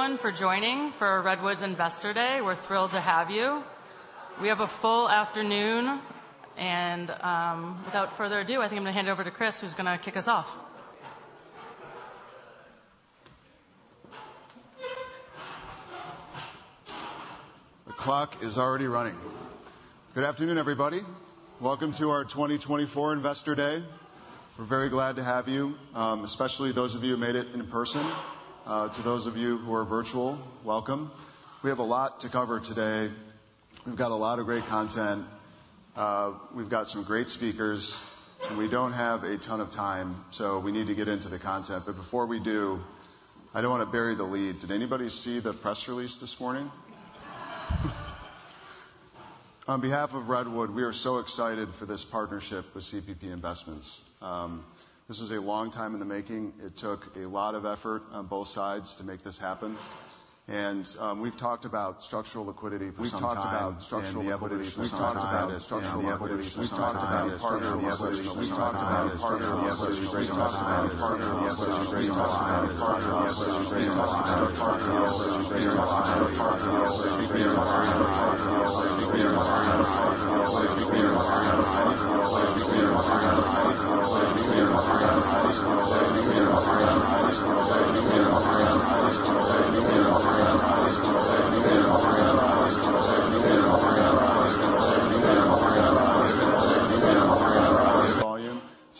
Everyone for joining for Redwood's Investor Day. We're thrilled to have you. We have a full afternoon and, without further ado, I think I'm going to hand it over to Chris, who's going to kick us off. The clock is already running. Good afternoon, everybody. Welcome to our 2024 Investor Day. We're very glad to have you, especially those of you who made it in person. To those of you who are virtual, welcome. We have a lot to cover today. We've got a lot of great content. We've got some great speakers, and we don't have a ton of time, so we need to get into the content. But before we do, I don't want to bury the lead. Did anybody see the press release this morning? On behalf of Redwood, we are so excited for this partnership with CPP Investments. This is a long time in the making. It took a lot of effort on both sides to make this happen.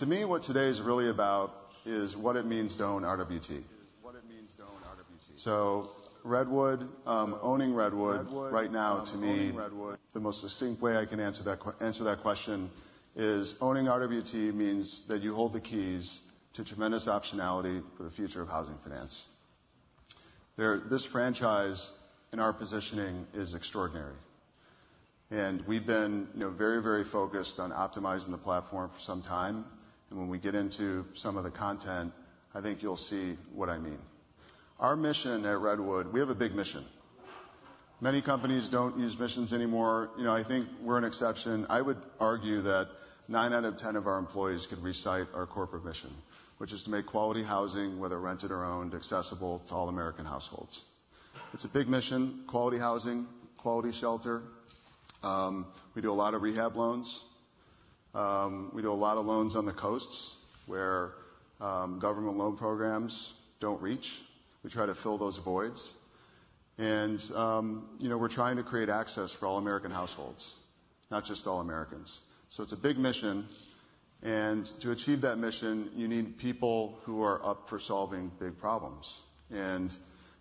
To me, what today is really about is what it means to RWT. We've talked about structural liquidity for some time. We've talked about structural liquidity for some time. So, Redwood, owning Redwood right now, to me, is what distinct way I can answer that question is what it means to own RWT. It's what it means. Don't RWT. Redwood, owning Redwood right now, to me. Owning Redwood. The most distinct way I can answer that question is owning RWT means that you hold the keys to tremendous optionality for the future of housing finance. There, this franchise and our positioning is extraordicnary. And we've been, you know, very, very focused on optimizing the platform for some time. And when we get into some of the content, I think you'll see what I mean. Our mission at Redwood, we have a big mission. Many companies don't use missions anymore. You know, I think we're an exception. I would argue that nine out of 10 of our employees could recite our corporate mission, which is to make quality housing, whether rented or owned, accessible to all American households. It's a big mission: quality housing, quality shelter. We do a lot of rehab loans. We do a lot of loans on the coasts where government loan programs don't reach. We try to fill those voids. And, you know, we're trying to create access for all American households, not just all Americans. So it's a big mission. And to achieve that mission, you need people who are up for solving big problems. And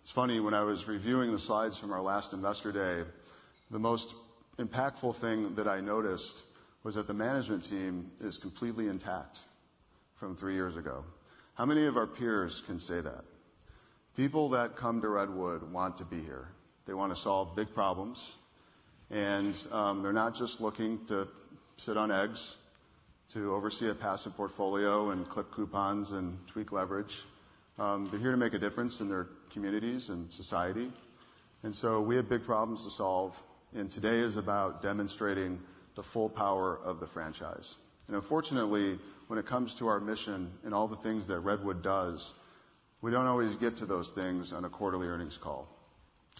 it's funny, when I was reviewing the slides from our last Investor Day, the most impactful thing that I noticed was that the management team is completely intact from three years ago. How many of our peers can say that? People that come to Redwood want to be here. They want to solve big problems. And, they're not just looking to sit on eggs, to oversee a passive portfolio and clip coupons and tweak leverage. They're here to make a difference in their communities and society. And so we have big problems to solve. And today is about demonstrating the full power of the franchise. Unfortunately, when it comes to our mission and all the things that Redwood does, we don't always get to those things on a quarterly earnings call.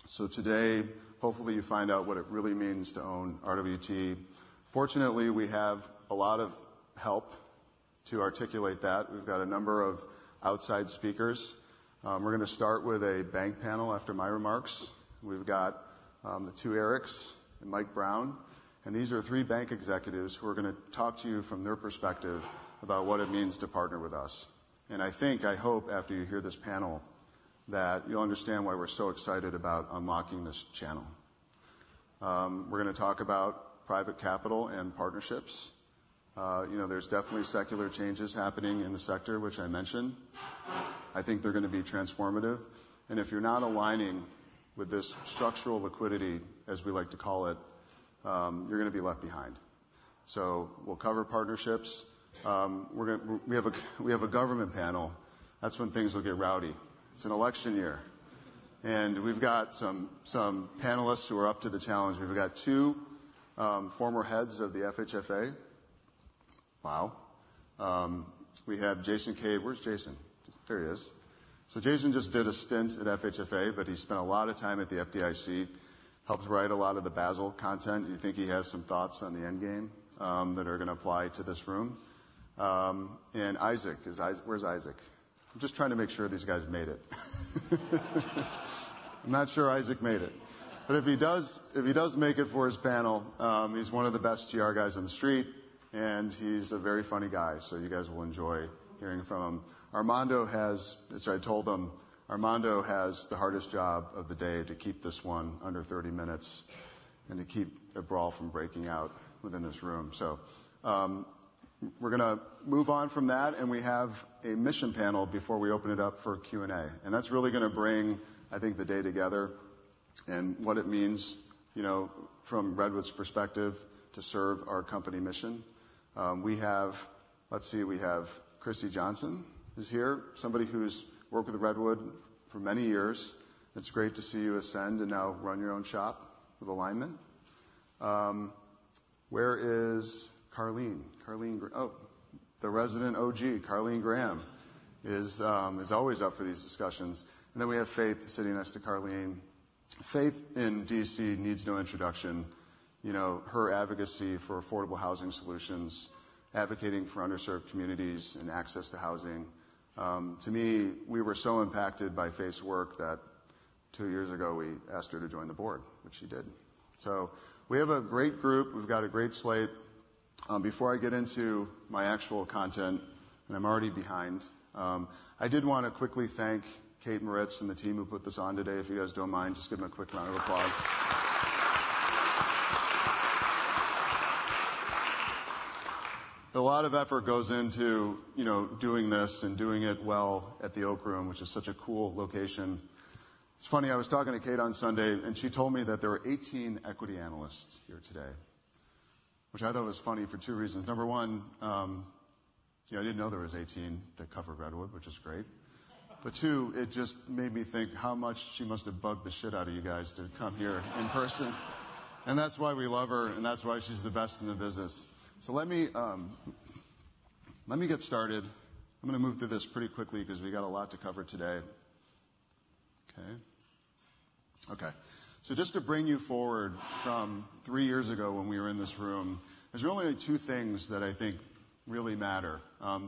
So today, hopefully, you find out what it really means to own RWT. Fortunately, we have a lot of help to articulate that. We've got a number of outside speakers. We're going to start with a bank panel after my remarks. We've got the two Erics and Mike Brown. These are three bank executives who are going to talk to you from their perspective about what it means to partner with us. I think, I hope, after you hear this panel, that you'll understand why we're so excited about unlocking this channel. We're going to talk about private capital and partnerships. You know, there's definitely secular changes happening in the sector, which I mentioned. I think they're going to be transformative. If you're not aligning with this structural liquidity, as we like to call it, you're going to be left behind. So we'll cover partnerships. We're going to. We have a. We have a government panel. That's when things will get rowdy. It's an election year. And we've got some, some panelists who are up to the challenge. We've got two former heads of the FHFA. Wow. We have Jason Cave. Where's Jason? There he is. So Jason just did a stint at FHFA, but he spent a lot of time at the FDIC. Helped write a lot of the Basel content. You think he has some thoughts on the end game that are going to apply to this room. And Isaac. Where's Isaac? I'm just trying to make sure these guys made it. I'm not sure Isaac made it. But if he does make it for his panel, he's one of the best GR guys on the street. And he's a very funny guy, so you guys will enjoy hearing from him. Armando has. Sorry, I told him. Armando has the hardest job of the day to keep this one under 30 minutes and to keep a brawl from breaking out within this room. So, we're going to move on from that. And we have a mission panel before we open it up for Q&A. And that's really going to bring, I think, the day together and what it means, you know, from Redwood's perspective to serve our company mission. We have, let's see. We have Chrissi Johnson is here, somebody who's worked with Redwood for many years. It's great to see you ascend and now run your own shop with Alinement. Where is Carlene? Carlene Graham. Oh, the resident OG, Carlene Graham, is always up for these discussions. And then we have Faith, sitting next to Carlene. Faith in D.C. needs no introduction. You know, her advocacy for affordable housing solutions, advocating for underserved communities and access to housing. To me, we were so impacted by Faith's work that two years ago, we asked her to join the board, which she did. So we have a great group. We've got a great slate. Before I get into my actual content, and I'm already behind, I did want to quickly thank Kaitlyn Mauritz and the team who put this on today. If you guys don't mind, just give them a quick round of applause. A lot of effort goes into, you know, doing this and doing it well at the Oak Room, which is such a cool location. It's funny, I was talking to Kaitlyn on Sunday, and she told me that there were 18 equity analysts here today, which I thought was funny for two reasons. Number one, you know, I didn't know there was 18 that cover Redwood, which is great. But two, it just made me think how much she must have bugged the shit out of you guys to come here in person. And that's why we love her, and that's why she's the best in the business. So let me, let me get started. I'm going to move through this pretty quickly because we got a lot to cover today. Okay? Okay. So just to bring you forward from three years ago when we were in this room, there's really only two things that I think really matter.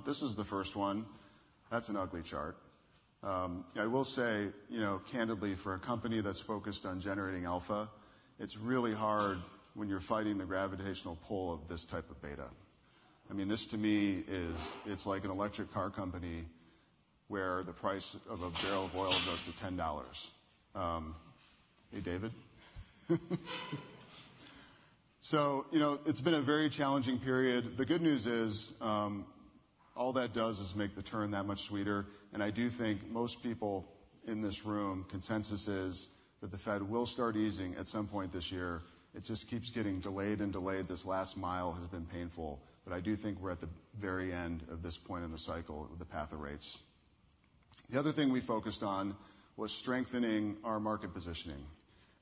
This is the first one. That's an ugly chart. I will say, you know, candidly, for a company that's focused on generating alpha, it's really hard when you're fighting the gravitational pull of this type of beta. I mean, this, to me, is it's like an electric car company where the price of a barrel of oil goes to $10. Hey, David? So, you know, it's been a very challenging period. The good news is, all that does is make the turn that much sweeter. And I do think most people in this room, consensus is that the Fed will start easing at some point this year. It just keeps getting delayed and delayed. This last mile has been painful. But I do think we're at the very end of this point in the cycle of the path of rates. The other thing we focused on was strengthening our market positioning. And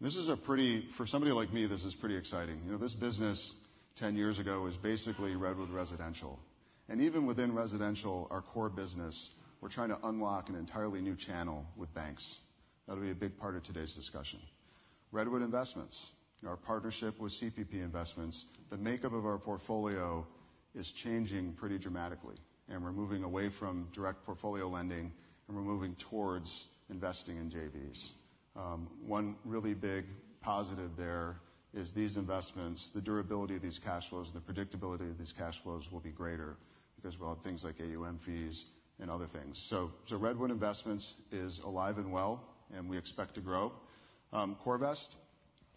this is pretty exciting for somebody like me, this is pretty exciting. You know, this business 10 years ago was basically Redwood Residential. And even within Residential, our core business, we're trying to unlock an entirely new channel with banks. That'll be a big part of today's discussion. Redwood Investments, our partnership with CPP Investments, the makeup of our portfolio is changing pretty dramatically. And we're moving away from direct portfolio lending and we're moving towards investing in JVs. One really big positive there is these investments, the durability of these cash flows, and the predictability of these cash flows will be greater because we'll have things like AUM fees and other things. So Redwood Investments is alive and well, and we expect to grow. CoreVest, our investment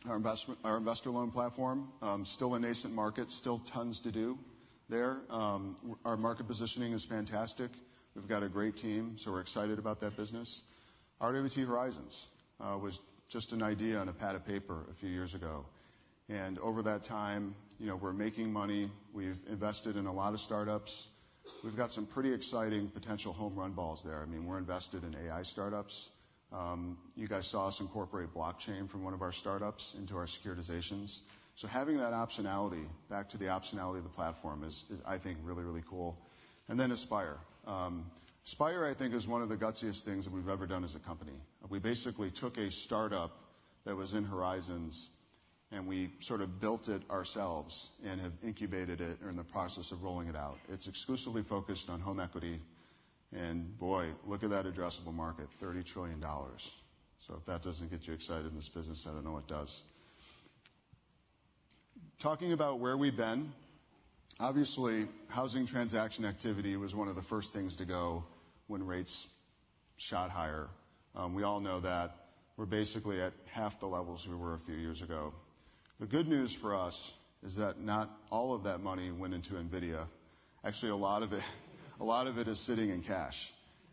our investor loan platform, still a nascent market, still tons to do there. Our market positioning is fantastic. We've got a great team, so we're excited about that business. RWT Horizons was just an idea on a pad of paper a few years ago. And over that time, you know, we're making money. We've invested in a lot of startups. We've got some pretty exciting potential home run balls there. I mean, we're invested in AI startups. You guys saw us incorporate blockchain from one of our startups into our securitizations. So having that optionality back to the optionality of the platform is, is, I think, really, really cool. And then Aspire. Aspire, I think, is one of the gutsiest things that we've ever done as a company. We basically took a startup that was in Horizons, and we sort of built it ourselves and have incubated it or in the process of rolling it out. It's exclusively focused on home equity. And boy, look at that addressable market, $30 trillion. So if that doesn't get you excited in this business, I don't know what does. Talking about where we've been, obviously, housing transaction activity was one of the first things to go when rates shot higher. We all know that. We're basically at half the levels we were a few years ago. The good news for us is that not all of that money went into NVIDIA. Actually, a lot of it a lot of it is sitting in cash.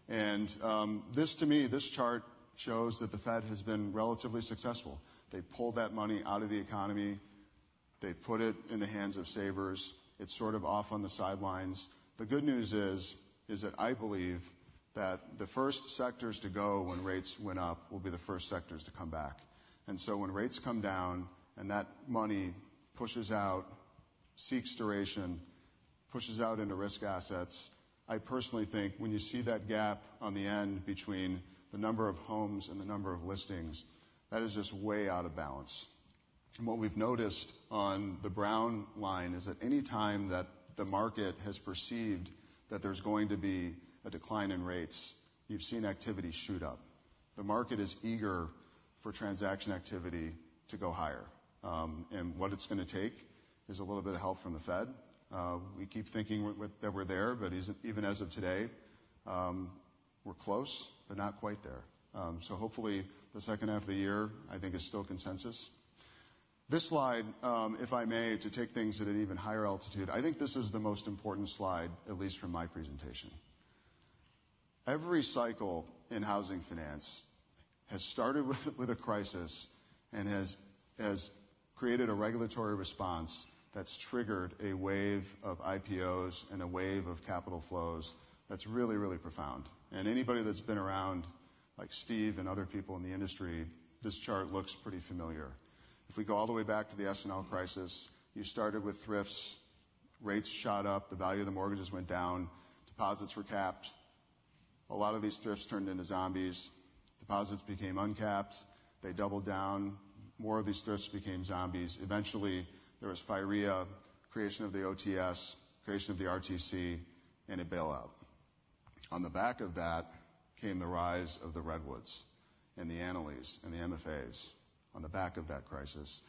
And, this, to me, this chart shows that the Fed has been relatively successful. They pulled that money out of the economy. They put it in the hands of savers. It's sort of off on the sidelines. The good news is, is that I believe that the first sectors to go when rates went up will be the first sectors to come back. And so when rates come down and that money pushes out, seeks duration, pushes out into risk assets, I personally think when you see that gap on the end between the number of homes and the number of listings, that is just way out of balance. And what we've noticed on the brown line is that any time that the market has perceived that there's going to be a decline in rates, you've seen activity shoot up. The market is eager for transaction activity to go higher. And what it's going to take is a little bit of help from the Fed. We keep thinking that we're there, but even as of today, we're close but not quite there. So, hopefully, the second half of the year, I think, is still consensus. This slide, if I may, to take things at an even higher altitude, I think this is the most important slide, at least from my presentation. Every cycle in housing finance has started with a crisis and has, has created a regulatory response that's triggered a wave of IPOs and a wave of capital flows that's really, really profound. And anybody that's been around, like Steve and other people in the industry, this chart looks pretty familiar. If we go all the way back to the S&L crisis, you started with thrifts. Rates shot up. The value of the mortgages went down. Deposits were capped. A lot of these thrifts turned into zombies. Deposits became uncapped. They doubled down. More of these thrifts became zombies. Eventually, there was FIRREA, creation of the OTS, creation of the RTC, and a bailout. On the back of that came the rise of the Redwoods and the Annalys and the MFAs on the back of that crisis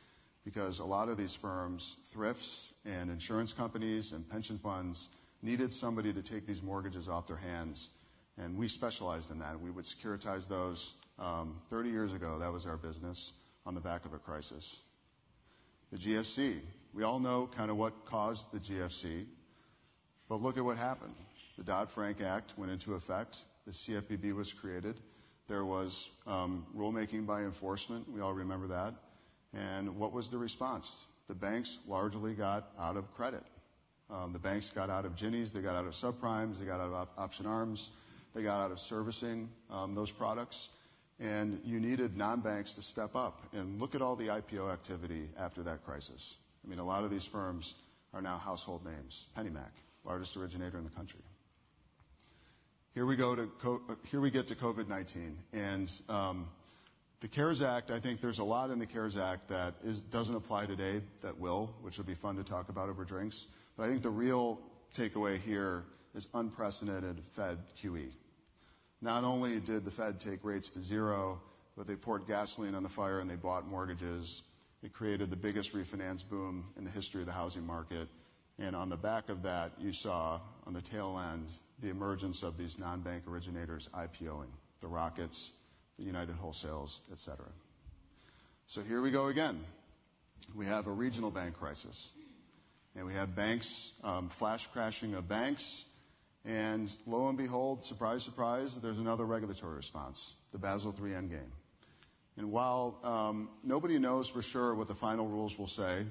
because a lot of these firms, thrifts and insurance companies and pension funds, needed somebody to take these mortgages off their hands. We specialized in that. We would securitize those. 30 years ago, that was our business on the back of a crisis. The GFC. We all know kind of what caused the GFC. But look at what happened. The Dodd-Frank Act went into effect. The CFPB was created. There was, rulemaking by enforcement. We all remember that. And what was the response? The banks largely got out of credit. The banks got out of jumbos. They got out of subprimes. They got out of option arms. They got out of servicing, those products. And you needed non-banks to step up. And look at all the IPO activity after that crisis. I mean, a lot of these firms are now household names. PennyMac, largest originator in the country. Here we go to COVID; here we get to COVID-19. And, the CARES Act, I think there's a lot in the CARES Act that isn't apply today that will, which would be fun to talk about over drinks. But I think the real takeaway here is unprecedented Fed QE. Not only did the Fed take rates to zero, but they poured gasoline on the fire and they bought mortgages. It created the biggest refinance boom in the history of the housing market. And on the back of that, you saw, on the tail end, the emergence of these non-bank originators IPOing, the Rockets, the United Wholesales, etc. So here we go again. We have a regional bank crisis. And we have banks, flash crashing of banks. And lo and behold, surprise, surprise, there's another regulatory response, the Basel III Endgame. And while nobody knows for sure what the final rules will say,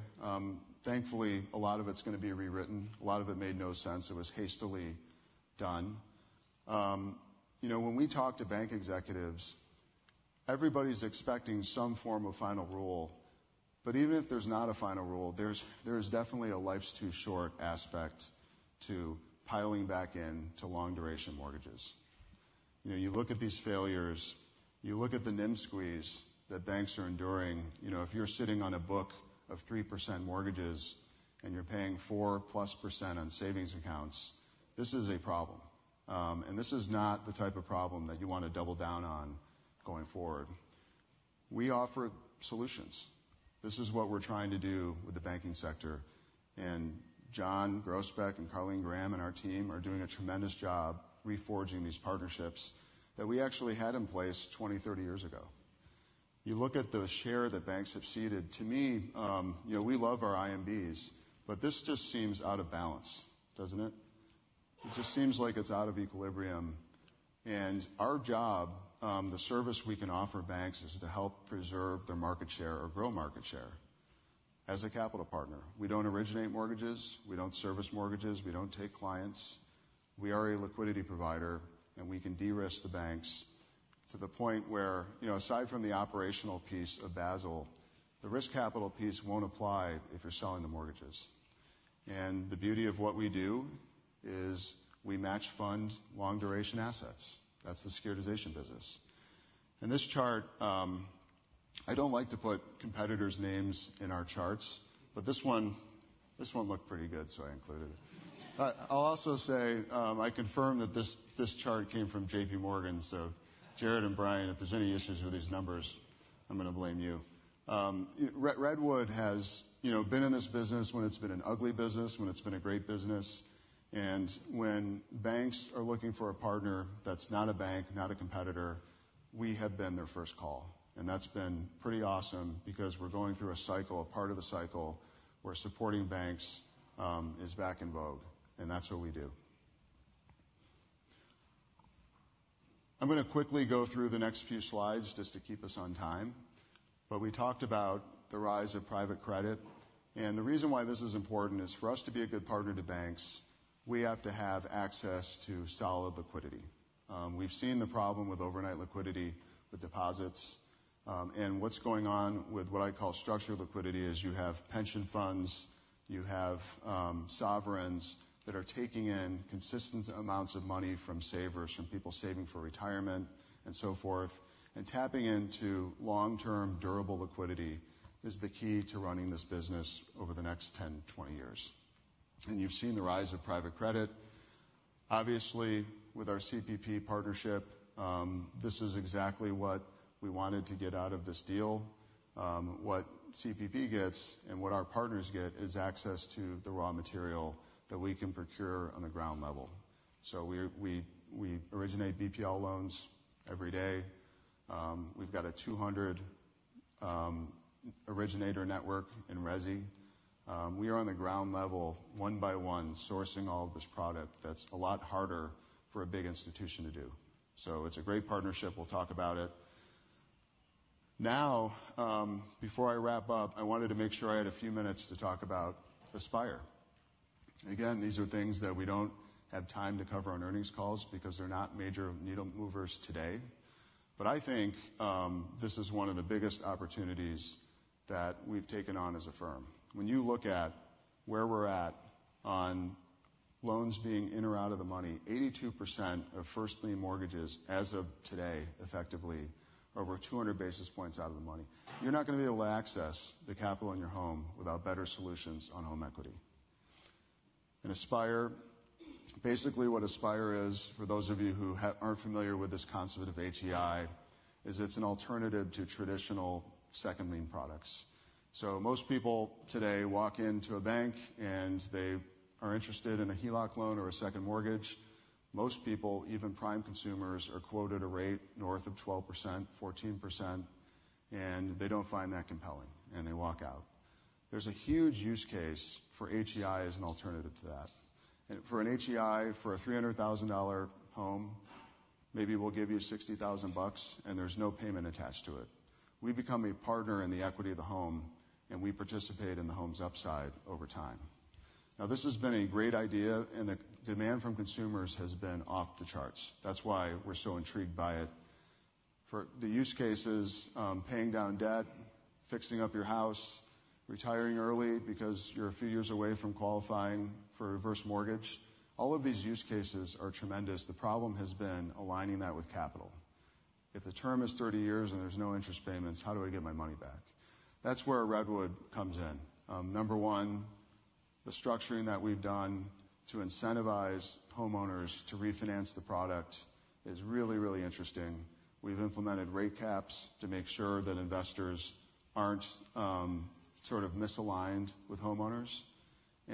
thankfully, a lot of it's going to be rewritten. A lot of it made no sense. It was hastily done. You know, when we talk to bank executives, everybody's expecting some form of final rule. But even if there's not a final rule, there's definitely a life's too short aspect to piling back in to long-duration mortgages. You know, you look at these failures. You look at the NIM squeeze that banks are enduring. You know, if you're sitting on a book of 3% mortgages and you're paying 4%+ on savings accounts, this is a problem. This is not the type of problem that you want to double down on going forward. We offer solutions. This is what we're trying to do with the banking sector. And John Groesbeck and Carlene Graham and our team are doing a tremendous job reforging these partnerships that we actually had in place 20, 30 years ago. You look at the share that banks have ceded. To me, you know, we love our IMBs, but this just seems out of balance, doesn't it? It just seems like it's out of equilibrium. And our job, the service we can offer banks is to help preserve their market share or grow market share as a capital partner. We don't originate mortgages. We don't service mortgages. We don't take clients. We are a liquidity provider, and we can de-risk the banks to the point where, you know, aside from the operational piece of Basel, the risk capital piece won't apply if you're selling the mortgages. And the beauty of what we do is we match fund long-duration assets. That's the securitization business. And this chart, I don't like to put competitors' names in our charts, but this one, this one looked pretty good, so I included it. I'll also say, I confirm that this, this chart came from JPMorgan. So Jared and Brian, if there's any issues with these numbers, I'm going to blame you. Redwood has, you know, been in this business when it's been an ugly business, when it's been a great business. And when banks are looking for a partner that's not a bank, not a competitor, we have been their first call. And that's been pretty awesome because we're going through a cycle, a part of the cycle, where supporting banks is back in vogue. And that's what we do. I'm going to quickly go through the next few slides just to keep us on time. But we talked about the rise of private credit. And the reason why this is important is for us to be a good partner to banks, we have to have access to solid liquidity. We've seen the problem with overnight liquidity, with deposits. And what's going on with what I call structured liquidity is you have pension funds. You have sovereigns that are taking in consistent amounts of money from savers, from people saving for retirement and so forth. And tapping into long-term, durable liquidity is the key to running this business over the next 10, 20 years. And you've seen the rise of private credit. Obviously, with our CPP partnership, this is exactly what we wanted to get out of this deal. What CPP gets and what our partners get is access to the raw material that we can procure on the ground level. So we originate BPL loans every day. We've got a 200 originator network in RESI. We are on the ground level, one by one, sourcing all of this product. That's a lot harder for a big institution to do. So it's a great partnership. We'll talk about it. Now, before I wrap up, I wanted to make sure I had a few minutes to talk about Aspire. Again, these are things that we don't have time to cover on earnings calls because they're not major needle movers today. But I think this is one of the biggest opportunities that we've taken on as a firm. When you look at where we're at on loans being in or out of the money, 82% of first-line mortgages, as of today, effectively, are over 200 basis points out of the money. You're not going to be able to access the capital in your home without better solutions on home equity. And Aspire, basically, what Aspire is, for those of you who aren't familiar with this concept of HEI, is it's an alternative to traditional second-line products. So most people today walk into a bank, and they are interested in a HELOC loan or a second mortgage. Most people, even prime consumers, are quoted a rate north of 12%-14%. And they don't find that compelling, and they walk out. There's a huge use case for HEI as an alternative to that. And for an HEI, for a $300,000 home, maybe we'll give you $60,000, and there's no payment attached to it. We become a partner in the equity of the home, and we participate in the home's upside over time. Now, this has been a great idea, and the demand from consumers has been off the charts. That's why we're so intrigued by it. For the use cases, paying down debt, fixing up your house, retiring early because you're a few years away from qualifying for a reverse mortgage, all of these use cases are tremendous. The problem has been aligning that with capital. If the term is 30 years and there's no interest payments, how do I get my money back? That's where Redwood comes in. Number one, the structuring that we've done to incentivize homeowners to refinance the product is really, really interesting. We've implemented rate caps to make sure that investors aren't, sort of, misaligned with homeowners.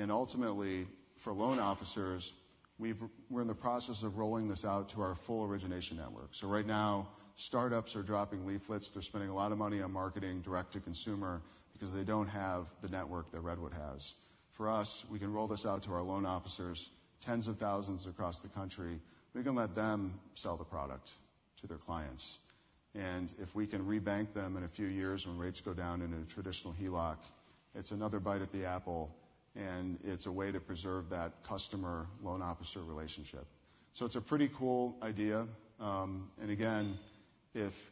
Ultimately, for loan officers, we're in the process of rolling this out to our full origination network. Right now, startups are dropping leaflets. They're spending a lot of money on marketing direct to consumer because they don't have the network that Redwood has. For us, we can roll this out to our loan officers, tens of thousands across the country. We can let them sell the product to their clients. And if we can rebank them in a few years when rates go down into traditional HELOC, it's another bite at the apple, and it's a way to preserve that customer-loan officer relationship. So it's a pretty cool idea. And again, if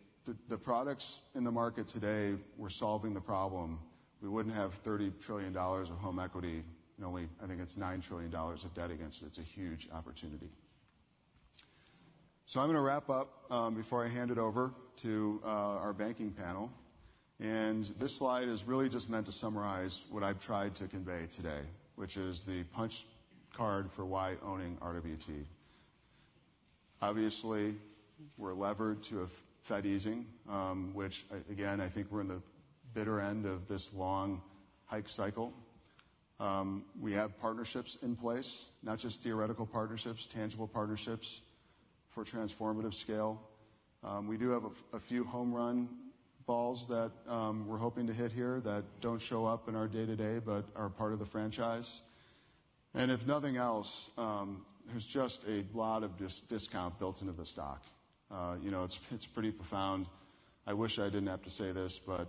the products in the market today were solving the problem, we wouldn't have $30 trillion of home equity and only, I think it's $9 trillion of debt against it. It's a huge opportunity. So I'm going to wrap up, before I hand it over to our banking panel. And this slide is really just meant to summarize what I've tried to convey today, which is the punch card for why owning RWT. Obviously, we're levered to Fed easing, which, again, I think we're in the bitter end of this long hike cycle. We have partnerships in place, not just theoretical partnerships, tangible partnerships for transformative scale. We do have a few home run balls that we're hoping to hit here that don't show up in our day-to-day but are part of the franchise. And if nothing else, there's just a lot of discount built into the stock. You know, it's pretty profound. I wish I didn't have to say this, but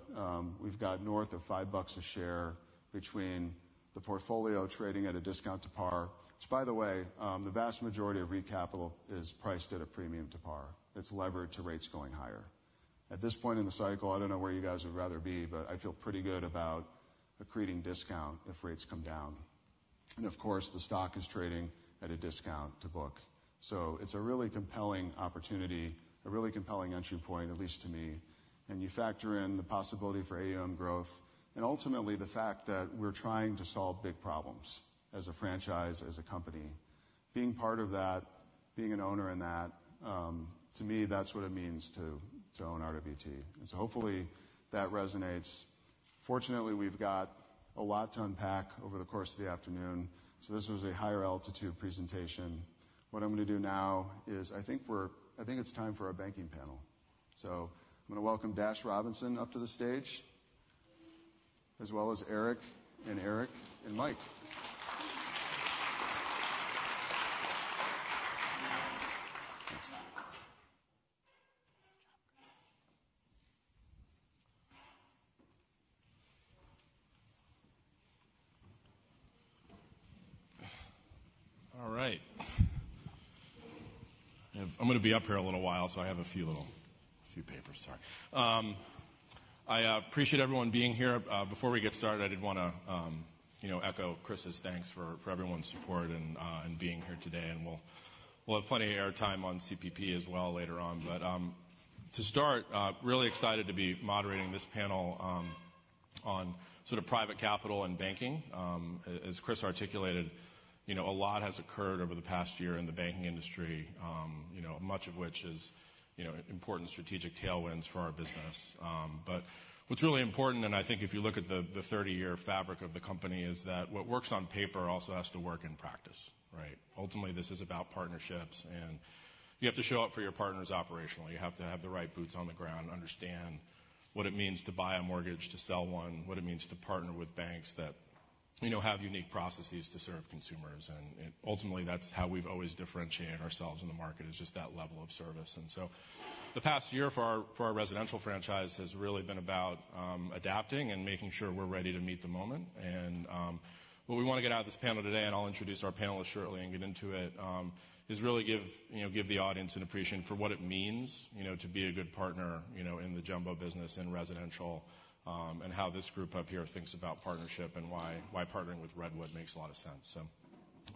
we've got north of $5 a share between the portfolio trading at a discount to par. Which, by the way, the vast majority of recapital is priced at a premium to par. It's levered to rates going higher. At this point in the cycle, I don't know where you guys would rather be, but I feel pretty good about accreting discount if rates come down. And of course, the stock is trading at a discount to book. So it's a really compelling opportunity, a really compelling entry point, at least to me. And you factor in the possibility for AUM growth and ultimately the fact that we're trying to solve big problems as a franchise, as a company. Being part of that, being an owner in that, to me, that's what it means to own RWT. And so hopefully, that resonates. Fortunately, we've got a lot to unpack over the course of the afternoon. So this was a higher altitude presentation. What I'm going to do now is I think it's time for our banking panel. So I'm going to welcome Dash Robinson up to the stage, as well as Eric and Eric and Mike. Thanks. All right. I'm going to be up here a little while, so I have a few papers. Sorry. I appreciate everyone being here. Before we get started, I did want to, you know, echo Chris's thanks for everyone's support and being here today. And we'll have plenty of airtime on CPP as well later on. But to start, really excited to be moderating this panel on sort of private capital and banking. As Chris articulated, you know, a lot has occurred over the past year in the banking industry, you know, much of which is, you know, important strategic tailwinds for our business. But what's really important, and I think if you look at the 30-year fabric of the company, is that what works on paper also has to work in practice, right? Ultimately, this is about partnerships. And you have to show up for your partners operationally. You have to have the right boots on the ground, understand what it means to buy a mortgage, to sell one, what it means to partner with banks that, you know, have unique processes to serve consumers. And ultimately, that's how we've always differentiated ourselves in the market, is just that level of service. So the past year for our residential franchise has really been about adapting and making sure we're ready to meet the moment. What we want to get out of this panel today, and I'll introduce our panelists shortly and get into it, is really give, you know, give the audience an appreciation for what it means, you know, to be a good partner, you know, in the jumbo business in residential, and how this group up here thinks about partnership and why partnering with Redwood makes a lot of sense. So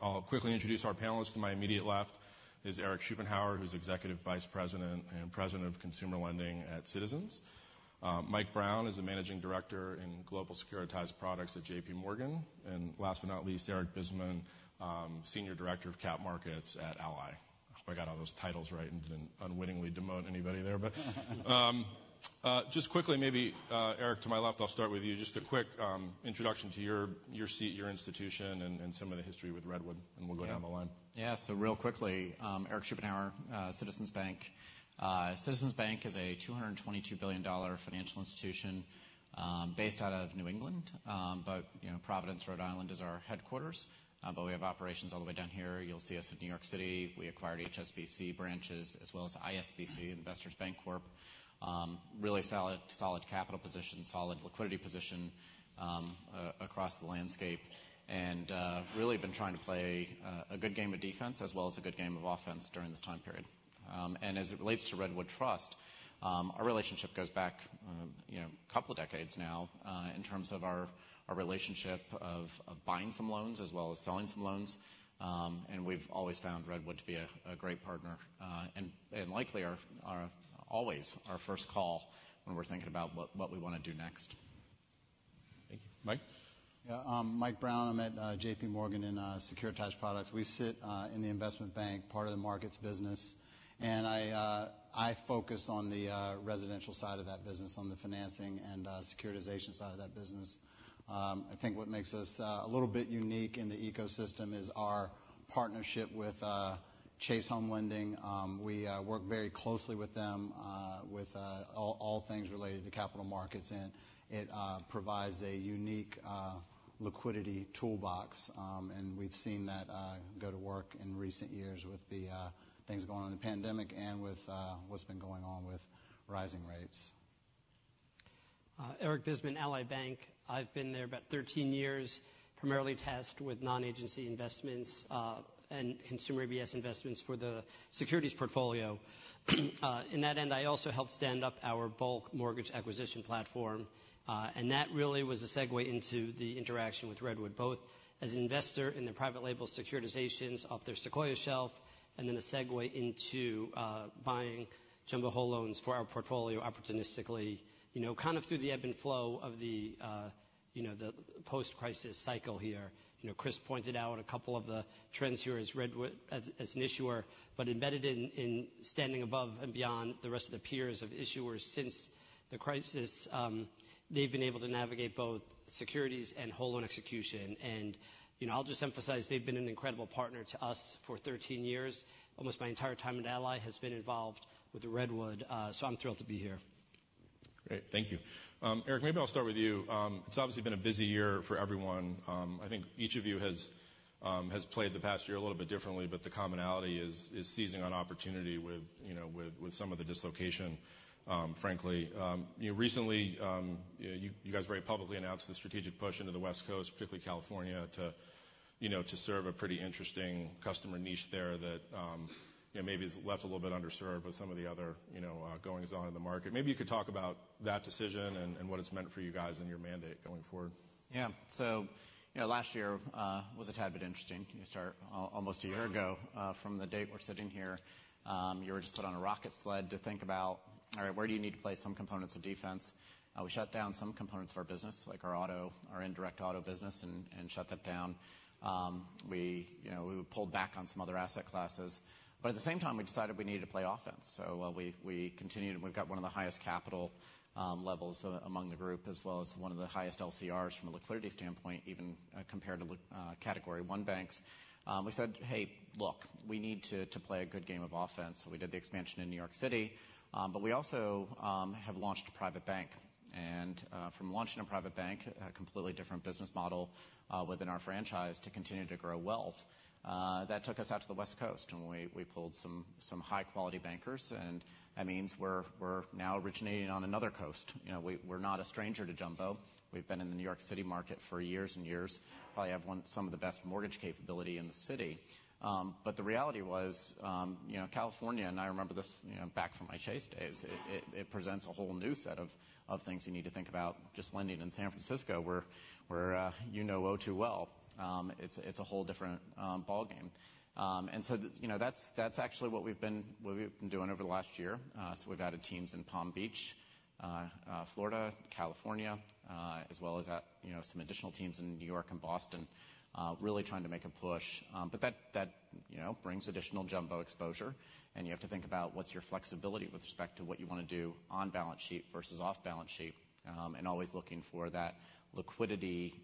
I'll quickly introduce our panelists. To my immediate left is Eric Schupenhauer, who's Executive Vice President and President of Consumer Lending at Citizens. Mike Brown is a Managing Director in Global Securitized Products at JPMorgan. And last but not least, Eric Bisman, Senior Director of Cap Markets at Ally. I hope I got all those titles right and didn't unwittingly demote anybody there. Just quickly, maybe, Eric, to my left, I'll start with you. Just a quick introduction to your seat, your institution, and some of the history with Redwood, and we'll go down the line. Yeah. Real quickly, Eric Schupenhauer, Citizens Bank. Citizens Bank is a $222 billion financial institution based out of New England. You know, Providence, Rhode Island, is our headquarters. We have operations all the way down here. You'll see us in New York City. We acquired HSBC branches as well as ISBC, Investors Bancorp. Really solid capital position, solid liquidity position across the landscape. And really been trying to play a good game of defense as well as a good game of offense during this time period. As it relates to Redwood Trust, our relationship goes back, you know, a couple of decades now, in terms of our, our relationship of, of buying some loans as well as selling some loans. We've always found Redwood to be a, a great partner, and, and likely our, our always our first call when we're thinking about what, what we want to do next. Thank you. Mike? Yeah. Mike Brown. I'm at JPMorgan in Securitized Products. We sit in the investment bank, part of the markets business. I focus on the residential side of that business, on the financing and securitization side of that business. I think what makes us a little bit unique in the ecosystem is our partnership with Chase Home Lending. We work very closely with them with all, all things related to capital markets. It provides a unique liquidity toolbox. And we've seen that go to work in recent years with the things going on in the pandemic and with what's been going on with rising rates. Eric Bisman, Ally Bank. I've been there about 13 years, primarily tasked with non-agency investments and consumer ABS investments for the securities portfolio. In that end, I also helped stand up our bulk mortgage acquisition platform. And that really was a segue into the interaction with Redwood, both as an investor in the private label securitizations off their Sequoia shelf and then a segue into buying jumbo whole loans for our portfolio opportunistically, you know, kind of through the ebb and flow of the you know, the post-crisis cycle here. You know, Chris pointed out a couple of the trends here as Redwood as an issuer, but embedded in standing above and beyond the rest of the peers of issuers since the crisis, they've been able to navigate both securities and whole loan execution. And, you know, I'll just emphasize, they've been an incredible partner to us for 13 years. Almost my entire time at Ally has been involved with Redwood. So I'm thrilled to be here. Great.Thank you. Eric, maybe I'll start with you. It's obviously been a busy year for everyone. I think each of you has played the past year a little bit differently, but the commonality is seizing on opportunity with, you know, with some of the dislocation, frankly. You know, recently, you, you guys very publicly announced the strategic push into the West Coast, particularly California, to, you know, to serve a pretty interesting customer niche there that, you know, maybe is left a little bit underserved with some of the other, you know, goings-on in the market. Maybe you could talk about that decision and, and what it's meant for you guys and your mandate going forward. Yeah. So, you know, last year, was a tad bit interesting. You start almost a year ago, from the date we're sitting here, you were just put on a rocket sled to think about, all right, where do you need to place some components of defense? We shut down some components of our business, like our auto, our indirect auto business, and, and shut that down. We, you know, we pulled back on some other asset classes. But at the same time, we decided we needed to play offense. So, well, we continued, and we've got one of the highest capital levels among the group as well as one of the highest LCRs from a liquidity standpoint, even compared to Level I category one banks. We said, "Hey, look, we need to play a good game of offense." So we did the expansion in New York City. But we also have launched a private bank. And from launching a private bank, a completely different business model within our franchise to continue to grow wealth, that took us out to the West Coast. And we pulled some high-quality bankers. And that means we're now originating on another coast. You know, we're not a stranger to jumbo. We've been in the New York City market for years and years, probably have one of the best mortgage capability in the city. But the reality was, you know, California - and I remember this, you know, back from my Chase days - it presents a whole new set of things you need to think about. Just lending in San Francisco, we know too well. It's a whole different ballgame. So, you know, that's actually what we've been doing over the last year. So we've added teams in Palm Beach, Florida, California, as well as, you know, some additional teams in New York and Boston, really trying to make a push. But that, you know, brings additional jumbo exposure. And you have to think about what's your flexibility with respect to what you want to do on balance sheet versus off balance sheet, and always looking for that liquidity,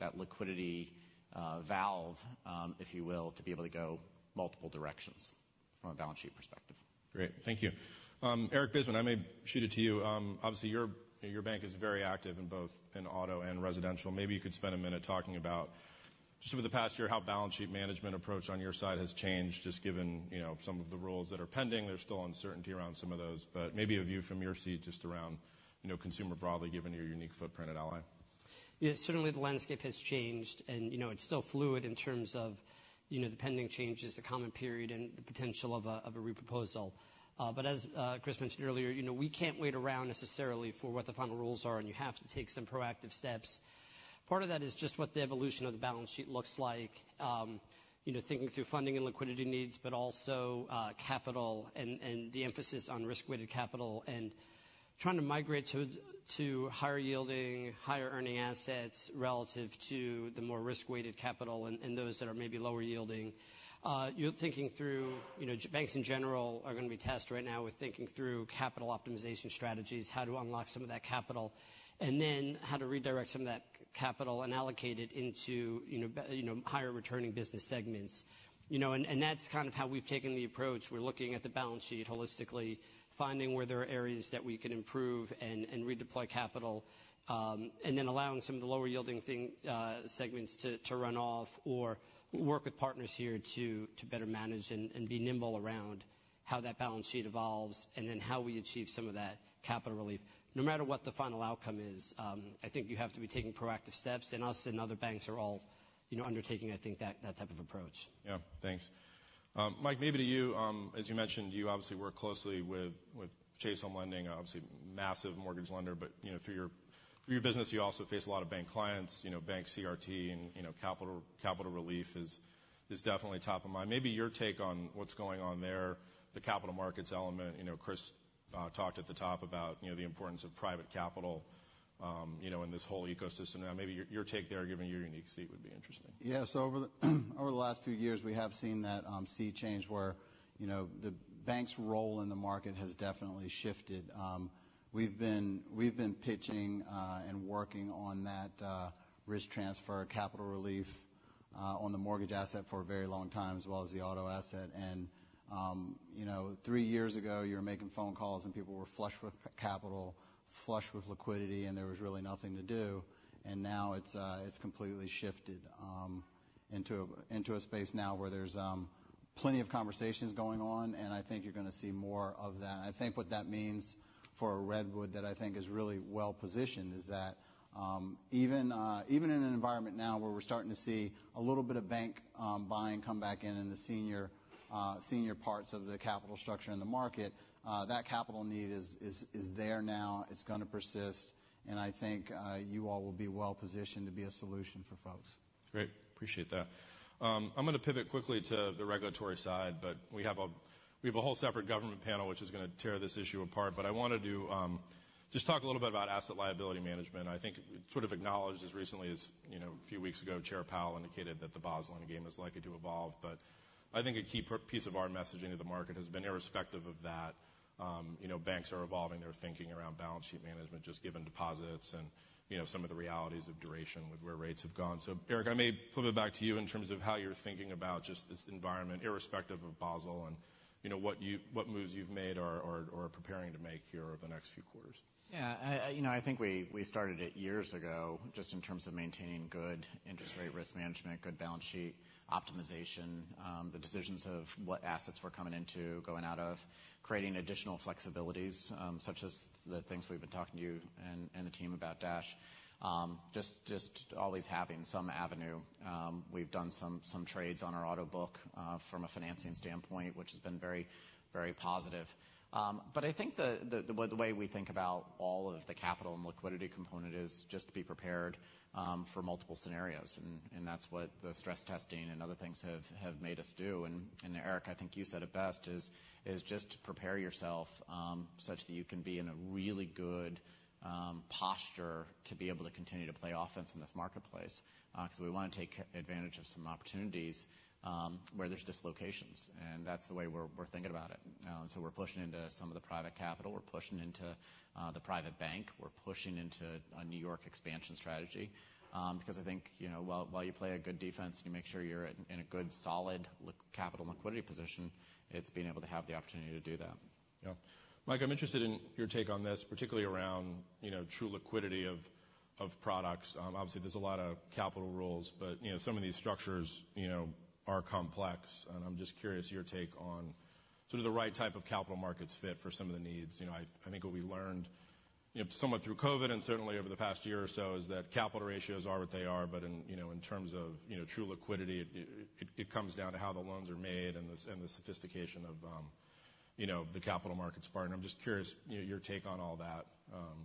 that liquidity, valve, if you will, to be able to go multiple directions from a balance sheet perspective. Great. Thank you. Eric Bisman, I may shoot it to you. Obviously, your, your bank is very active in both in auto and residential. Maybe you could spend a minute talking about just over the past year how balance sheet management approach on your side has changed, just given, you know, some of the rules that are pending. There's still uncertainty around some of those. But maybe a view from your seat just around, you know, consumer broadly given your unique footprint at Ally. Yeah. Certainly, the landscape has changed. You know, it's still fluid in terms of, you know, the pending changes, the comment period, and the potential of a reproposal. But as Chris mentioned earlier, you know, we can't wait around necessarily for what the final rules are, and you have to take some proactive steps. Part of that is just what the evolution of the balance sheet looks like, you know, thinking through funding and liquidity needs, but also capital and the emphasis on risk-weighted capital and trying to migrate to higher-yielding, higher-earning assets relative to the more risk-weighted capital and those that are maybe lower-yielding. You're thinking through, you know, banks in general are going to be tasked right now with thinking through capital optimization strategies, how to unlock some of that capital, and then how to redirect some of that capital and allocate it into, you know, higher-returning business segments. You know, and that's kind of how we've taken the approach. We're looking at the balance sheet holistically, finding where there are areas that we can improve and redeploy capital, and then allowing some of the lower-yielding things, segments to run off or work with partners here to better manage and be nimble around how that balance sheet evolves and then how we achieve some of that capital relief. No matter what the final outcome is, I think you have to be taking proactive steps. Us and other banks are all, you know, undertaking, I think, that type of approach. Yeah. Thanks. Mike, maybe to you. As you mentioned, you obviously work closely with Chase Home Lending, obviously massive mortgage lender. But, you know, through your business, you also face a lot of bank clients. You know, bank CRT and, you know, capital relief is definitely top of mind. Maybe your take on what's going on there, the capital markets element. You know, Chris talked at the top about, you know, the importance of private capital, you know, in this whole ecosystem. Now, maybe your take there given your unique seat would be interesting. Yeah. So over the last few years, we have seen that sea change where, you know, the bank's role in the market has definitely shifted. We've been pitching and working on that risk transfer, capital relief, on the mortgage asset for a very long time as well as the auto asset. You know, three years ago, you were making phone calls, and people were flush with capital, flush with liquidity, and there was really nothing to do. Now it's completely shifted into a space now where there's plenty of conversations going on. And I think you're going to see more of that. I think what that means for Redwood, that I think is really well-positioned, is that even in an environment now where we're starting to see a little bit of bank buying come back in the senior parts of the capital structure in the market, that capital need is there now. It's going to persist. I think you all will be well-positioned to be a solution for folks. Great. Appreciate that. I'm going to pivot quickly to the regulatory side. We have a whole separate government panel which is going to tear this issue apart. I wanted to just talk a little bit about asset liability management. I think it sort of acknowledged as recently as, you know, a few weeks ago, Chair Powell indicated that the Basel III Endgame is likely to evolve. I think a key piece of our messaging to the market has been irrespective of that. You know, banks are evolving. They're thinking around balance sheet management just given deposits and, you know, some of the realities of duration with where rates have gone. So, Eric, I may flip it back to you in terms of how you're thinking about just this environment irrespective of Basel and, you know, what moves you've made or are preparing to make here over the next few quarters. Yeah. I, you know, I think we started it years ago just in terms of maintaining good interest rate risk management, good balance sheet optimization, the decisions of what assets we're coming into, going out of, creating additional flexibilities, such as the things we've been talking to you and the team about Dash, just always having some avenue. We've done some trades on our auto book, from a financing standpoint which has been very, very positive. But I think the way we think about all of the capital and liquidity component is just to be prepared for multiple scenarios. And that's what the stress testing and other things have made us do. And Eric, I think you said it best is just to prepare yourself such that you can be in a really good posture to be able to continue to play offense in this marketplace, because we want to take advantage of some opportunities where there's dislocations. And that's the way we're thinking about it. So we're pushing into some of the private capital. We're pushing into the private bank. We're pushing into a New York expansion strategy, because I think, you know, while you play a good defense and you make sure you're in a good solid liquidity and capital position, it's being able to have the opportunity to do that. Yeah. Mike, I'm interested in your take on this, particularly around, you know, true liquidity of products. Obviously, there's a lot of capital rules. But, you know, some of these structures, you know, are complex. And I'm just curious your take on sort of the right type of capital markets fit for some of the needs. You know, I think what we learned, you know, somewhat through COVID and certainly over the past year or so is that capital ratios are what they are. But in, you know, in terms of, you know, true liquidity, it comes down to how the loans are made and the ease and the sophistication of, you know, the capital markets part. And I'm just curious, you know, your take on all that,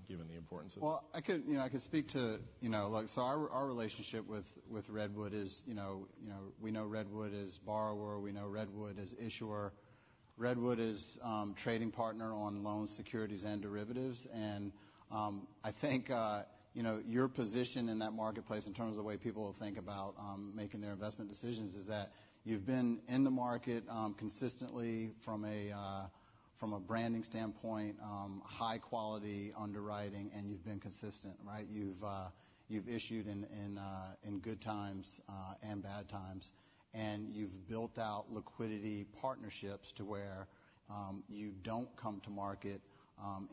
given the importance of that. Well, I could, you know, speak to, you know, like, so our relationship with Redwood is, you know, you know, we know Redwood is borrower. We know Redwood is issuer. Redwood is a trading partner on loans, securities, and derivatives. And I think, you know, your position in that marketplace in terms of the way people will think about making their investment decisions is that you've been in the market consistently from a branding standpoint, high-quality underwriting. And you've been consistent, right? You've issued in good times and bad times. And you've built out liquidity partnerships to where you don't come to market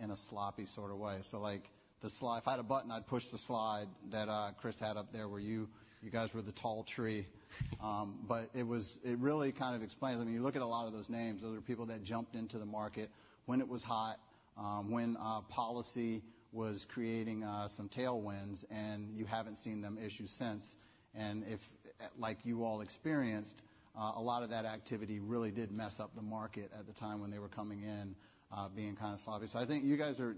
in a sloppy sort of way. So, like, the slide if I had a button, I'd push the slide that Chris had up there where you guys were the tall tree, but it really kind of explains. I mean, you look at a lot of those names. Those are people that jumped into the market when it was hot, when policy was creating some tailwinds, and you haven't seen them issue since. And if, like you all experienced, a lot of that activity really did mess up the market at the time when they were coming in, being kind of sloppy. So I think you guys are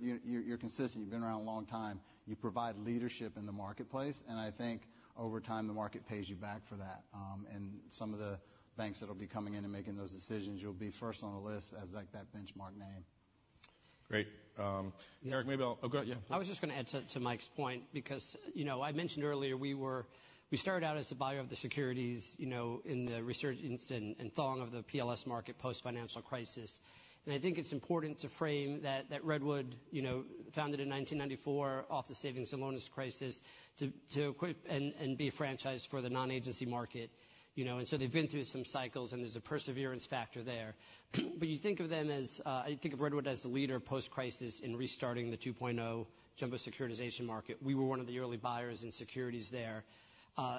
consistent. You've been around a long time. You provide leadership in the marketplace. And I think over time, the market pays you back for that. And some of the banks that'll be coming in and making those decisions, you'll be first on the list as that benchmark name. Great. Eric, maybe I'll oh, go ahead. Yeah. I was just going to add to Mike's point because, you know, I mentioned earlier we started out as the buyer of the securities, you know, in the resurgence and throng of the PLS market post-financial crisis. And I think it's important to frame that Redwood, you know, founded in 1994 off the savings and loan crisis to equip and be a franchise for the non-agency market, you know. And so they've been through some cycles, and there's a perseverance factor there. But you think of them as, I think of Redwood as the leader post-crisis in restarting the 2.0 jumbo securitization market. We were one of the early buyers in securities there.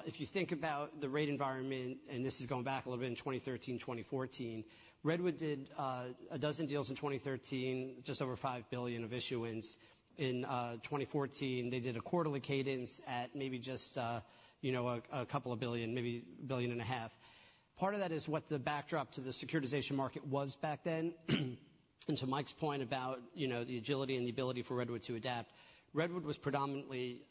If you think about the rate environment - and this is going back a little bit - in 2013, 2014, Redwood did 12 deals in 2013, just over $5 billion of issuance. In 2014, they did a quarterly cadence at maybe just, you know, a $2 billion, maybe $1.5 billion. Part of that is what the backdrop to the securitization market was back then. And to Mike's point about, you know, the agility and the ability for Redwood to adapt, Redwood was predominantly,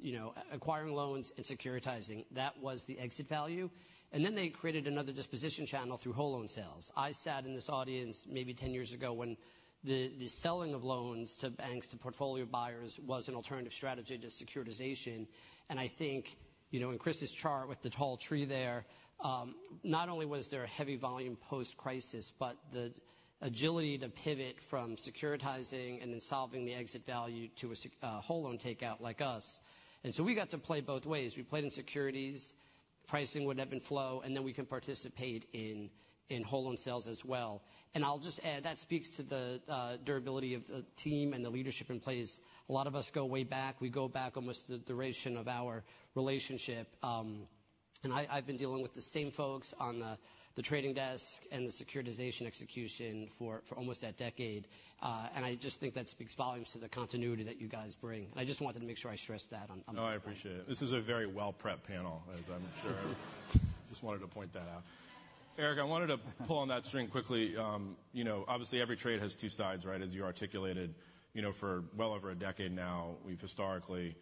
you know, acquiring loans and securitizing. That was the exit value. And then they created another disposition channel through whole-loan sales. I sat in this audience maybe 10 years ago when the, the selling of loans to banks, to portfolio buyers, was an alternative strategy to securitization. I think, you know, in Chris's chart with the tall tree there, not only was there a heavy volume post-crisis, but the agility to pivot from securitizing and then solving the exit value to a such whole-loan takeout like us. So we got to play both ways. We played in securities. Pricing would have been flow. Then we can participate in whole-loan sales as well. I'll just add that speaks to the durability of the team and the leadership in place. A lot of us go way back. We go back almost the duration of our relationship. I, I've been dealing with the same folks on the trading desk and the securitization execution for almost that decade. I just think that speaks volumes to the continuity that you guys bring. I just wanted to make sure I stressed that on, on the floor. No, I appreciate it. This is a very well-prepped panel, as I'm sure. I just wanted to point that out. Eric, I wanted to pull on that string quickly. You know, obviously, every trade has two sides, right, as you articulated. You know, for well over a decade now, we've historically,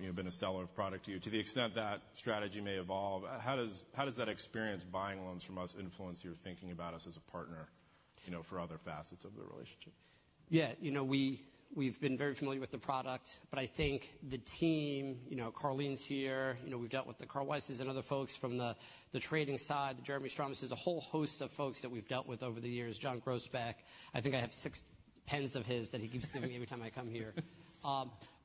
you know, been a seller of product to you. To the extent that strategy may evolve, how does how does that experience buying loans from us influence your thinking about us as a partner, you know, for other facets of the relationship? Yeah. You know, we we've been very familiar with the product. But I think the team you know, Carlene's here. You know, we've dealt with the Carl Weiss's and other folks from the, the trading side, the Jeremy Stromes's, a whole host of folks that we've dealt with over the years, John Groesbeck. I think I have six pens of his that he keeps giving me every time I come here.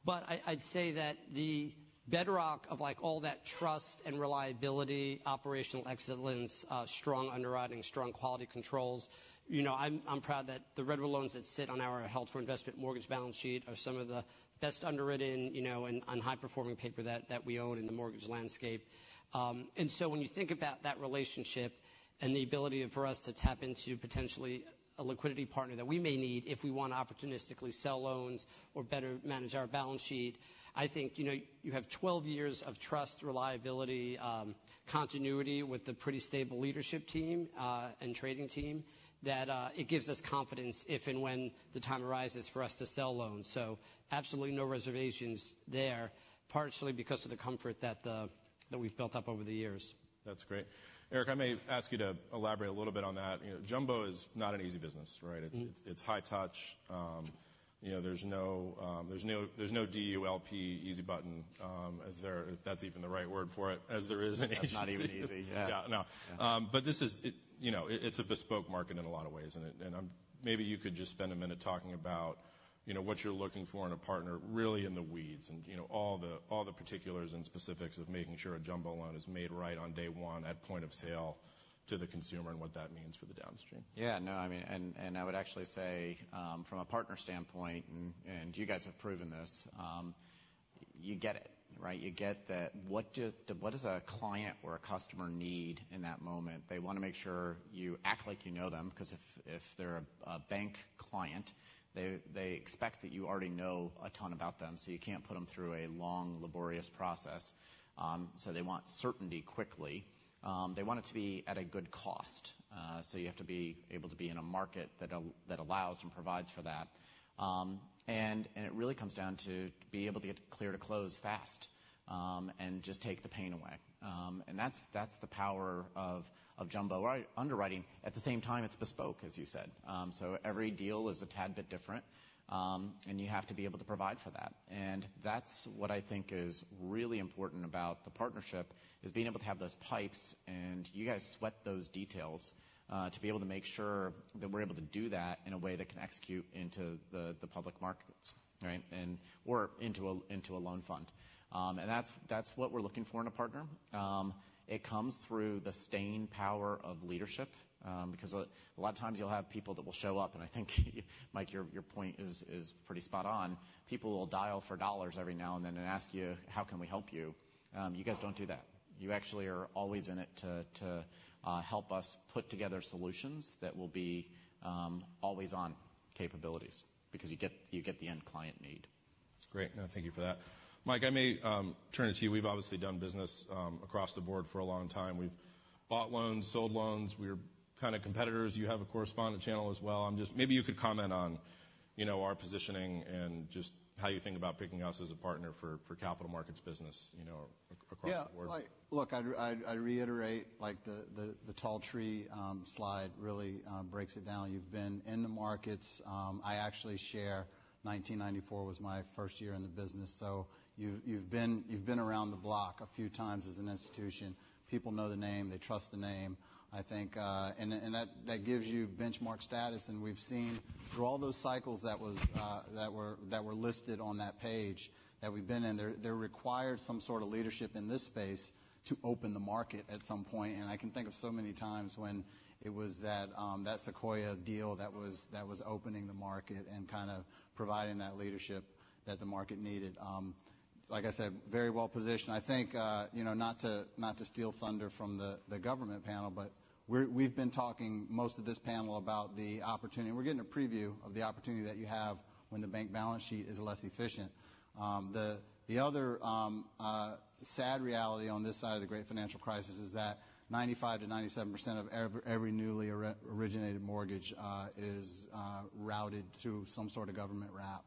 But I, I'd say that the bedrock of, like, all that trust and reliability, operational excellence, strong underwriting, strong quality controls, you know, I'm proud that the Redwood loans that sit on our held-for-investment mortgage balance sheet are some of the best underwritten, you know, and high-performing paper that we own in the mortgage landscape. and so when you think about that relationship and the ability for us to tap into potentially a liquidity partner that we may need if we want to opportunistically sell loans or better manage our balance sheet, I think, you know, you have 12 years of trust, reliability, continuity with the pretty stable leadership team, and trading team that, it gives us confidence if and when the time arises for us to sell loans. So absolutely no reservations there, partially because of the comfort that that we've built up over the years. That's great. Eric, I may ask you to elaborate a little bit on that. You know, jumbo is not an easy business, right? It's high touch. You know, there's no DU/LP easy button, as there, that's even the right word for it, as there is an easy button. That's not even easy. Yeah. Yeah. No. But this is it, you know, it's a bespoke market in a lot of ways. And I'm maybe you could just spend a minute talking about, you know, what you're looking for in a partner really in the weeds and, you know, all the particulars and specifics of making sure a jumbo loan is made right on day one at point of sale to the consumer and what that means for the downstream. Yeah. No. I mean, and I would actually say, from a partner standpoint and you guys have proven this, you get it, right? You get that what does a client or a customer need in that moment? They want to make sure you act like you know them because if they're a bank client, they expect that you already know a ton about them. So you can't put them through a long, laborious process. They want certainty quickly. They want it to be at a good cost. So you have to be able to be in a market that all that allows and provides for that. And it really comes down to being able to get clear to close fast and just take the pain away. And that's the power of jumbo loan underwriting. At the same time, it's bespoke, as you said. So every deal is a tad bit different. And you have to be able to provide for that. And that's what I think is really important about the partnership is being able to have those pipes. You guys sweat those details, to be able to make sure that we're able to do that in a way that can execute into the public markets, right, and/or into a loan fund. And that's what we're looking for in a partner. It comes through the staying power of leadership, because a lot of times, you'll have people that will show up. And I think, Mike, your point is pretty spot on. People will dial for dollars every now and then and ask you, "How can we help you?" You guys don't do that. You actually are always in it to help us put together solutions that will be always-on capabilities because you get the end client need. Great. No, thank you for that. Mike, I may turn it to you. We've obviously done business across the board for a long time. We've bought loans, sold loans. We are kind of competitors. You have a correspondent channel as well. I'm just maybe you could comment on, you know, our positioning and just how you think about picking us as a partner for capital markets business, you know, across the board. Yeah. Like, look, I reiterate, like, the tall tree slide really breaks it down. You've been in the markets. I actually share 1994 was my first year in the business. So you've been around the block a few times as an institution. People know the name. They trust the name, I think, and that gives you benchmark status. We've seen through all those cycles that were listed on that page that we've been in; they required some sort of leadership in this space to open the market at some point. I can think of so many times when it was that Sequoia deal that was opening the market and kind of providing that leadership that the market needed. Like I said, very well positioned. I think, you know, not to steal thunder from the government panel, but we've been talking most of this panel about the opportunity and we're getting a preview of the opportunity that you have when the bank balance sheet is less efficient. The other sad reality on this side of the great financial crisis is that 95%-97% of every newly originated mortgage is routed through some sort of government wrap.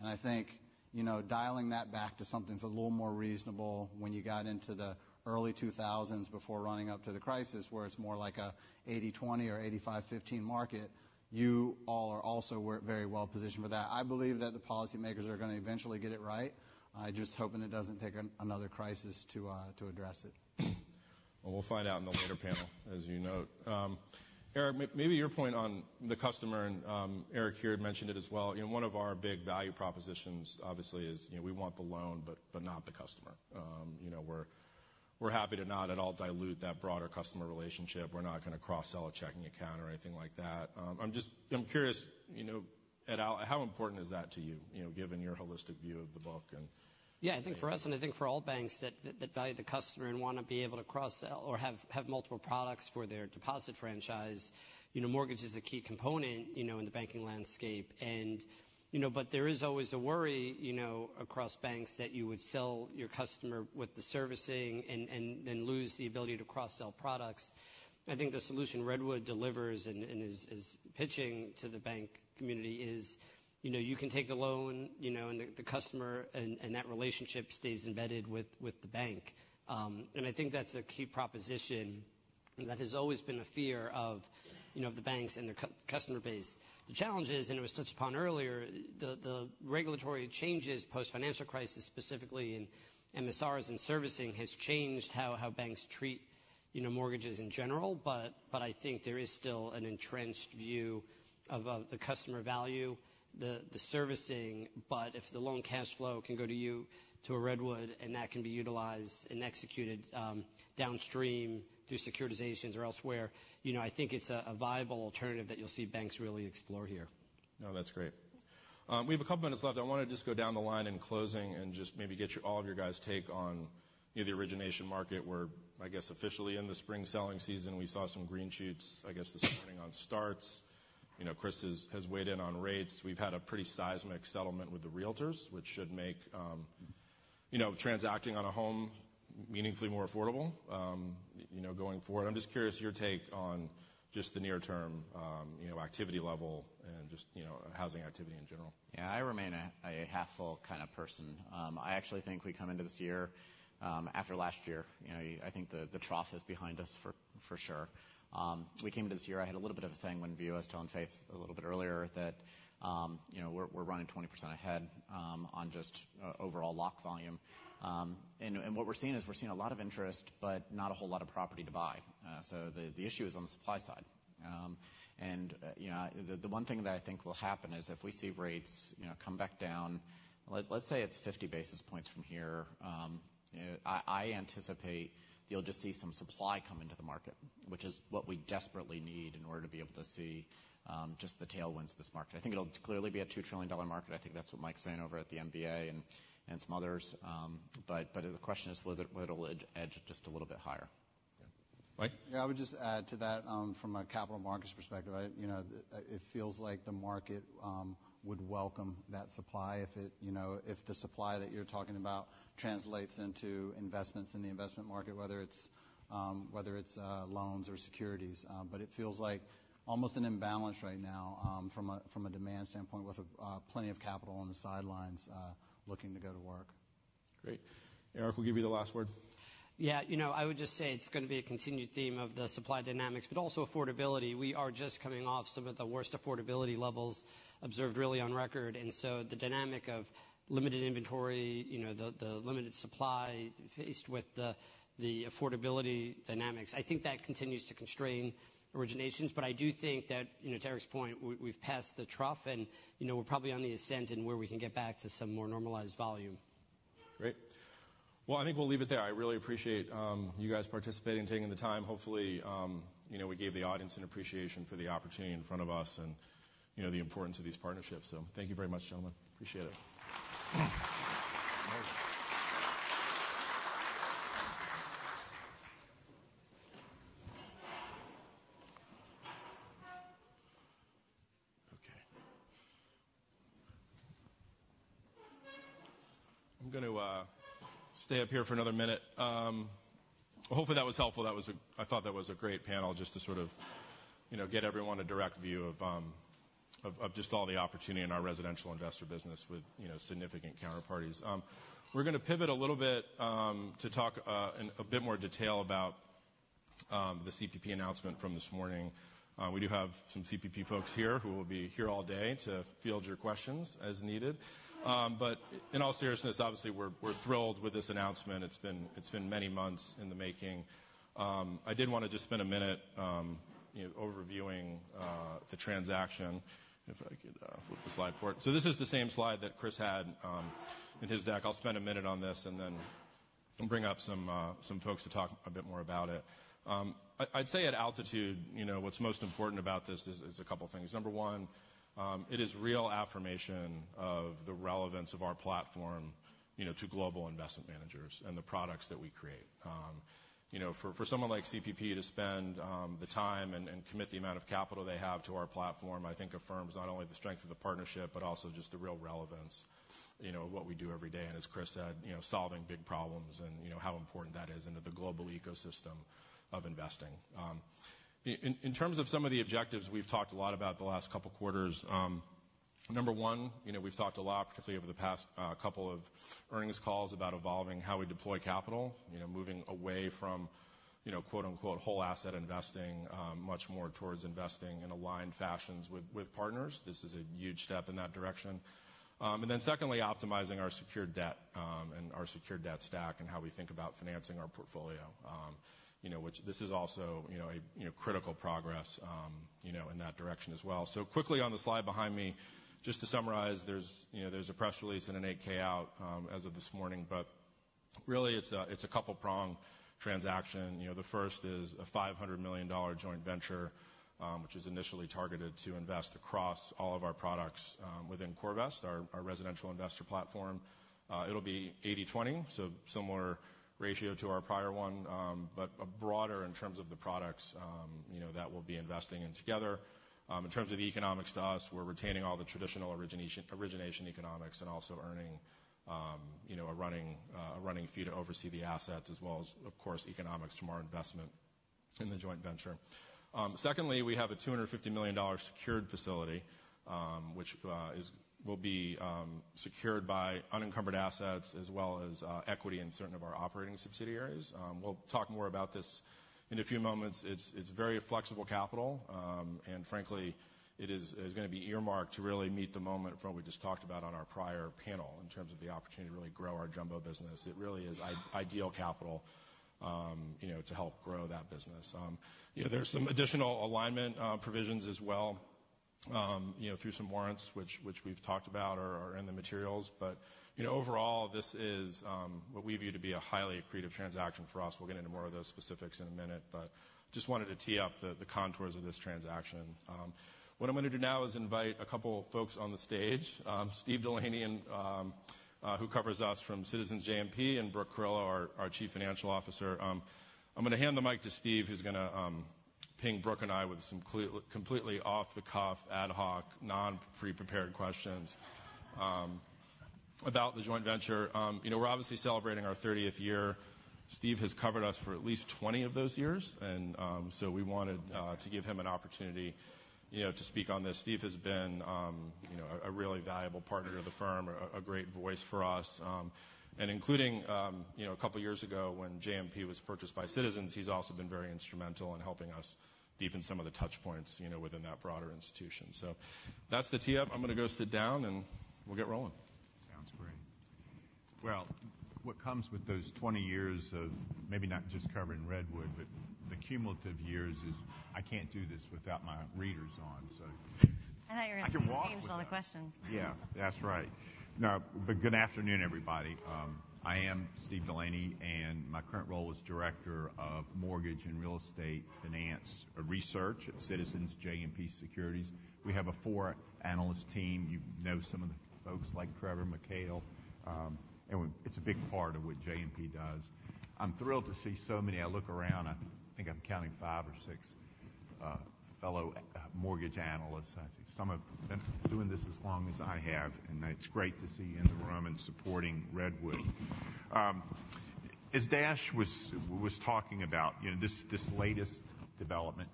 And I think, you know, dialing that back to something that's a little more reasonable when you got into the early 2000s before running up to the crisis where it's more like a 80/20 or 85/15 market, you all are also very well positioned for that. I believe that the policymakers are going to eventually get it right. I'm just hoping it doesn't take another crisis to address it. Well, we'll find out in the later panel, as you note. Eric, maybe your point on the customer, and Eric here had mentioned it as well. You know, one of our big value propositions, obviously, is, you know, we want the loan but, but not the customer. You know, we're, we're happy to not at all dilute that broader customer relationship. We're not going to cross-sell a checking account or anything like that. I'm just curious, you know, at all how important is that to you, you know, given your holistic view of the book and? Yeah. I think for us and I think for all banks that, that value the customer and want to be able to cross-sell or have, have multiple products for their deposit franchise, you know, mortgage is a key component, you know, in the banking landscape. And, you know but there is always a worry, you know, across banks that you would sell your customer with the servicing and, and then lose the ability to cross-sell products. I think the solution Redwood delivers and is pitching to the bank community is, you know, you can take the loan, you know, and the customer and that relationship stays embedded with the bank. And I think that's a key proposition that has always been a fear of, you know, of the banks and their customer base. The challenge is, and it was touched upon earlier, the regulatory changes post-financial crisis, specifically in MSRs and servicing, has changed how banks treat, you know, mortgages in general. But I think there is still an entrenched view of the customer value, the servicing. But if the loan cash flow can go to you, to a Redwood, and that can be utilized and executed, downstream through securitizations or elsewhere, you know, I think it's a viable alternative that you'll see banks really explore here. No, that's great. We have a couple of minutes left. I want to just go down the line in closing and just maybe get you all of your guys' take on, you know, the origination market. We're, I guess, officially in the spring selling season. We saw some green shoots, I guess, this morning on starts. You know, Chris has weighed in on rates. We've had a pretty seismic settlement with the realtors, which should make, you know, transacting on a home meaningfully more affordable, you know, going forward. I'm just curious your take on just the near-term, you know, activity level and just, you know, housing activity in general. Yeah. I remain a half-full kind of person. I actually think we come into this year, after last year. You know, I think the trough is behind us for sure. We came into this year. I had a little bit of a sanguine view, as I was telling Faith a little bit earlier, that, you know, we're running 20% ahead on just overall lock volume. And what we're seeing is we're seeing a lot of interest but not a whole lot of property to buy. So the issue is on the supply side. You know, the one thing that I think will happen is if we see rates, you know, come back down, let's say it's 50 basis points from here, you know, I anticipate you'll just see some supply come into the market, which is what we desperately need in order to be able to see just the tailwinds of this market. I think it'll clearly be a $2 trillion market. I think that's what Mike's saying over at the MBA and some others. But the question is whether it'll edge just a little bit higher. Yeah. Mike? Yeah. I would just add to that, from a capital markets perspective. I, you know, it feels like the market would welcome that supply if, you know, if the supply that you're talking about translates into investments in the investment market, whether it's loans or securities. But it feels like almost an imbalance right now, from a demand standpoint with plenty of capital on the sidelines, looking to go to work. Great. Eric, we'll give you the last word. Yeah. You know, I would just say it's going to be a continued theme of the supply dynamics but also affordability. We are just coming off some of the worst affordability levels observed, really, on record. So the dynamic of limited inventory, you know, the limited supply faced with the affordability dynamics, I think that continues to constrain originations. But I do think that, you know, to Eric's point, we've passed the trough and, you know, we're probably on the ascent in where we can get back to some more normalized volume. Great. Well, I think we'll leave it there. I really appreciate you guys participating and taking the time. Hopefully, you know, we gave the audience an appreciation for the opportunity in front of us and, you know, the importance of these partnerships. So thank you very much, gentlemen. Appreciate it. Okay. I'm going to stay up here for another minute. Hopefully, that was helpful. That was, I thought that was a great panel just to sort of, you know, get everyone a direct view of of just all the opportunity in our residential investor business with, you know, significant counterparties. We're going to pivot a little bit to talk in a bit more detail about the CPP announcement from this morning. We do have some CPP folks here who will be here all day to field your questions as needed. But in all seriousness, obviously, we're thrilled with this announcement. It's been many months in the making. I did want to just spend a minute, you know, overviewing the transaction. If I could flip the slide for it. So this is the same slide that Chris had in his deck. I'll spend a minute on this and then bring up some folks to talk a bit more about it. I'd say at altitude, you know, what's most important about this is it's a couple of things. Number one, it is real affirmation of the relevance of our platform, you know, to global investment managers and the products that we create. You know, for, for someone like CPP to spend the time and commit the amount of capital they have to our platform, I think affirms not only the strength of the partnership but also just the real relevance, you know, of what we do every day. And as Chris said, you know, solving big problems and, you know, how important that is into the global ecosystem of investing. In terms of some of the objectives we've talked a lot about the last couple of quarters, number one, you know, we've talked a lot, particularly over the past couple of earnings calls, about evolving how we deploy capital, you know, moving away from, you know, "whole asset investing," much more towards investing in aligned fashions with partners. This is a huge step in that direction. Then secondly, optimizing our secured debt, and our secured debt stack and how we think about financing our portfolio, you know, which this is also, you know, critical progress, you know, in that direction as well. So quickly on the slide behind me, just to summarize, there's a press release and an 8-K out as of this morning. But really, it's a couple-pronged transaction. You know, the first is a $500 million joint venture, which is initially targeted to invest across all of our products, within CoreVest, our residential investor platform. It'll be 80/20, so similar ratio to our prior one, but a broader in terms of the products, you know, that we'll be investing in together. In terms of the economics to us, we're retaining all the traditional origination economics and also earning, you know, a running fee to oversee the assets as well as, of course, economics to more investment in the joint venture. Secondly, we have a $250 million secured facility, which will be secured by unencumbered assets as well as equity in certain of our operating subsidiaries. We'll talk more about this in a few moments. It's very flexible capital. Frankly, it is, it's going to be earmarked to really meet the moment from what we just talked about on our prior panel in terms of the opportunity to really grow our jumbo business. It really is ideal capital, you know, to help grow that business. You know, there's some additional alignment provisions as well, you know, through some warrants, which, which we've talked about are, are in the materials. But, you know, overall, this is what we view to be a highly accretive transaction for us. We'll get into more of those specifics in a minute. But just wanted to tee up the, the contours of this transaction. What I'm going to do now is invite a couple of folks on the stage. Steve DeLaney, who covers us from Citizens JMP, and Brooke Carillo, our Chief Financial Officer. I'm going to hand the mic to Steve, who's going to ping Brooke and I with some completely off-the-cuff, ad hoc, non-pre-prepared questions about the joint venture. You know, we're obviously celebrating our 30th year. Steve has covered us for at least 20 of those years. So we wanted to give him an opportunity, you know, to speak on this. Steve has been, you know, a, a really valuable partner to the firm, a, a great voice for us. And including, you know, a couple of years ago when JMP was purchased by Citizens, he's also been very instrumental in helping us deepen some of the touchpoints, you know, within that broader institution. So that's the tee-up. I'm going to go sit down, and we'll get rolling. Sounds great. Well, what comes with those 20 years of maybe not just covering Redwood but the cumulative years is I can't do this without my readers on, so. I thought you were going to say I can walk with you and answer all the questions. Yeah. That's right. Now, good afternoon, everybody. I am Steve DeLaney, and my current role is director of mortgage and real estate finance research at Citizens JMP Securities. We have a four-analyst team. You know some of the folks like Trevor, Mikhail, and we, it's a big part of what JMP does. I'm thrilled to see so many. I look around. I think I'm counting five or six fellow mortgage analysts. I think some have been doing this as long as I have. And it's great to see you in the room and supporting Redwood. As Dash was talking about, you know, this latest development,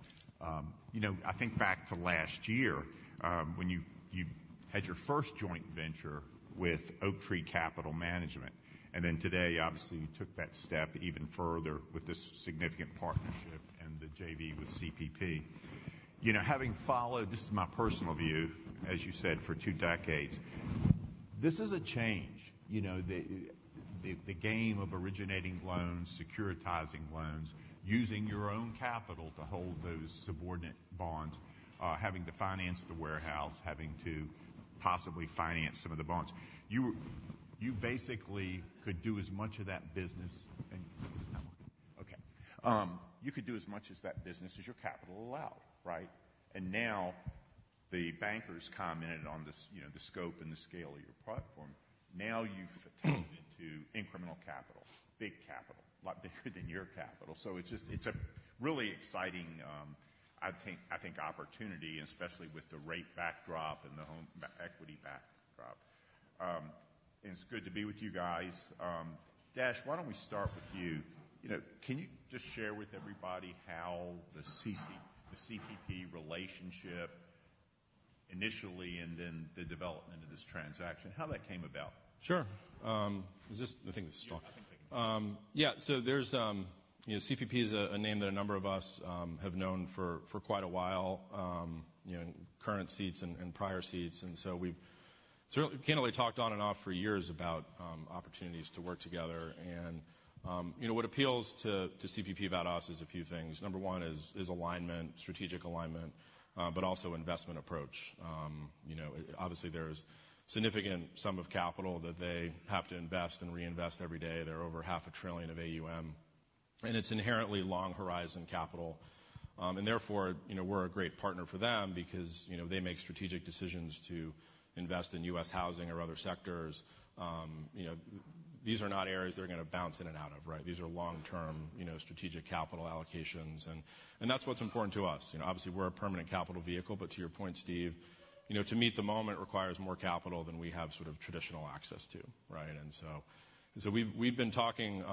you know, I think back to last year, when you had your first joint venture with Oaktree Capital Management. And then today, obviously, you took that step even further with this significant partnership and the JV with CPP. You know, having followed this is my personal view, as you said, for two decades. This is a change, you know, the game of originating loans, securitizing loans, using your own capital to hold those subordinate bonds, having to finance the warehouse, having to possibly finance some of the bonds. You basically could do as much of that business as your capital allowed, right? And now the bankers commented on this, you know, the scope and the scale of your platform. Now you've turned it into incremental capital, big capital, a lot bigger than your capital. So it's just it's a really exciting, I think opportunity, especially with the rate backdrop and the home equity backdrop. It's good to be with you guys. Dash, why don't we start with you? You know, can you just share with everybody how the CPP relationship initially and then the development of this transaction, how that came about? Sure. So there's, you know, CPP is a name that a number of us have known for quite a while, you know, in current seats and prior seats. And so we've certainly candidly talked on and off for years about opportunities to work together. And, you know, what appeals to CPP about us is a few things. Number one is alignment, strategic alignment, but also investment approach. You know, obviously, there's a significant sum of capital that they have to invest and reinvest every day. They're over $500 billion of AUM. And it's inherently long-horizon capital. And therefore, you know, we're a great partner for them because, you know, they make strategic decisions to invest in U.S. housing or other sectors. You know, these are not areas they're going to bounce in and out of, right? These are long-term, you know, strategic capital allocations. And that's what's important to us. You know, obviously, we're a permanent capital vehicle. But to your point, Steve, you know, to meet the moment requires more capital than we have sort of traditional access to, right? We've been talking,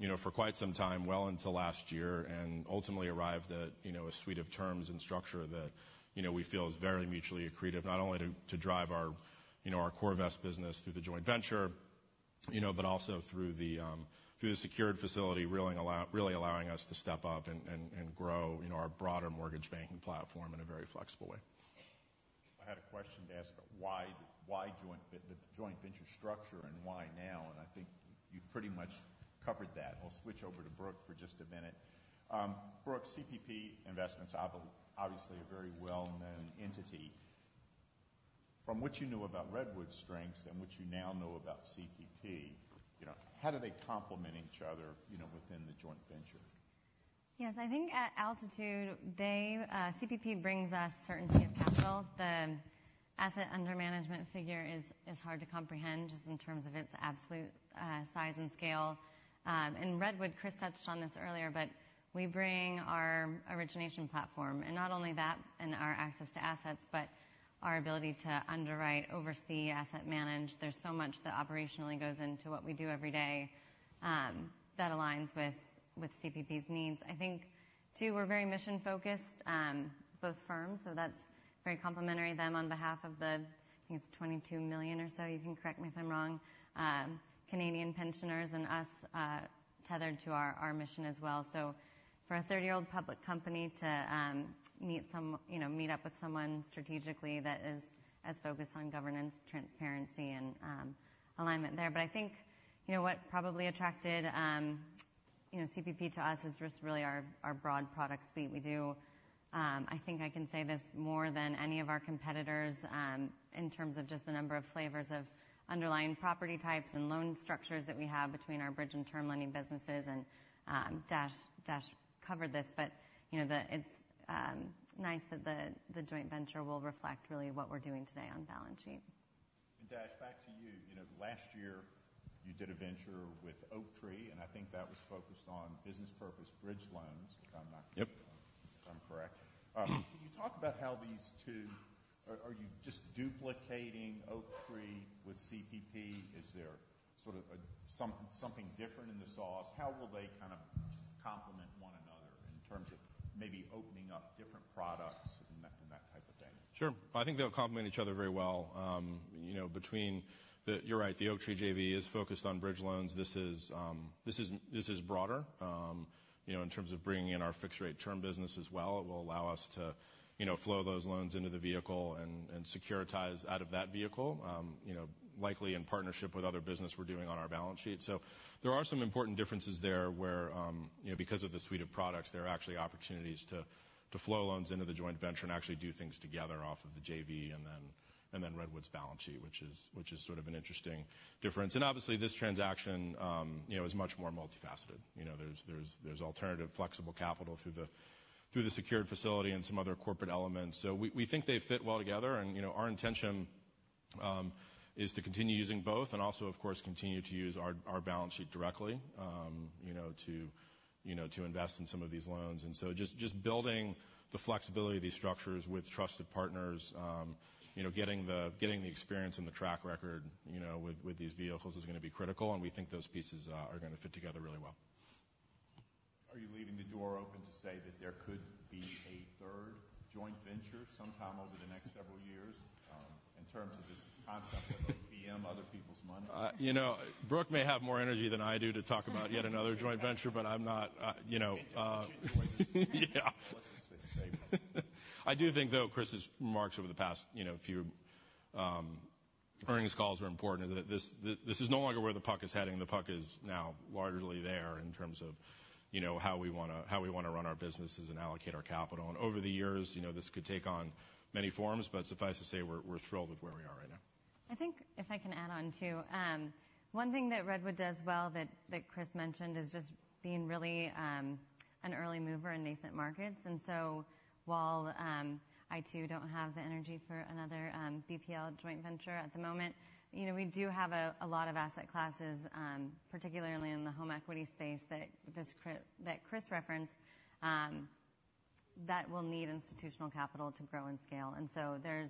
you know, for quite some time, well into last year, and ultimately arrived at, you know, a suite of terms and structure that, you know, we feel is very mutually accretive, not only to drive our, you know, our CoreVest business through the joint venture, you know, but also through the secured facility, allowing us to step up and grow, you know, our broader mortgage banking platform in a very flexible way. I had a question to ask about why the joint venture structure and why now. I think you've pretty much covered that. I'll switch over to Brooke for just a minute. Brooke, CPP Investments is obviously a very well-known entity. From what you knew about Redwood's strengths and what you now know about CPP, you know, how do they complement each other, you know, within the joint venture? Yes. I think at altitude, they CPP brings us certainty of capital. The asset under management figure is hard to comprehend just in terms of its absolute size and scale. And Redwood, Chris touched on this earlier, but we bring our origination platform. And not only that and our access to assets but our ability to underwrite, oversee, asset manage. There's so much that operationally goes into what we do every day, that aligns with CPP's needs. I think, too, we're very mission-focused, both firms. So that's very complementary. Then on behalf of the I think it's 22 million or so. You can correct me if I'm wrong. Canadian pensioners and us, tethered to our mission as well. So for a 30-year-old public company to, meet some you know, meet up with someone strategically that is as focused on governance, transparency, and, alignment there. But I think, you know, what probably attracted, you know, CPP to us is just really our, our broad product suite. We do I think I can say this more than any of our competitors, in terms of just the number of flavors of underlying property types and loan structures that we have between our bridge and term lending businesses. And, Dash, Dash covered this. But, you know, the it's, nice that the, the joint venture will reflect really what we're doing today on balance sheet. And Dash, back to you. You know, last year, you did a venture with Oaktree. And I think that was focused on business purpose bridge loans. If I'm not Yep. If I'm correct. Can you talk about how these two are, are you just duplicating Oaktree with CPP? Is there sort of something different in the sauce? How will they kind of complement one another in terms of maybe opening up different products and that type of thing? Sure. I think they'll complement each other very well. You know, between the—you're right. The Oaktree JV is focused on bridge loans. This is broader, you know, in terms of bringing in our fixed-rate term business as well. It will allow us to, you know, flow those loans into the vehicle and securitize out of that vehicle, you know, likely in partnership with other business we're doing on our balance sheet. So there are some important differences there where, you know, because of the suite of products, there are actually opportunities to flow loans into the joint venture and actually do things together off of the JV and then Redwood's balance sheet, which is sort of an interesting difference. And obviously, this transaction, you know, is much more multifaceted. You know, there's alternative flexible capital through the secured facility and some other corporate elements. So we think they fit well together. And, you know, our intention is to continue using both and also, of course, continue to use our balance sheet directly, you know, to invest in some of these loans. And so just, just building the flexibility of these structures with trusted partners, you know, getting the getting the experience and the track record, you know, with, with these vehicles is going to be critical. And we think those pieces are going to fit together really well. Are you leaving the door open to say that there could be a third joint venture sometime over the next several years, in terms of this concept of OPM, other people's money? You know, Brooke may have more energy than I do to talk about yet another joint venture, but I'm not, you know, yeah. Let's just say so. I do think, though, Chris's remarks over the past, you know, few earnings calls are important is that this, this, this is no longer where the puck is heading. The puck is now largely there in terms of, you know, how we want to how we want to run our businesses and allocate our capital. And over the years, you know, this could take on many forms. But suffice to say, we're, we're thrilled with where we are right now. I think if I can add on, too, one thing that Redwood does well that, that Chris mentioned is just being really, an early mover in nascent markets. And so while, I, too, don't have the energy for another, BPL joint venture at the moment, you know, we do have a, a lot of asset classes, particularly in the home equity space that this Chris that Chris referenced, that will need institutional capital to grow and scale. So there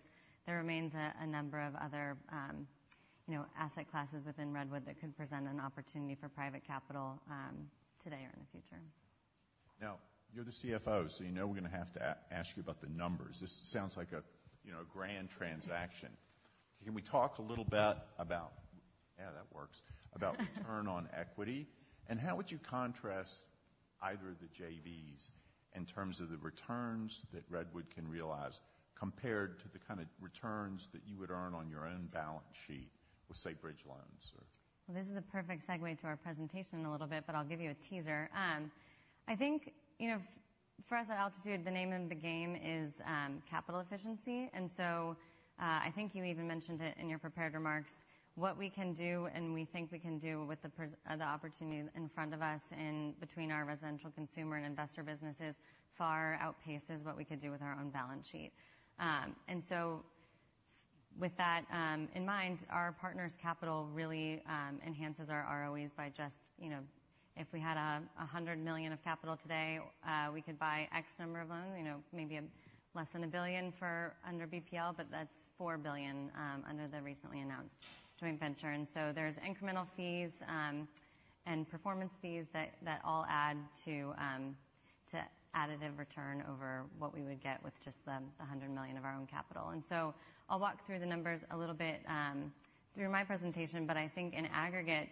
remains a number of other, you know, asset classes within Redwood that could present an opportunity for private capital, today or in the future. Now, you're the CFO, so you know we're going to have to ask you about the numbers. This sounds like a, you know, a grand transaction. Can we talk a little bit about yeah, that works. About return on equity? And how would you contrast either of the JVs in terms of the returns that Redwood can realize compared to the kind of returns that you would earn on your own balance sheet with, say, bridge loans, or? Well, this is a perfect segue to our presentation in a little bit, but I'll give you a teaser. I think, you know, for us at altitude, the name of the game is, capital efficiency. So, I think you even mentioned it in your prepared remarks. What we can do and we think we can do with the per the opportunity in front of us in between our residential consumer and investor businesses far outpaces what we could do with our own balance sheet. So with that in mind, our partner's capital really enhances our ROEs by just, you know, if we had a $100 million of capital today, we could buy X number of loans, you know, maybe less than $1 billion for under BPL. But that's $4 billion under the recently announced joint venture. So there's incremental fees, and performance fees that all add to additive return over what we would get with just the $100 million of our own capital. So I'll walk through the numbers a little bit through my presentation. But I think in aggregate,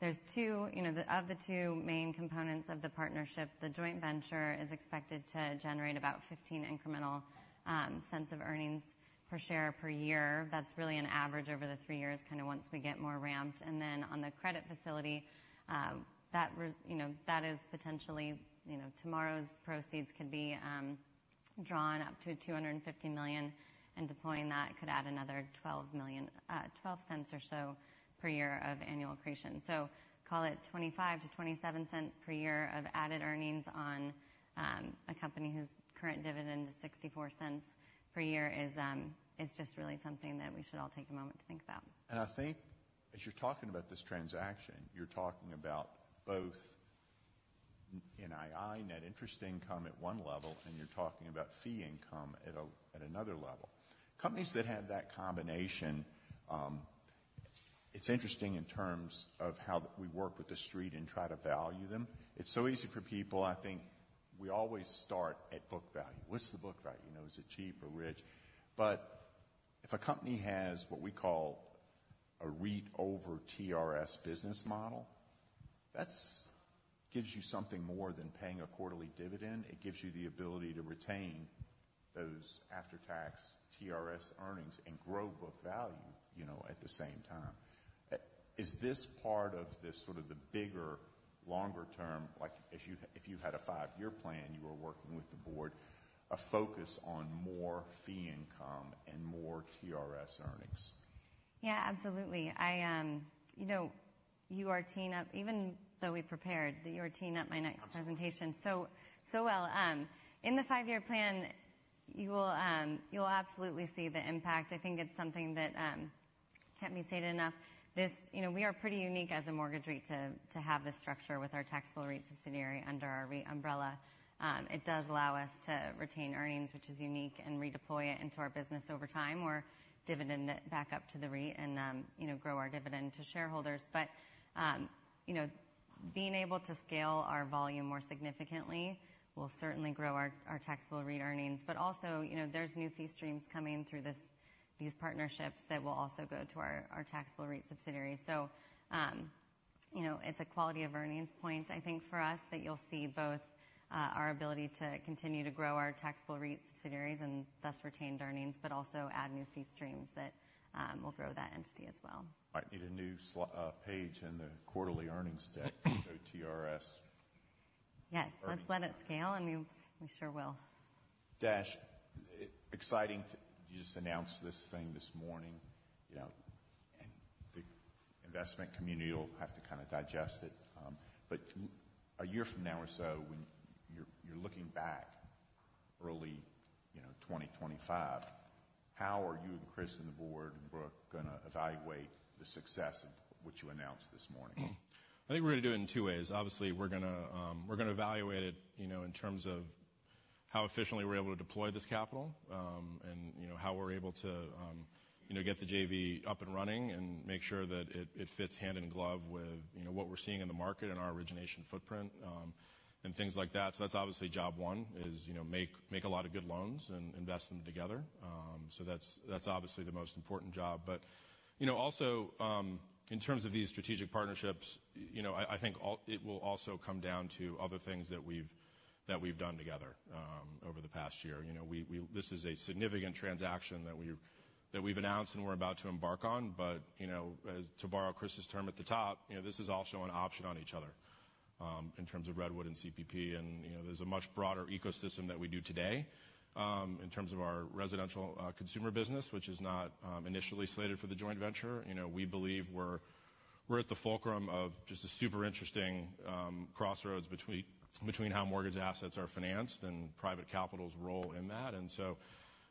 there's two, you know, of the two main components of the partnership, the joint venture is expected to generate about $0.15 cents of earnings per share per year. That's really an average over the three years, kind of once we get more ramped. And then on the credit facility, that, you know, that is potentially, you know, tomorrow's proceeds could be drawn up to $250 million. And deploying that could add another $12 million $0.12 or so per year of annual accretion. So call it $0.25-$0.27 per year of added earnings on a company whose current dividend is $0.64 per year is just really something that we should all take a moment to think about. I think as you're talking about this transaction, you're talking about both NII, net interest income, at one level, and you're talking about fee income at another level. Companies that have that combination, it's interesting in terms of how we work with the street and try to value them. It's so easy for people. I think we always start at book value. What's the book value? You know, is it cheap or rich? But if a company has what we call a REIT over TRS business model, that gives you something more than paying a quarterly dividend. It gives you the ability to retain those after-tax TRS earnings and grow book value, you know, at the same time. Is this part of this sort of the bigger, longer term like, as you if you had a five-year plan, you were working with the board, a focus on more fee income and more TRS earnings? Yeah, absolutely. I, you know, you are teeing up even though we prepared, you are teeing up my next presentation. So, so well. In the five-year plan, you will, you'll absolutely see the impact. I think it's something that, can't be stated enough. This you know, we are pretty unique as a mortgage REIT to, to have this structure with our taxable REIT subsidiary under our REIT umbrella. It does allow us to retain earnings, which is unique, and redeploy it into our business over time or dividend it back up to the REIT and, you know, grow our dividend to shareholders. But, you know, being able to scale our volume more significantly will certainly grow our taxable REIT earnings. But also, you know, there's new fee streams coming through these partnerships that will also go to our taxable REIT subsidiaries. So, you know, it's a quality of earnings point, I think, for us that you'll see both our ability to continue to grow our taxable REIT subsidiaries and thus retained earnings but also add new fee streams that will grow that entity as well. I need a new slide page in the quarterly earnings deck to show TRS earnings. Yes. Let's let it scale. And we sure will. Dash, exciting. You just announced this thing this morning. You know, the investment community, you'll have to kind of digest it. But a year from now or so, when you're, you're looking back early, you know, 2025, how are you and Chris and the board and Brooke going to evaluate the success of what you announced this morning? I think we're going to do it in two ways. Obviously, we're going to, we're going to evaluate it, you know, in terms of how efficiently we're able to deploy this capital, and, you know, how we're able to, you know, get the JV up and running and make sure that it, it fits hand in glove with, you know, what we're seeing in the market and our origination footprint, and things like that. So that's obviously job one is, you know, make, make a lot of good loans and invest them together. So that's, that's obviously the most important job. But, you know, also, in terms of these strategic partnerships, you know, I, I think all it will also come down to other things that we've done together, over the past year. You know, we, this is a significant transaction that we've announced and we're about to embark on. But, you know, as to borrow Chris's term at the top, you know, this is also an option on each other, in terms of Redwood and CPP. And, you know, there's a much broader ecosystem that we do today, in terms of our residential, consumer business, which is not, initially slated for the joint venture. You know, we believe we're at the fulcrum of just a super interesting, crossroads between how mortgage assets are financed and private capital's role in that. And so,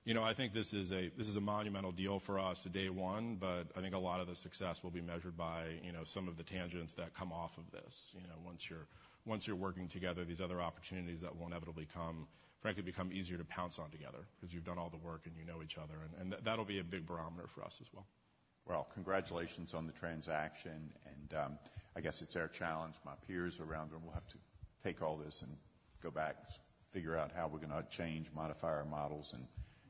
you know, I think this is a monumental deal for us today one. But I think a lot of the success will be measured by, you know, some of the tangents that come off of this, you know, once you're working together, these other opportunities that will inevitably come, frankly, become easier to pounce on together because you've done all the work and you know each other. And that, that'll be a big barometer for us as well. Well, congratulations on the transaction. And, I guess it's our challenge. My peers around them, we'll have to take all this and go back, figure out how we're going to change, modify our models,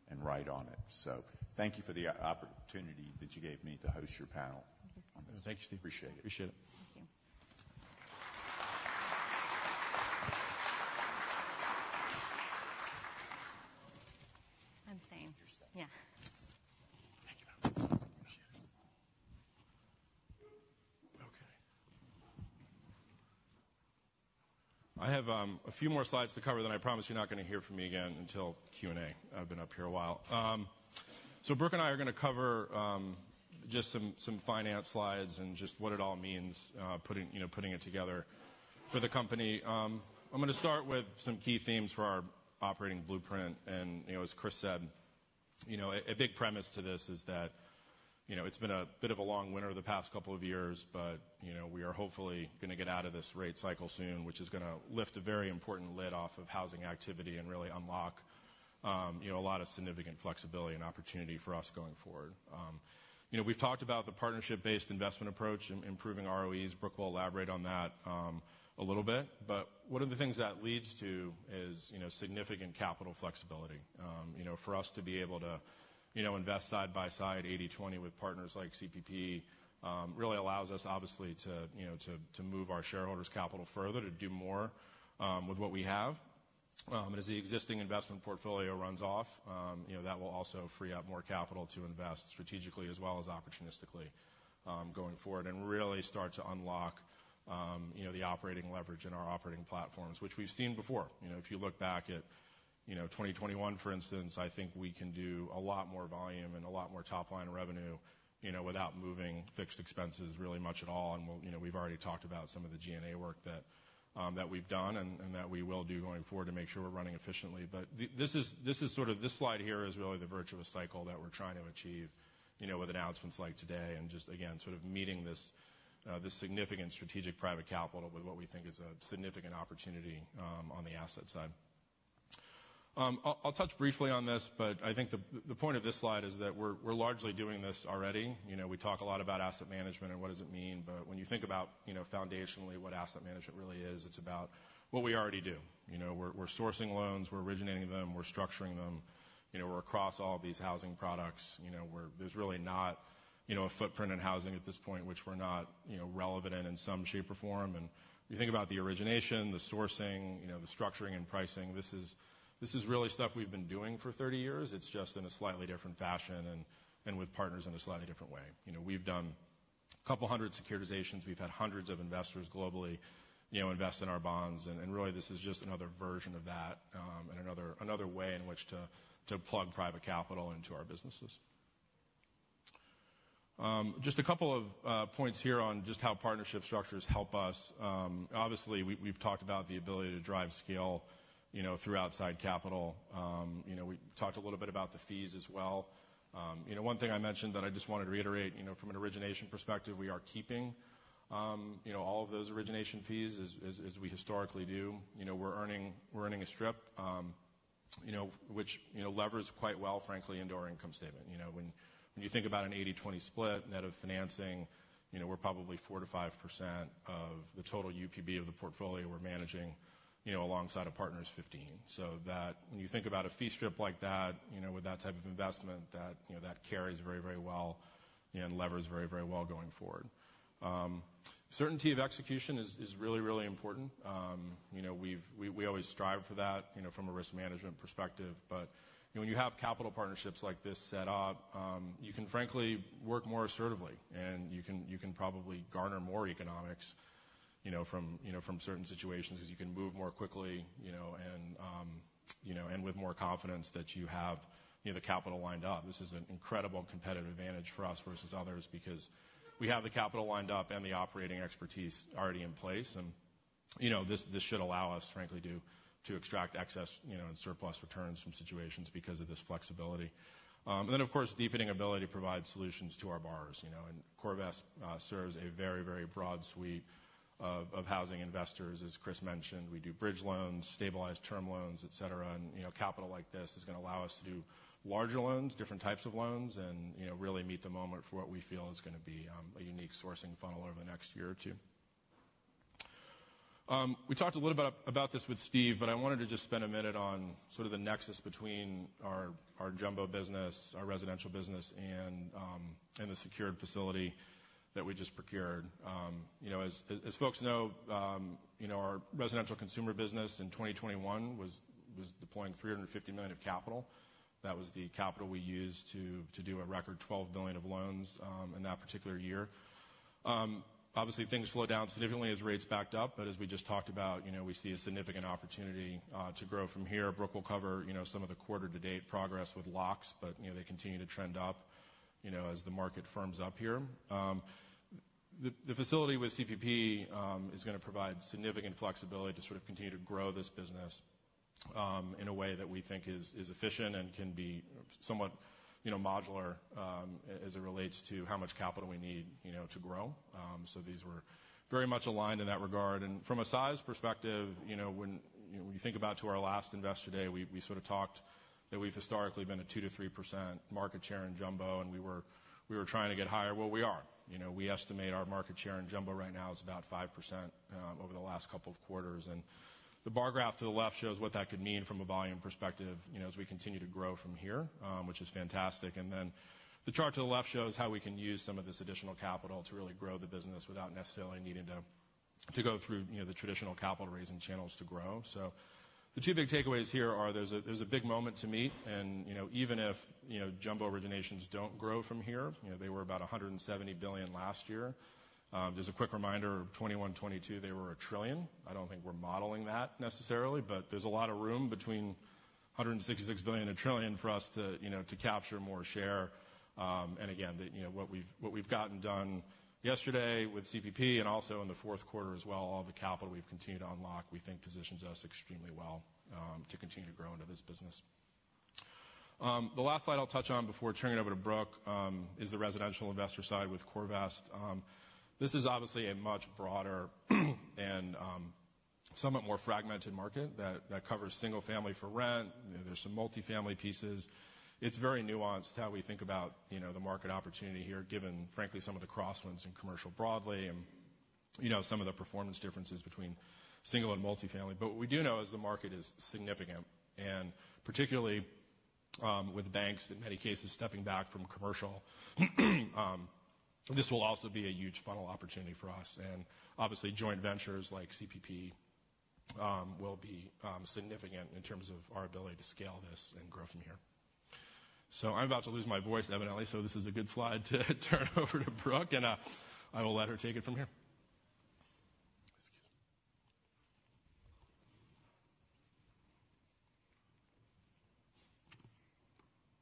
and write on it. So thank you for the opportunity that you gave me to host your panel. Thank you, Steve. Thank you, Steve. Appreciate it. Appreciate it. Thank you. I'm staying. Your stay. Yeah. Thank you, Bob. Appreciate it. Okay. I have a few more slides to cover than I promise you're not going to hear from me again until Q&A. I've been up here a while. So Brooke and I are going to cover just some finance slides and just what it all means, putting you know, putting it together for the company. I'm going to start with some key themes for our operating blueprint. You know, as Chris said, you know, a big premise to this is that, you know, it's been a bit of a long winter the past couple of years. But, you know, we are hopefully going to get out of this rate cycle soon, which is going to lift a very important lid off of housing activity and really unlock, you know, a lot of significant flexibility and opportunity for us going forward. You know, we've talked about the partnership-based investment approach, improving ROEs. Brooke will elaborate on that, a little bit. But one of the things that leads to is, you know, significant capital flexibility. You know, for us to be able to, you know, invest side by side, 80/20 with partners like CPP, really allows us, obviously, to, you know, to move our shareholders' capital further, to do more, with what we have. And as the existing investment portfolio runs off, you know, that will also free up more capital to invest strategically as well as opportunistically, going forward and really start to unlock, you know, the operating leverage in our operating platforms, which we've seen before. You know, if you look back at, you know, 2021, for instance, I think we can do a lot more volume and a lot more top-line revenue, you know, without moving fixed expenses really much at all. And we'll, you know, we've already talked about some of the G&A work that that we've done and and that we will do going forward to make sure we're running efficiently. But this is sort of this slide here is really the virtue of a cycle that we're trying to achieve, you know, with announcements like today and just, again, sort of meeting this significant strategic private capital with what we think is a significant opportunity, on the asset side. I'll touch briefly on this. But I think the point of this slide is that we're largely doing this already. You know, we talk a lot about asset management and what does it mean. But when you think about, you know, foundationally what asset management really is, it's about what we already do. You know, we're sourcing loans. We're originating them. We're structuring them. You know, we're across all of these housing products. You know, where there's really not, you know, a footprint in housing at this point, which we're not, you know, relevant in, in some shape or form. And you think about the origination, the sourcing, you know, the structuring and pricing, this is really stuff we've been doing for 30 years. It's just in a slightly different fashion and with partners in a slightly different way. You know, we've done a couple hundred securitizations. We've had hundreds of investors globally, you know, invest in our bonds. And really, this is just another version of that, and another way in which to plug private capital into our businesses. Just a couple of points here on just how partnership structures help us. Obviously, we've talked about the ability to drive scale, you know, through outside capital. You know, we talked a little bit about the fees as well. You know, one thing I mentioned that I just wanted to reiterate, you know, from an origination perspective, we are keeping, you know, all of those origination fees as we historically do. You know, we're earning a strip, you know, which, you know, levers quite well, frankly, into our income statement. You know, when you think about an 80/20 split, net of financing, you know, we're probably 4%-5% of the total UPB of the portfolio we're managing, you know, alongside a partner's 15. So that when you think about a fee strip like that, you know, with that type of investment, that, you know, that carries very, very well, you know, and levers very, very well going forward. Certainty of execution is really, really important. You know, we've always strive for that, you know, from a risk management perspective. But, you know, when you have capital partnerships like this set up, you can, frankly, work more assertively. And you can probably garner more economics, you know, from, you know, from certain situations because you can move more quickly, you know, and, you know, and with more confidence that you have, you know, the capital lined up. This is an incredible competitive advantage for us versus others because we have the capital lined up and the operating expertise already in place. And, you know, this, this should allow us, frankly, to extract excess, you know, and surplus returns from situations because of this flexibility. And then, of course, this flexibility provides solutions to our borrowers, you know. And CoreVest serves a very, very broad suite of housing investors. As Chris mentioned, we do bridge loans, stabilized term loans, etc. You know, capital like this is going to allow us to do larger loans, different types of loans, and, you know, really meet the moment for what we feel is going to be a unique sourcing funnel over the next year or two. We talked a little bit about this with Steve. I wanted to just spend a minute on sort of the nexus between our jumbo business, our residential business, and the secured facility that we just procured. You know, as folks know, you know, our residential consumer business in 2021 was deploying $350 million of capital. That was the capital we used to do a record $12 billion of loans in that particular year. Obviously, things slow down significantly as rates backed up. But as we just talked about, you know, we see a significant opportunity to grow from here. Brooke will cover, you know, some of the quarter-to-date progress with LOCS. But, you know, they continue to trend up, you know, as the market firms up here. The facility with CPP is going to provide significant flexibility to sort of continue to grow this business, in a way that we think is efficient and can be somewhat, you know, modular, as it relates to how much capital we need, you know, to grow. So these were very much aligned in that regard. And from a size perspective, you know, when you think about to our last investor day, we, we sort of talked that we've historically been a 2%-3% market share in jumbo. And we were trying to get higher. Well, we are. You know, we estimate our market share in jumbo right now is about 5%, over the last couple of quarters. And the bar graph to the left shows what that could mean from a volume perspective, you know, as we continue to grow from here, which is fantastic. And then the chart to the left shows how we can use some of this additional capital to really grow the business without necessarily needing to go through, you know, the traditional capital-raising channels to grow. So the two big takeaways here are there's a big moment to meet. And, you know, even if, you know, jumbo originations don't grow from here, you know, they were about $170 billion last year. Just a quick reminder, 2021, 2022, they were $1 trillion. I don't think we're modeling that necessarily. But there's a lot of room between $166 billion and $1 trillion for us to, you know, to capture more share. And again, the, you know, what we've, what we've gotten done yesterday with CPP and also in the fourth quarter as well, all the capital we've continued to unlock, we think positions us extremely well to continue to grow into this business. The last slide I'll touch on before turning it over to Brooke is the residential investor side with CoreVest. This is obviously a much broader and somewhat more fragmented market that covers single-family for rent. You know, there's some multifamily pieces. It's very nuanced how we think about, you know, the market opportunity here given, frankly, some of the crosswinds in commercial broadly and, you know, some of the performance differences between single and multifamily. But what we do know is the market is significant. And particularly, with banks in many cases stepping back from commercial, this will also be a huge funnel opportunity for us. And obviously, joint ventures like CPP will be significant in terms of our ability to scale this and grow from here. So I'm about to lose my voice, evidently. So this is a good slide to turn over to Brooke. And I will let her take it from here. Excuse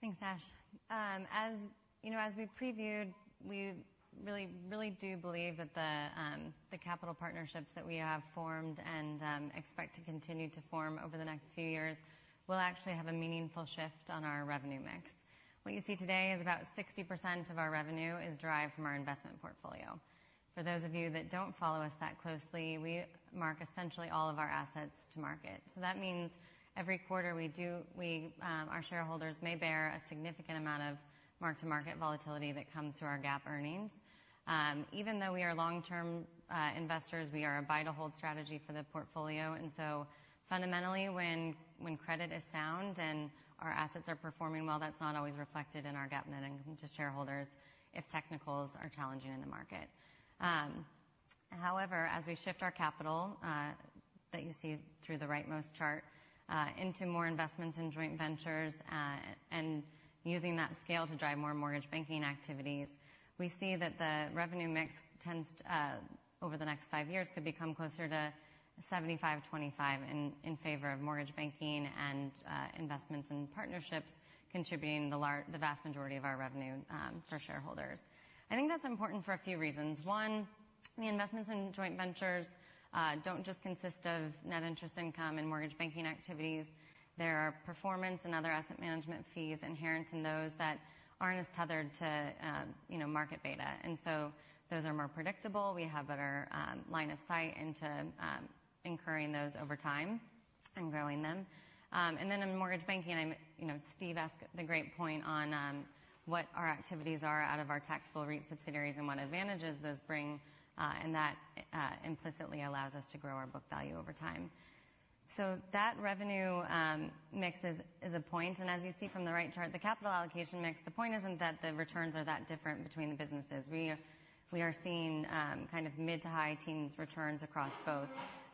me. Thanks, Dash. As you know, as we previewed, we really, really do believe that the capital partnerships that we have formed and expect to continue to form over the next few years will actually have a meaningful shift on our revenue mix. What you see today is about 60% of our revenue is derived from our investment portfolio. For those of you that don't follow us that closely, we mark essentially all of our assets to market. So that means every quarter, we do, our shareholders may bear a significant amount of mark-to-market volatility that comes through our GAAP earnings, even though we are long-term investors. We are a buy-to-hold strategy for the portfolio. And so fundamentally, when credit is sound and our assets are performing well, that's not always reflected in our GAAP net income to shareholders if technicals are challenging in the market. However, as we shift our capital, that you see through the rightmost chart, into more investments in joint ventures, and using that scale to drive more mortgage banking activities, we see that the revenue mix tends to, over the next five years could become closer to 75/25 in, in favor of mortgage banking and, investments in partnerships contributing the large the vast majority of our revenue, for shareholders. I think that's important for a few reasons. One, the investments in joint ventures, don't just consist of net interest income and mortgage banking activities. There are performance and other asset management fees inherent in those that aren't as tethered to, you know, market beta. And so those are more predictable. We have better, line of sight into, incurring those over time and growing them. Then in mortgage banking, I'm, you know, Steve asked the great point on what our activities are out of our taxable REIT subsidiaries and what advantages those bring, and that implicitly allows us to grow our book value over time. So that revenue mix is a point. And as you see from the right chart, the capital allocation mix, the point isn't that the returns are that different between the businesses. We are seeing kind of mid- to high-teens returns across both.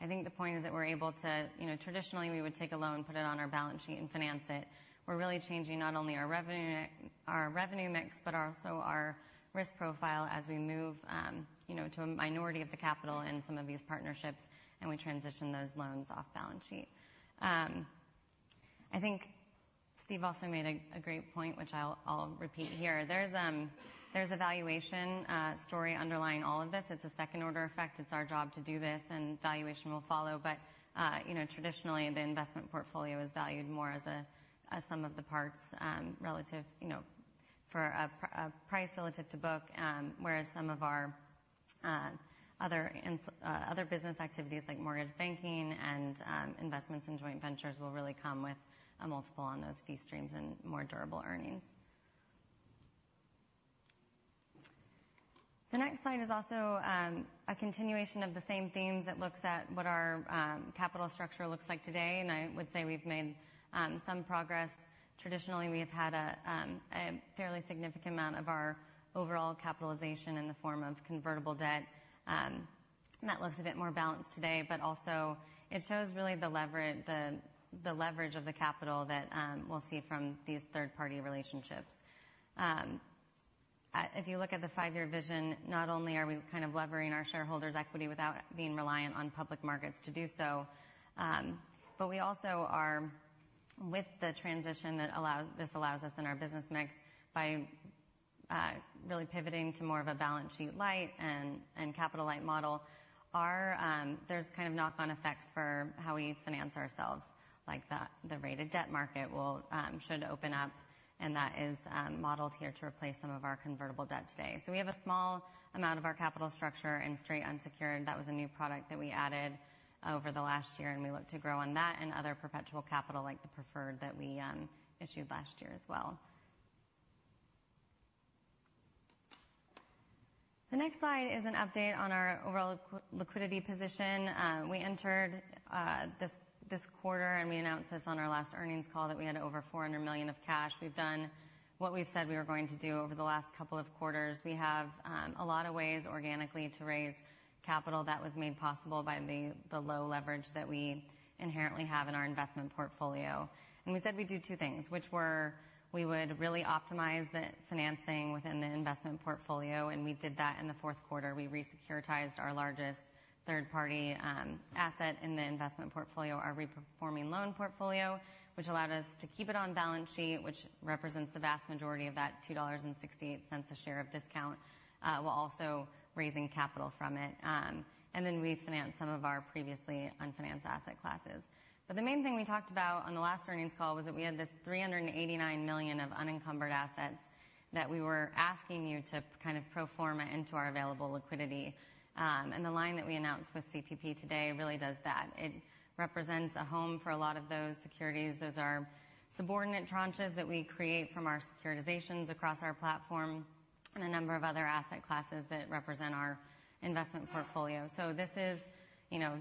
I think the point is that we're able to, you know, traditionally, we would take a loan, put it on our balance sheet, and finance it. We're really changing not only our revenue but our revenue mix but also our risk profile as we move, you know, to a minority of the capital in some of these partnerships. We transition those loans off balance sheet. I think Steve also made a great point, which I'll repeat here. There's a valuation story underlying all of this. It's a second-order effect. It's our job to do this. Valuation will follow. But, you know, traditionally, the investment portfolio is valued more as sum of the parts, relative you know, to a price relative to book, whereas some of our other business activities like mortgage banking and investments in joint ventures will really come with a multiple on those fee streams and more durable earnings. The next slide is also a continuation of the same themes that looks at what our capital structure looks like today. I would say we've made some progress. Traditionally, we have had a fairly significant amount of our overall capitalization in the form of convertible debt. That looks a bit more balanced today. But also, it shows really the leverage of the capital that we'll see from these third-party relationships. If you look at the five-year vision, not only are we kind of levering our shareholders' equity without being reliant on public markets to do so, but we also are with the transition that allows us in our business mix by really pivoting to more of a balance sheet light and capital light model. Our, there's kind of knock-on effects for how we finance ourselves like the rated debt market should open up. And that is modeled here to replace some of our convertible debt today. So we have a small amount of our capital structure in straight unsecured. That was a new product that we added over the last year. We look to grow on that and other perpetual capital like the preferred that we issued last year as well. The next slide is an update on our overall liquidity position we entered this quarter. We announced this on our last earnings call that we had over $400 million of cash. We've done what we've said we were going to do over the last couple of quarters. We have a lot of ways organically to raise capital that was made possible by the low leverage that we inherently have in our investment portfolio. We said we'd do two things, which were we would really optimize the financing within the investment portfolio. We did that in the fourth quarter. We resecuritized our largest third-party asset in the investment portfolio, our reperforming loan portfolio, which allowed us to keep it on balance sheet, which represents the vast majority of that $2.68 a share of discount, while also raising capital from it. Then we financed some of our previously unfinanced asset classes. But the main thing we talked about on the last earnings call was that we had this $389 million of unencumbered assets that we were asking you to kind of pro forma into our available liquidity. The line that we announced with CPP today really does that. It represents a home for a lot of those securities. Those are subordinate tranches that we create from our securitizations across our platform and a number of other asset classes that represent our investment portfolio. So this is, you know,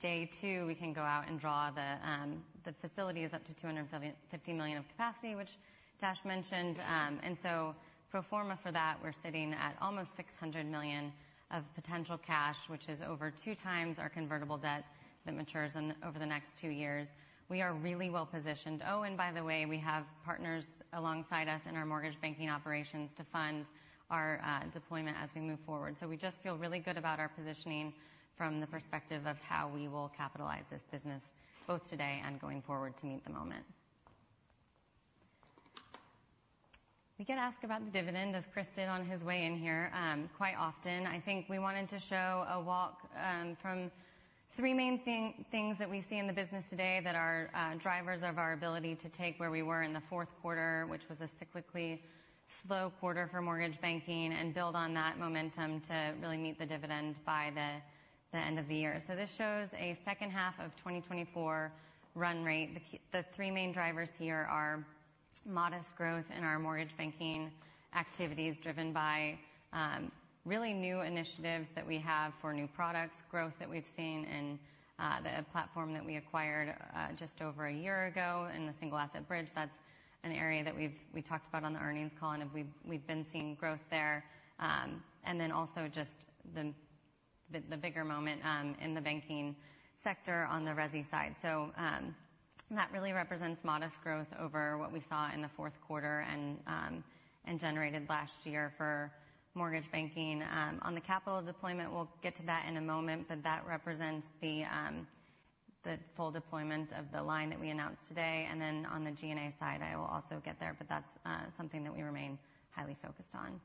day two. We can go out and draw the facility, which is up to $250 million of capacity, which Dash mentioned. And so pro forma for that, we're sitting at almost $600 million of potential cash, which is over two times our convertible debt that matures in over the next two years. We are really well positioned. Oh, and by the way, we have partners alongside us in our mortgage banking operations to fund our deployment as we move forward. So we just feel really good about our positioning from the perspective of how we will capitalize this business both today and going forward to meet the moment. We get asked about the dividend, as Chris did on his way in here, quite often. I think we wanted to show a walk from three main things that we see in the business today that are drivers of our ability to take where we were in the fourth quarter, which was a cyclically slow quarter for mortgage banking, and build on that momentum to really meet the dividend by the end of the year. So this shows a second half of 2024 run rate. The key three main drivers here are modest growth in our mortgage banking activities driven by really new initiatives that we have for new products, growth that we've seen in the platform that we acquired just over a year ago in the single-asset bridge. That's an area that we've talked about on the earnings call. And we've been seeing growth there. And then also just the bigger moment in the banking sector on the resi side. So, that really represents modest growth over what we saw in the fourth quarter and generated last year for mortgage banking. On the capital deployment, we'll get to that in a moment. But that represents the full deployment of the line that we announced today. And then on the G&A side, I will also get there. But that's something that we remain highly focused on.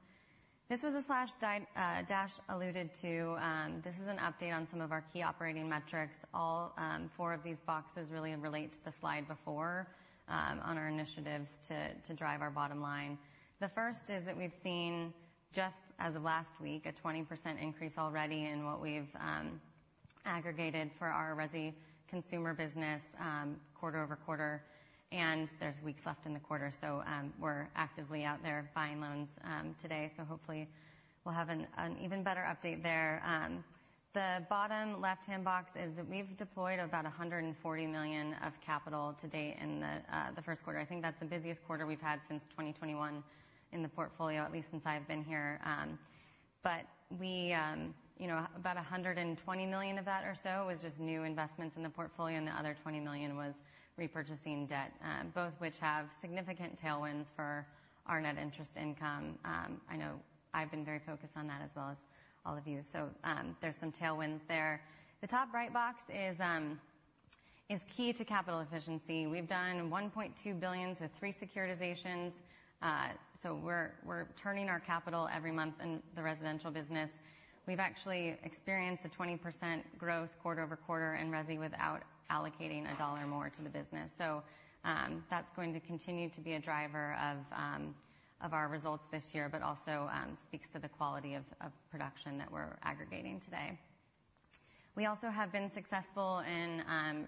This, as Dash alluded to. This is an update on some of our key operating metrics. All four of these boxes really relate to the slide before, on our initiatives to drive our bottom line. The first is that we've seen, just as of last week, a 20% increase already in what we've aggregated for our resi consumer business, quarter-over-quarter. And there's weeks left in the quarter. So, we're actively out there buying loans, today. So hopefully, we'll have an even better update there. The bottom left-hand box is that we've deployed about $140 million of capital to date in the first quarter. I think that's the busiest quarter we've had since 2021 in the portfolio, at least since I've been here. But we, you know, about $120 million of that or so was just new investments in the portfolio. And the other $20 million was repurchasing debt, both which have significant tailwinds for our net interest income. I know I've been very focused on that as well as all of you. So, there's some tailwinds there. The top right box is, is key to capital efficiency. We've done $1.2 billion with three securitizations. So we're, we're turning our capital every month in the residential business. We've actually experienced 20% growth quarter-over-quarter in resi without allocating a dollar more to the business. So, that's going to continue to be a driver of, of our results this year but also, speaks to the quality of, of production that we're aggregating today. We also have been successful in,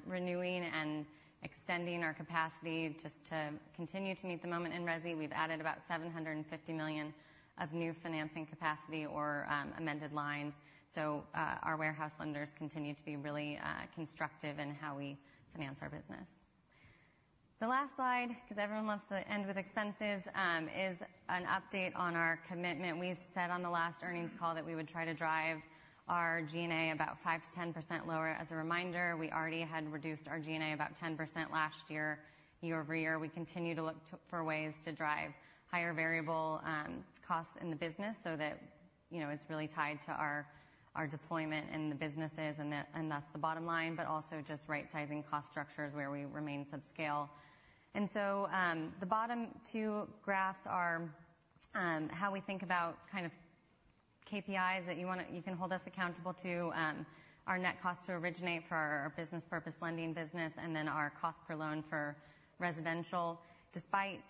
renewing and extending our capacity just to continue to meet the moment in resi. We've added about $750 million of new financing capacity or, amended lines. So, our warehouse lenders continue to be really, constructive in how we finance our business. The last slide, because everyone loves to end with expenses, is an update on our commitment. We said on the last earnings call that we would try to drive our G&A about 5%-10% lower. As a reminder, we already had reduced our G&A about 10% last year, year-over-year. We continue to look to for ways to drive higher variable costs in the business so that, you know, it's really tied to our, our deployment in the businesses and the and thus the bottom line, but also just right-sizing cost structures where we remain subscale. And so, the bottom two graphs are how we think about kind of KPIs that you want to you can hold us accountable to, our net cost to originate for our, our business-purpose lending business and then our cost per loan for residential. Despite,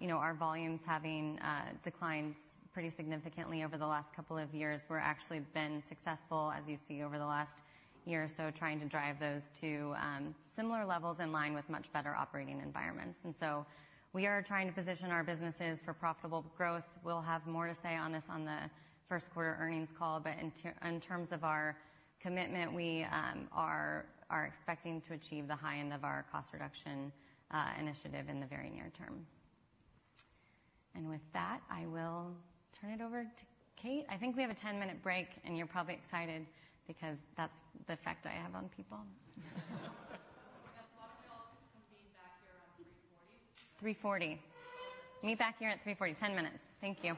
you know, our volumes having declined pretty significantly over the last couple of years, we're actually been successful, as you see over the last year or so, trying to drive those to similar levels in line with much better operating environments. And so we are trying to position our businesses for profitable growth. We'll have more to say on this on the first quarter earnings call. But in terms of our commitment, we are expecting to achieve the high end of our cost reduction initiative in the very near term. And with that, I will turn it over to Kate. I think we have a 10-minute break. And you're probably excited because that's the effect I have on people. Yes. Why don't we all come back here around 3:40? 3:40. Meet back here at 3:40. 10 minutes. Thank you.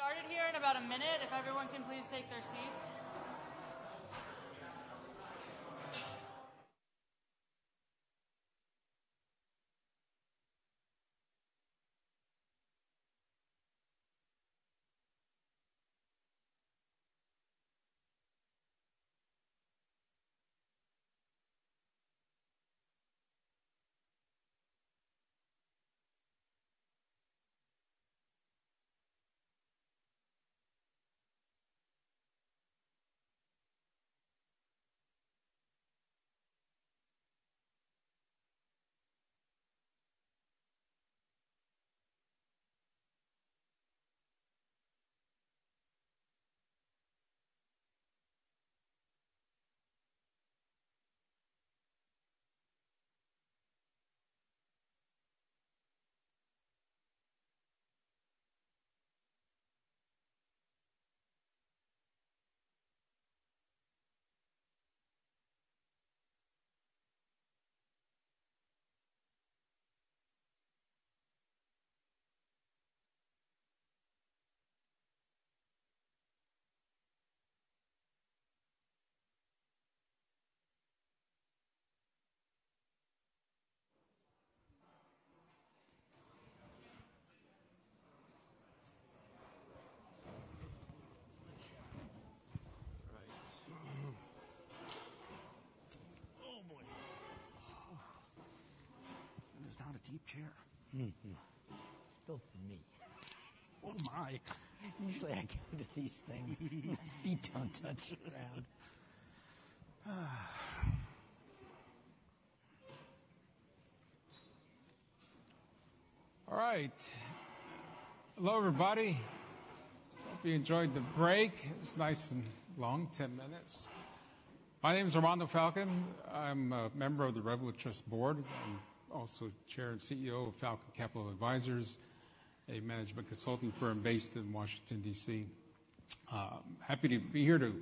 Get started here in about a minute if everyone can please take their seats. Right. Oh my. That is not a deep chair. Mm-mm. It's built for me. Oh my. Usually, I go to these things. My feet don't touch the ground. All right. Hello, everybody. Hope you enjoyed the break. It was nice and long, 10 minutes. My name's Armando Falcon. I'm a member of the Redwood Trust Board. I'm also Chair and CEO of Falcon Capital Advisors, a management consulting firm based in Washington, D.C. Happy to be here to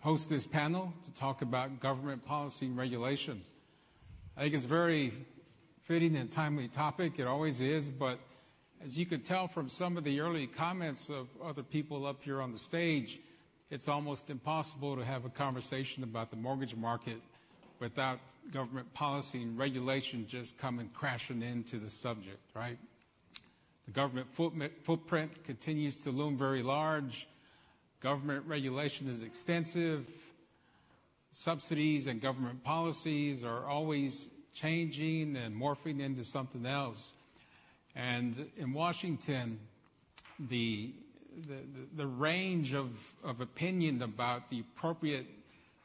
host this panel to talk about government policy and regulation. I think it's a very fitting and timely topic. It always is. But as you could tell from some of the early comments of other people up here on the stage, it's almost impossible to have a conversation about the mortgage market without government policy and regulation just coming crashing into the subject, right? The government footprint continues to loom very large. Government regulation is extensive. Subsidies and government policies are always changing and morphing into something else. And in Washington, the range of opinion about the appropriate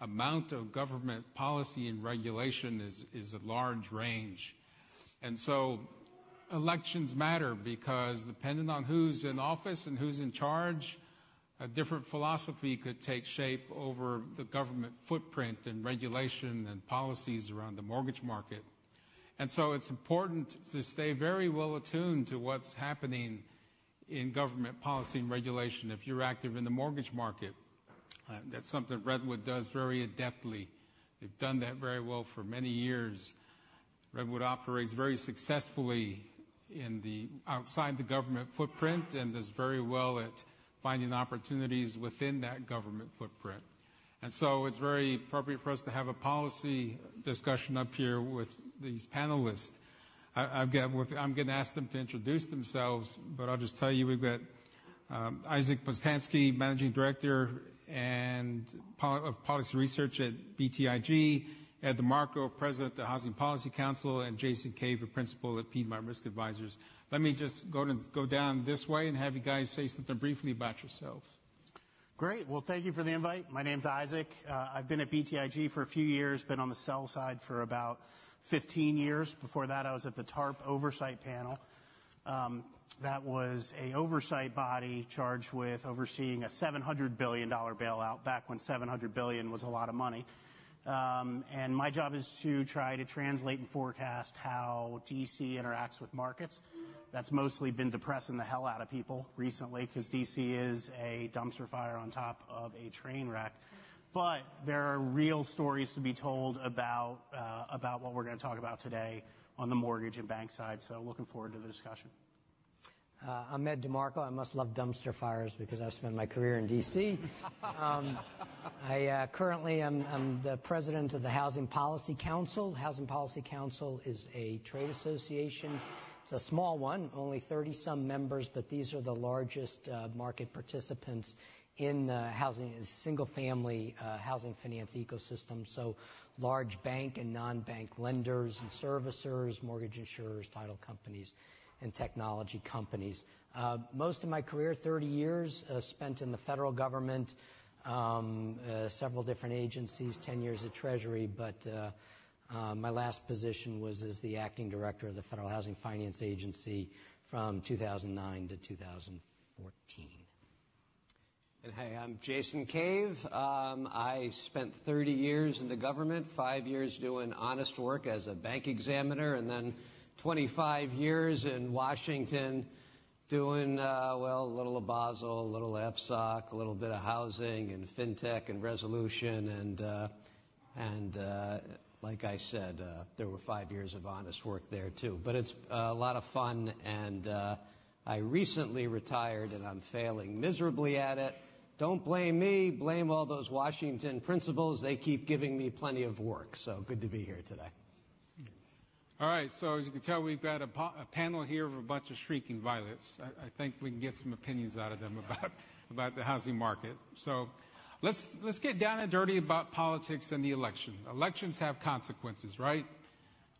amount of government policy and regulation is a large range. And so elections matter because depending on who's in office and who's in charge, a different philosophy could take shape over the government footprint and regulation and policies around the mortgage market. And so it's important to stay very well attuned to what's happening in government policy and regulation if you're active in the mortgage market. That's something Redwood does very adeptly. They've done that very well for many years. Redwood operates very successfully outside the government footprint and does very well at finding opportunities within that government footprint. And so it's very appropriate for us to have a policy discussion up here with these panelists. I'm gonna ask them to introduce themselves. But I'll just tell you, we've got Isaac Boltansky, Managing Director and Director of Policy Research at BTIG, Ed DeMarco, President of the Housing Policy Council, and Jason Cave, a Principal at Piedmont Risk Advisors. Let me just go down this way and have you guys say something briefly about yourselves. Great. Well, thank you for the invite. My name's Isaac. I've been at BTIG for a few years. Been on the sell side for about 15 years. Before that, I was at the TARP oversight panel. That was an oversight body charged with overseeing a $700 billion bailout back when $700 billion was a lot of money. My job is to try to translate and forecast how D.C. interacts with markets. That's mostly been depressing the hell out of people recently 'cause D.C. is a dumpster fire on top of a train wreck. But there are real stories to be told about, about what we're gonna talk about today on the mortgage and bank side. So looking forward to the discussion. I'm Ed DeMarco. I must love dumpster fires because I've spent my career in DC. I currently am the president of the Housing Policy Council. Housing Policy Council is a trade association. It's a small one, only 30-some members. But these are the largest market participants in the housing single-family housing finance ecosystem. So large bank and non-bank lenders and servicers, mortgage insurers, title companies, and technology companies. Most of my career, 30 years, spent in the federal government, several different agencies, 10 years at Treasury. But my last position was as the acting director of the Federal Housing Finance Agency from 2009 to 2014. And hey, I'm Jason Cave. I spent 30 years in the government, five years doing honest work as a bank examiner, and then 25 years in Washington doing, well, a little of Basel, a little of FSOC, a little bit of housing and fintech and resolution. And, like I said, there were five years of honest work there too. But it's a lot of fun. And I recently retired, and I'm failing miserably at it. Don't blame me. Blame all those Washington principals. They keep giving me plenty of work. So good to be here today. All right. So as you can tell, we've got a panel here of a bunch of shrieking violets. I think we can get some opinions out of them about the housing market. So let's get down and dirty about politics and the election. Elections have consequences, right?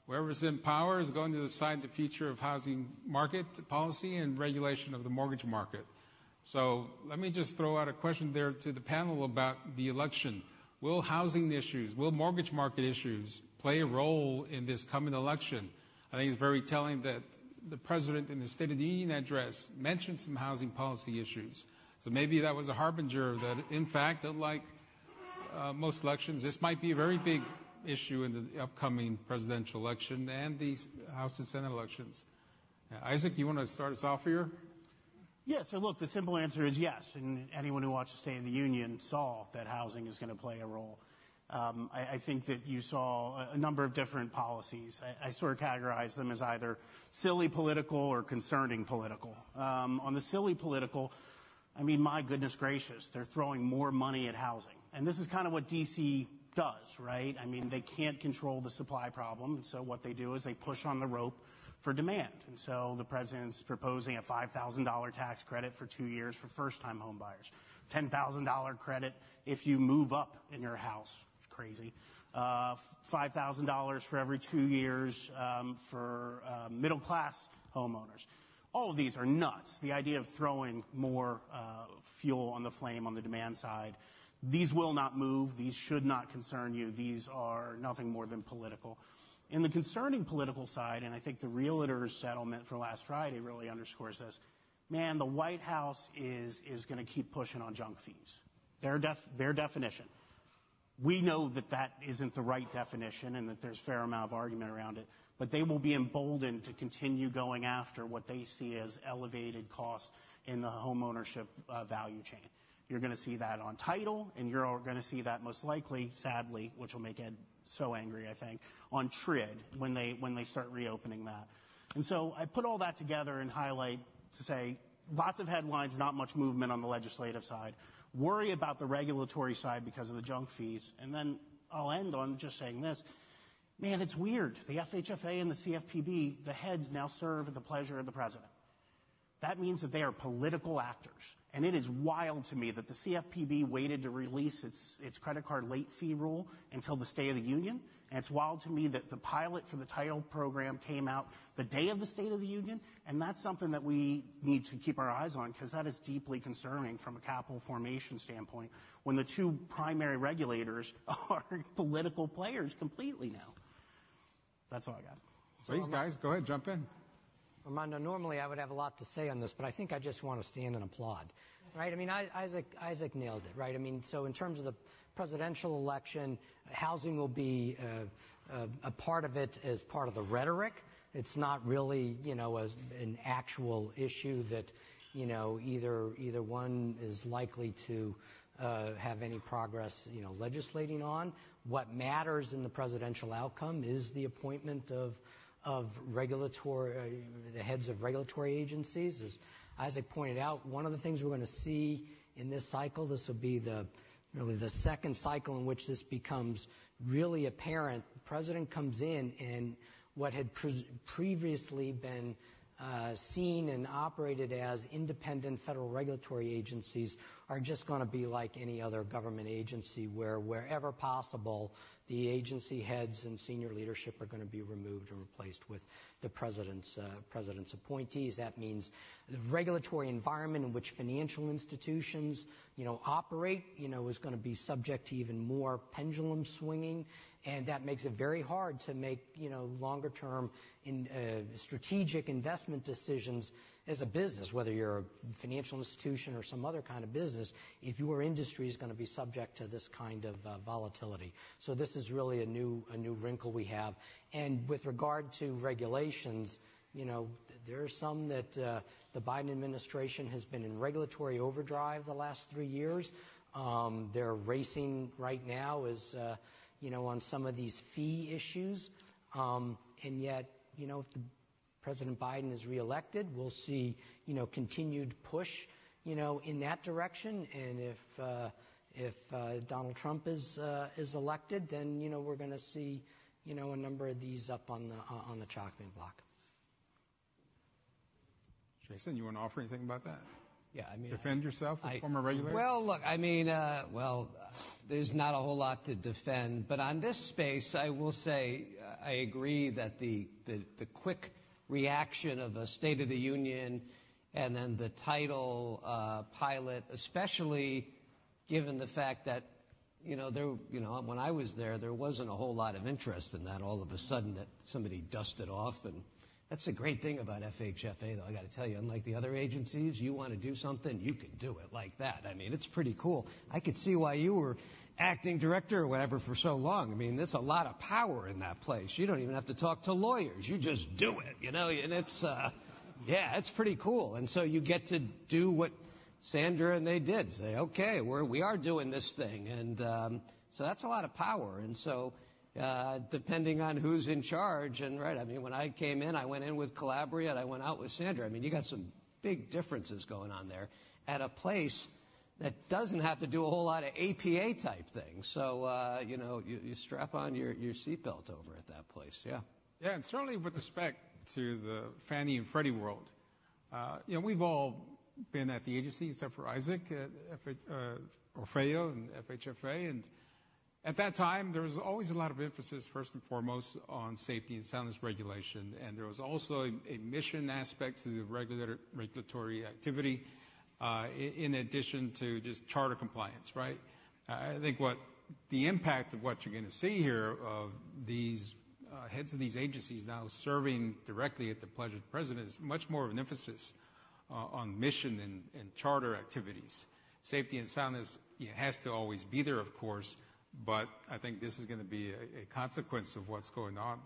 Whoever's in power is going to decide the future of housing market policy and regulation of the mortgage market. So let me just throw out a question there to the panel about the election. Will housing issues or mortgage market issues play a role in this coming election? I think it's very telling that the president in the State of the Union address mentioned some housing policy issues. So maybe that was a harbinger that, in fact, unlike most elections, this might be a very big issue in the upcoming presidential election and these House and Senate elections. Isaac, do you wanna start us off here? Yes. So look, the simple answer is yes. And anyone who watched The State of the Union saw that housing is gonna play a role. I, I think that you saw a, a number of different policies. I, I sort of categorized them as either silly political or concerning political. On the silly political, I mean, my goodness gracious, they're throwing more money at housing. And this is kinda what D.C. does, right? I mean, they can't control the supply problem. And so what they do is they push on the rope for demand. And so the president's proposing a $5,000 tax credit for two years for first-time home buyers, $10,000 credit if you move up in your house. Crazy. $5,000 for every two years, for, middle-class homeowners. All of these are nuts. The idea of throwing more, fuel on the flame on the demand side, these will not move. These should not concern you. These are nothing more than political. In the concerning political side - and I think the Realtors settlement for last Friday really underscores this - man, the White House is gonna keep pushing on junk fees. Their definition. We know that isn't the right definition and that there's a fair amount of argument around it. But they will be emboldened to continue going after what they see as elevated costs in the homeownership value chain. You're gonna see that on title, and you're all gonna see that most likely, sadly, which will make Ed so angry, I think, on TRID when they start reopening that. And so I put all that together and highlight to say lots of headlines, not much movement on the legislative side, worry about the regulatory side because of the junk fees. Then I'll end on just saying this. Man, it's weird. The FHFA and the CFPB, the heads now serve at the pleasure of the president. That means that they are political actors. It is wild to me that the CFPB waited to release its, its credit card late fee rule until the State of the Union. It's wild to me that the pilot for the title program came out the day of the State of the Union. That's something that we need to keep our eyes on 'cause that is deeply concerning from a capital formation standpoint when the two primary regulators are political players completely now. That's all I got. Ed guys, go ahead, jump in. Armando, normally, I would have a lot to say on this, but I think I just wanna stand and applaud, right? I mean, Isaac nailed it, right? I mean, so in terms of the presidential election, housing will be a part of it as part of the rhetoric. It's not really, you know, as an actual issue that, you know, either, either one is likely to have any progress, you know, legislating on. What matters in the presidential outcome is the appointment of, of regulatory the heads of regulatory agencies. As Isaac pointed out, one of the things we're gonna see in this cycle. This will be really the second cycle in which this becomes really apparent. The president comes in, and what had previously been seen and operated as independent federal regulatory agencies are just gonna be like any other government agency where, wherever possible, the agency heads and senior leadership are gonna be removed and replaced with the president's appointees. That means the regulatory environment in which financial institutions, you know, operate, you know, is gonna be subject to even more pendulum swinging. And that makes it very hard to make, you know, longer-term strategic investment decisions as a business, whether you're a financial institution or some other kind of business. If you are in industry, it's gonna be subject to this kind of volatility. So this is really a new wrinkle we have. And with regard to regulations, you know, there are some that the Biden administration has been in regulatory overdrive the last three years. Their racing right now is, you know, on some of these fee issues. And yet, you know, if President Biden is reelected, we'll see, you know, continued push, you know, in that direction. And if Donald Trump is elected, then, you know, we're gonna see, you know, a number of these up on the chopping block. Jason, you wanna offer anything about that? Yeah. I mean. Defend yourself or former regulators? Well, look. I mean, well, there's not a whole lot to defend. But on this space, I will say, I agree that the quick reaction of a State of the Union and then the title pilot, especially given the fact that, you know, when I was there, there wasn't a whole lot of interest in that all of a sudden that somebody dusted off. And that's a great thing about FHFA, though, I gotta tell you. Unlike the other agencies, you wanna do something, you can do it like that. I mean, it's pretty cool. I could see why you were acting director or whatever for so long. I mean, that's a lot of power in that place. You don't even have to talk to lawyers. You just do it, you know? And it's, yeah, it's pretty cool. And so you get to do what Sandra and they did, say, "Okay. We're doing this thing." And so that's a lot of power. And so, depending on who's in charge and, right. I mean, when I came in, I went in with Calabria, and I went out with Sandra. I mean, you got some big differences going on there at a place that doesn't have to do a whole lot of APA-type things. So, you know, you strap on your seatbelt over at that place. Yeah. Yeah. Certainly, with respect to the Fannie and Freddie world, you know, we've all been at the agency except for Isaac, FHFA. And at that time, there was always a lot of emphasis, first and foremost, on safety and soundness regulation. And there was also a mission aspect to the regulatory activity, in addition to just charter compliance, right? I think what the impact of what you're gonna see here of these heads of these agencies now serving directly at the pleasure of the president is much more of an emphasis on mission and charter activities. Safety and soundness, it has to always be there, of course. But I think this is gonna be a consequence of what's going on.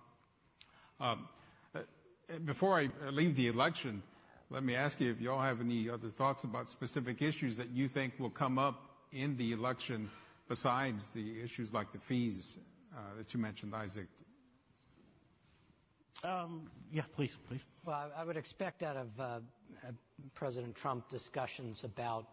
Before I leave the election, let me ask you if y'all have any other thoughts about specific issues that you think will come up in the election besides the issues like the fees that you mentioned, Isaac? Yeah, please, please. Well, I would expect out of President Trump discussions about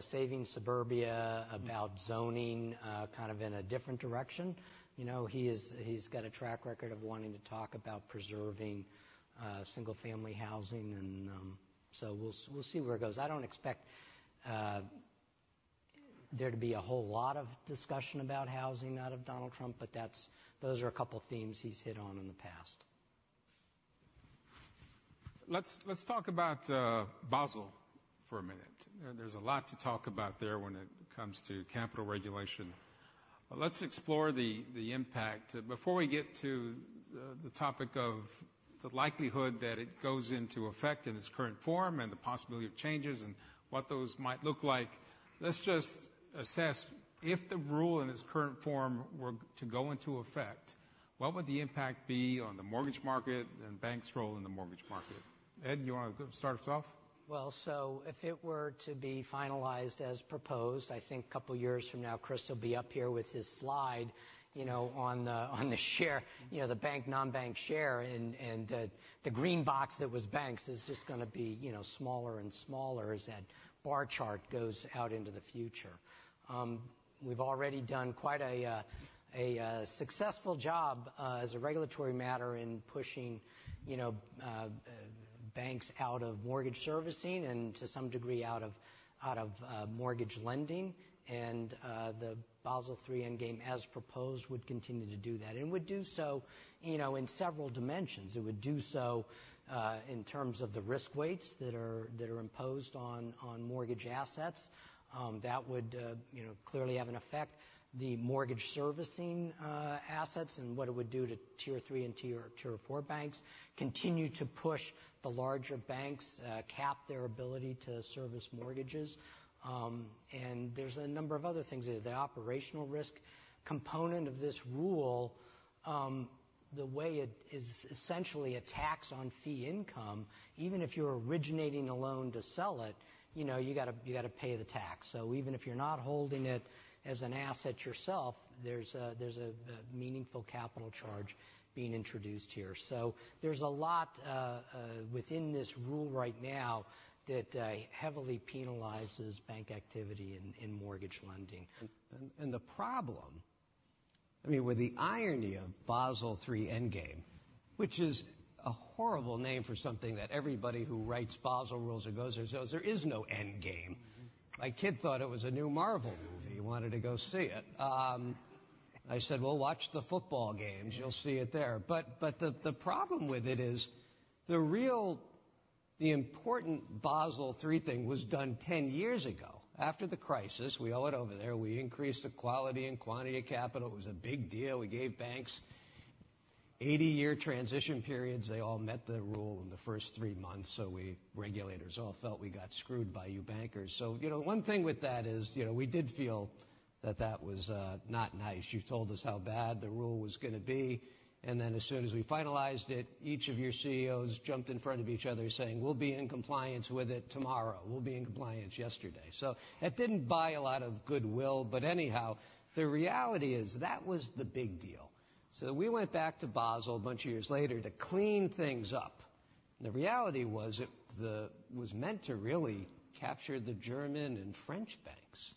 saving suburbia, about zoning, kind of in a different direction. You know, he's got a track record of wanting to talk about preserving single-family housing. So we'll see where it goes. I don't expect there to be a whole lot of discussion about housing out of Donald Trump. But those are a couple of themes he's hit on in the past. Let's talk about Basel for a minute. There's a lot to talk about there when it comes to capital regulation. But let's explore the impact before we get to the topic of the likelihood that it goes into effect in its current form and the possibility of changes and what those might look like. Let's just assess if the rule in its current form were to go into effect, what would the impact be on the mortgage market and banks' role in the mortgage market? Ed, you wanna go start us off? Well, so if it were to be finalized as proposed, I think a couple of years from now, Chris will be up here with his slide, you know, on the share, you know, the bank non-bank share and the green box that was banks is just gonna be, you know, smaller and smaller as that bar chart goes out into the future. We've already done quite a successful job, as a regulatory matter in pushing, you know, banks out of mortgage servicing and to some degree out of mortgage lending. The Basel III Endgame, as proposed, would continue to do that and would do so, you know, in several dimensions. It would do so in terms of the risk weights that are imposed on mortgage assets. That would, you know, clearly have an effect on the mortgage servicing assets and what it would do to Tier III and Tier or Tier IV banks continue to push the larger banks cap their ability to service mortgages. There's a number of other things there. The operational risk component of this rule, the way it is essentially a tax on fee income. Even if you're originating a loan to sell it, you know, you gotta you gotta pay the tax. So even if you're not holding it as an asset yourself, there's a there's a meaningful capital charge being introduced here. So there's a lot within this rule right now that heavily penalizes bank activity in in mortgage lending. The problem I mean, with the irony of Basel III Endgame, which is a horrible name for something that everybody who writes Basel rules or goes there says, "There is no endgame." My kid thought it was a new Marvel movie. He wanted to go see it. I said, "Well, watch the football games. You'll see it there." But the problem with it is the real the important Basel III thing was done 10 years ago. After the crisis, we owe it over there. We increased the quality and quantity of capital. It was a big deal. We gave banks 80-year transition periods. They all met the rule in the first three months. So we regulators all felt we got screwed by you bankers. So, you know, one thing with that is, you know, we did feel that that was not nice. You told us how bad the rule was gonna be. And then as soon as we finalized it, each of your CEOs jumped in front of each other saying, "We'll be in compliance with it tomorrow. We'll be in compliance yesterday." So that didn't buy a lot of goodwill. But anyhow, the reality is that was the big deal. So we went back to Basel a bunch of years later to clean things up. And the reality was it was meant to really capture the German and French banks.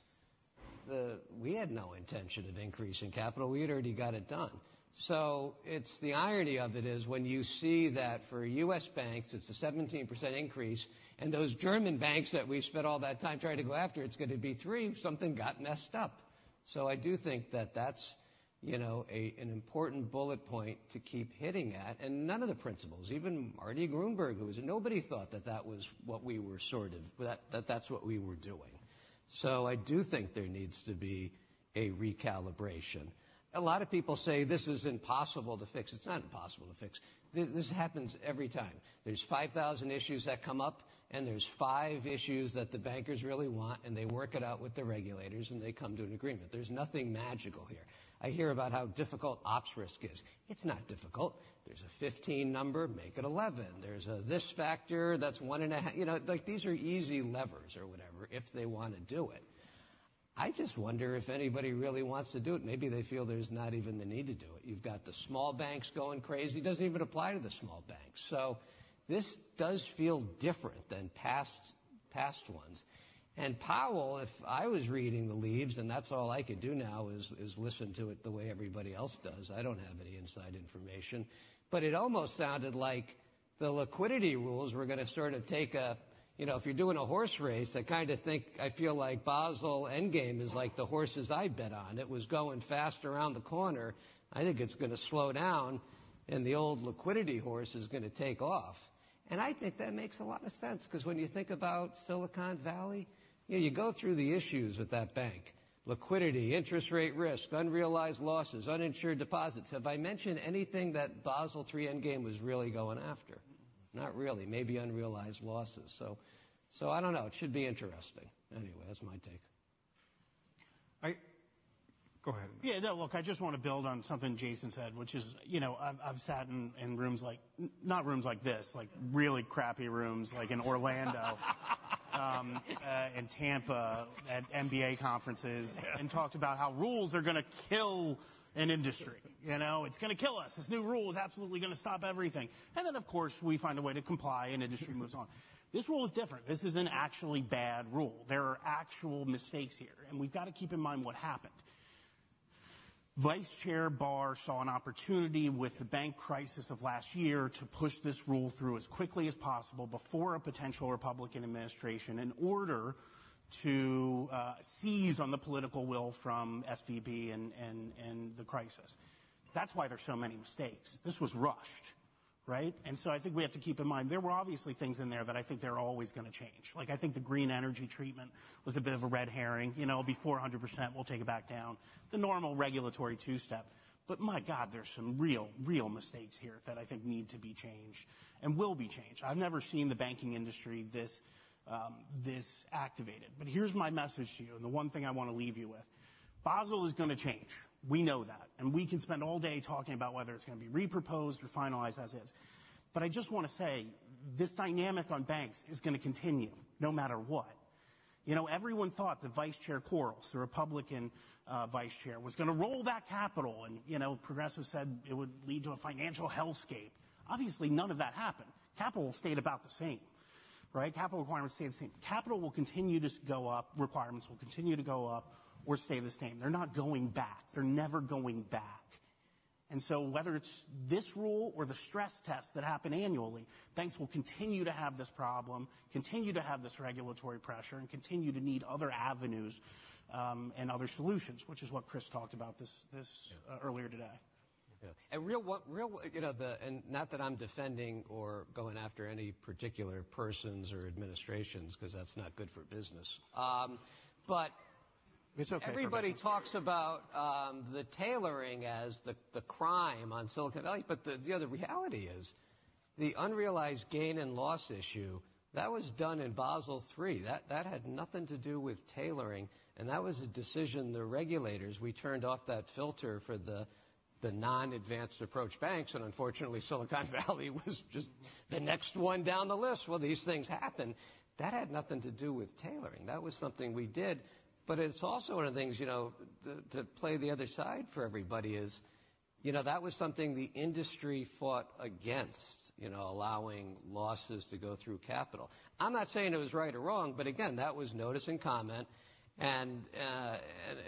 We had no intention of increasing capital. We had already got it done. So it's the irony of it is when you see that for U.S. banks, it's a 17% increase. And those German banks that we've spent all that time trying to go after, it's gonna be 3%. Something got messed up. So I do think that that's, you know, an important bullet point to keep hitting at. And none of the principles even Marty Gruenberg, who was nobody thought that that was what we were sort of that, that that's what we were doing. So I do think there needs to be a recalibration. A lot of people say this is impossible to fix. It's not impossible to fix. This happens every time. There's 5,000 issues that come up, and there's five issues that the bankers really want. And they work it out with the regulators, and they come to an agreement. There's nothing magical here. I hear about how difficult ops risk is. It's not difficult. There's a 15 number. Make it 11. There's a this factor. That's 1.5 you know, like, these are easy levers or whatever if they wanna do it. I just wonder if anybody really wants to do it. Maybe they feel there's not even the need to do it. You've got the small banks going crazy. It doesn't even apply to the small banks. So this does feel different than past, past ones. And Powell, if I was reading the leaves and that's all I could do now is listen to it the way everybody else does, I don't have any inside information. But it almost sounded like the liquidity rules were gonna sort of take a, you know, if you're doing a horse race, I kinda think I feel like Basel endgame is like the horses I bet on. It was going fast around the corner. I think it's gonna slow down. And the old liquidity horse is gonna take off. And I think that makes a lot of sense 'cause when you think about Silicon Valley, you know, you go through the issues with that bank: liquidity, interest rate risk, unrealized losses, uninsured deposits. Have I mentioned anything that Basel III Endgame was really going after? Not really. Maybe unrealized losses. So, so I don't know. It should be interesting. Anyway, that's my take. Isaac go ahead. Yeah. No, look. I just wanna build on something Jason said, which is, you know, I've sat in rooms like not rooms like this, like really crappy rooms, like in Orlando, in Tampa at MBA conferences and talked about how rules are gonna kill an industry, you know? It's gonna kill us. This new rule is absolutely gonna stop everything. And then, of course, we find a way to comply, and industry moves on. This rule is different. This is an actually bad rule. There are actual mistakes here. And we've gotta keep in mind what happened. Vice Chair Barr saw an opportunity with the bank crisis of last year to push this rule through as quickly as possible before a potential Republican administration in order to seize on the political will from SVB and the crisis. That's why there's so many mistakes. This was rushed, right? And so I think we have to keep in mind there were obviously things in there that I think they're always gonna change. Like, I think the green energy treatment was a bit of a red herring, you know, before 100%. We'll take it back down. The normal regulatory two-step. But my God, there's some real, real mistakes here that I think need to be changed and will be changed. I've never seen the banking industry this, this activated. But here's my message to you and the one thing I wanna leave you with. Basel is gonna change. We know that. And we can spend all day talking about whether it's gonna be reproposed or finalized as is. But I just wanna say this dynamic on banks is gonna continue no matter what. You know, everyone thought the Vice Chair Quarles, the Republican Vice Chair, was gonna roll back capital. And, you know, Progressives said it would lead to a financial hellscape. Obviously, none of that happened. Capital will stay about the same, right? Capital requirements stay the same. Capital will continue to go up. Requirements will continue to go up or stay the same. They're not going back. They're never going back. And so whether it's this rule or the stress tests that happen annually, banks will continue to have this problem, continue to have this regulatory pressure, and continue to need other avenues and other solutions, which is what Chris talked about earlier today. Yeah. And really, you know, not that I'm defending or going after any particular persons or administrations 'cause that's not good for business. But everybody talks about the tailoring as the crime on Silicon Valley. But the other reality is the unrealized gain and loss issue that was done in Basel III. That had nothing to do with tailoring. And that was a decision the regulators. We turned off that filter for the non-advanced approach banks. And unfortunately, Silicon Valley was just the next one down the list. Well, these things happen. That had nothing to do with tailoring. That was something we did. But it's also one of the things, you know, to play the other side for everybody is, you know, that was something the industry fought against, you know, allowing losses to go through capital. I'm not saying it was right or wrong. But again, that was notice and comment. And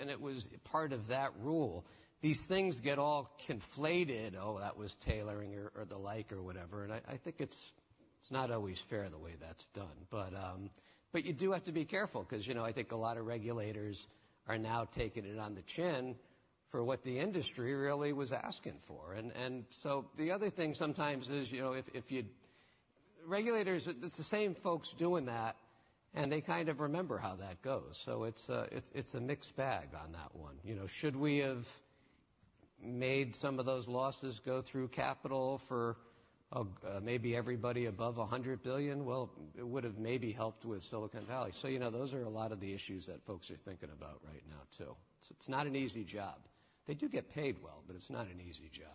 it was part of that rule. These things get all conflated, "Oh, that was tailoring," or the like, or whatever. And I think it's not always fair the way that's done. But you do have to be careful 'cause, you know, I think a lot of regulators are now taking it on the chin for what the industry really was asking for. And so the other thing sometimes is, you know, if you deal with regulators, it's the same folks doing that. And they kind of remember how that goes. So it's a mixed bag on that one. You know, should we have made some of those losses go through capital for maybe everybody above $100 billion? Well, it would have maybe helped with Silicon Valley. You know, those are a lot of the issues that folks are thinking about right now too. It's, it's not an easy job. They do get paid well, but it's not an easy job.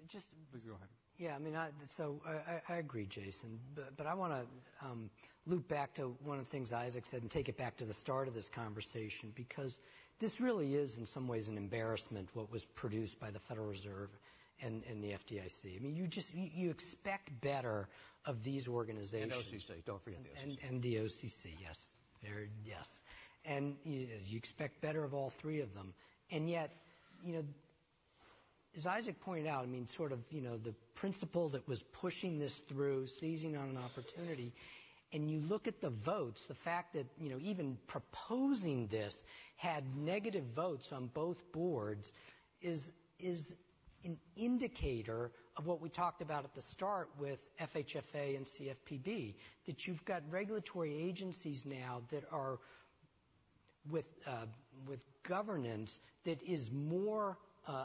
Ed just please go ahead. Yeah. I mean, I agree, Jason. But I wanna loop back to one of the things Isaac said and take it back to the start of this conversation because this really is, in some ways, an embarrassment what was produced by the Federal Reserve and the FDIC. I mean, you just expect better of these organizations. OCC. Don't forget the OCC. And the OCC. Yes. They're, yes. And you expect better of all three of them. And yet, you know, as Isaac pointed out, I mean, sort of, you know, the principal that was pushing this through, seizing on an opportunity, and you look at the votes, the fact that, you know, even proposing this had negative votes on both boards is, is an indicator of what we talked about at the start with FHFA and CFPB, that you've got regulatory agencies now that are with, with governance that is more,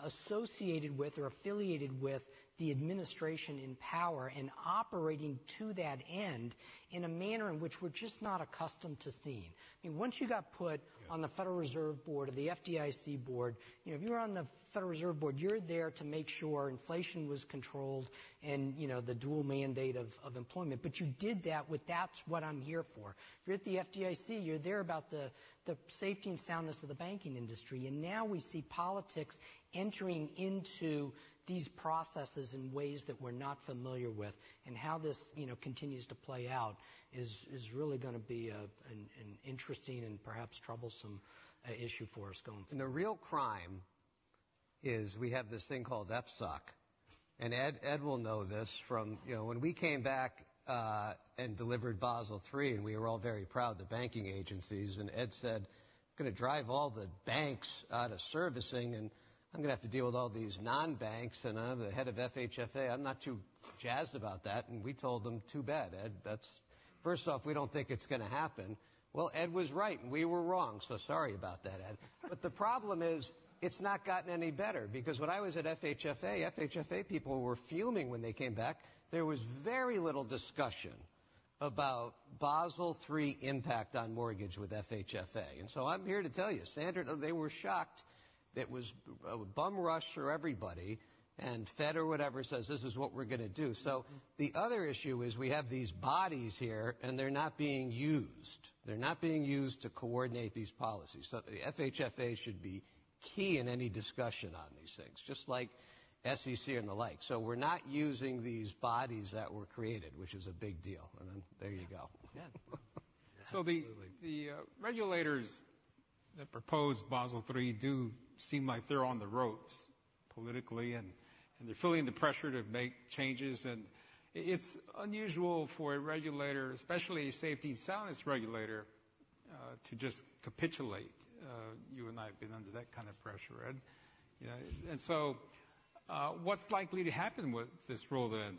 associated with or affiliated with the administration in power and operating to that end in a manner in which we're just not accustomed to seeing. I mean, once you got put on the Federal Reserve Board or the FDIC board, you know, if you were on the Federal Reserve Board, you're there to make sure inflation was controlled and, you know, the dual mandate of employment. But you did that with, that's what I'm here for. If you're at the FDIC, you're there about the safety and soundness of the banking industry. And now we see politics entering into these processes in ways that we're not familiar with. And how this, you know, continues to play out is really gonna be an interesting and perhaps troublesome issue for us going forward. The real crime is we have this thing called FSOC. Ed, Ed will know this from, you know, when we came back and delivered Basel III, and we were all very proud, the banking agencies. And Ed said, "I'm gonna drive all the banks out of servicing. And I'm gonna have to deal with all these non-banks." And I'm the head of FHFA. I'm not too jazzed about that. And we told them, "Too bad, Ed. That's first off, we don't think it's gonna happen." Well, Ed was right. And we were wrong. So sorry about that, Ed. But the problem is it's not gotten any better because when I was at FHFA, FHFA people were fuming when they came back. There was very little discussion about Basel III impact on mortgage with FHFA. And so I'm here to tell you, Sandra, they were shocked. It was a bumrush for everybody. And Fed or whatever says, "This is what we're gonna do." So the other issue is we have these bodies here, and they're not being used. They're not being used to coordinate these policies. So the FHFA should be key in any discussion on these things, just like SEC and the like. So we're not using these bodies that were created, which is a big deal. And then there you go. Yeah. So the regulators that proposed Basel III do seem like they're on the ropes politically. And they're feeling the pressure to make changes. And it's unusual for a regulator, especially a safety and soundness regulator, to just capitulate. You and I have been under that kind of pressure, Ed. You know, and so, what's likely to happen with this rule then?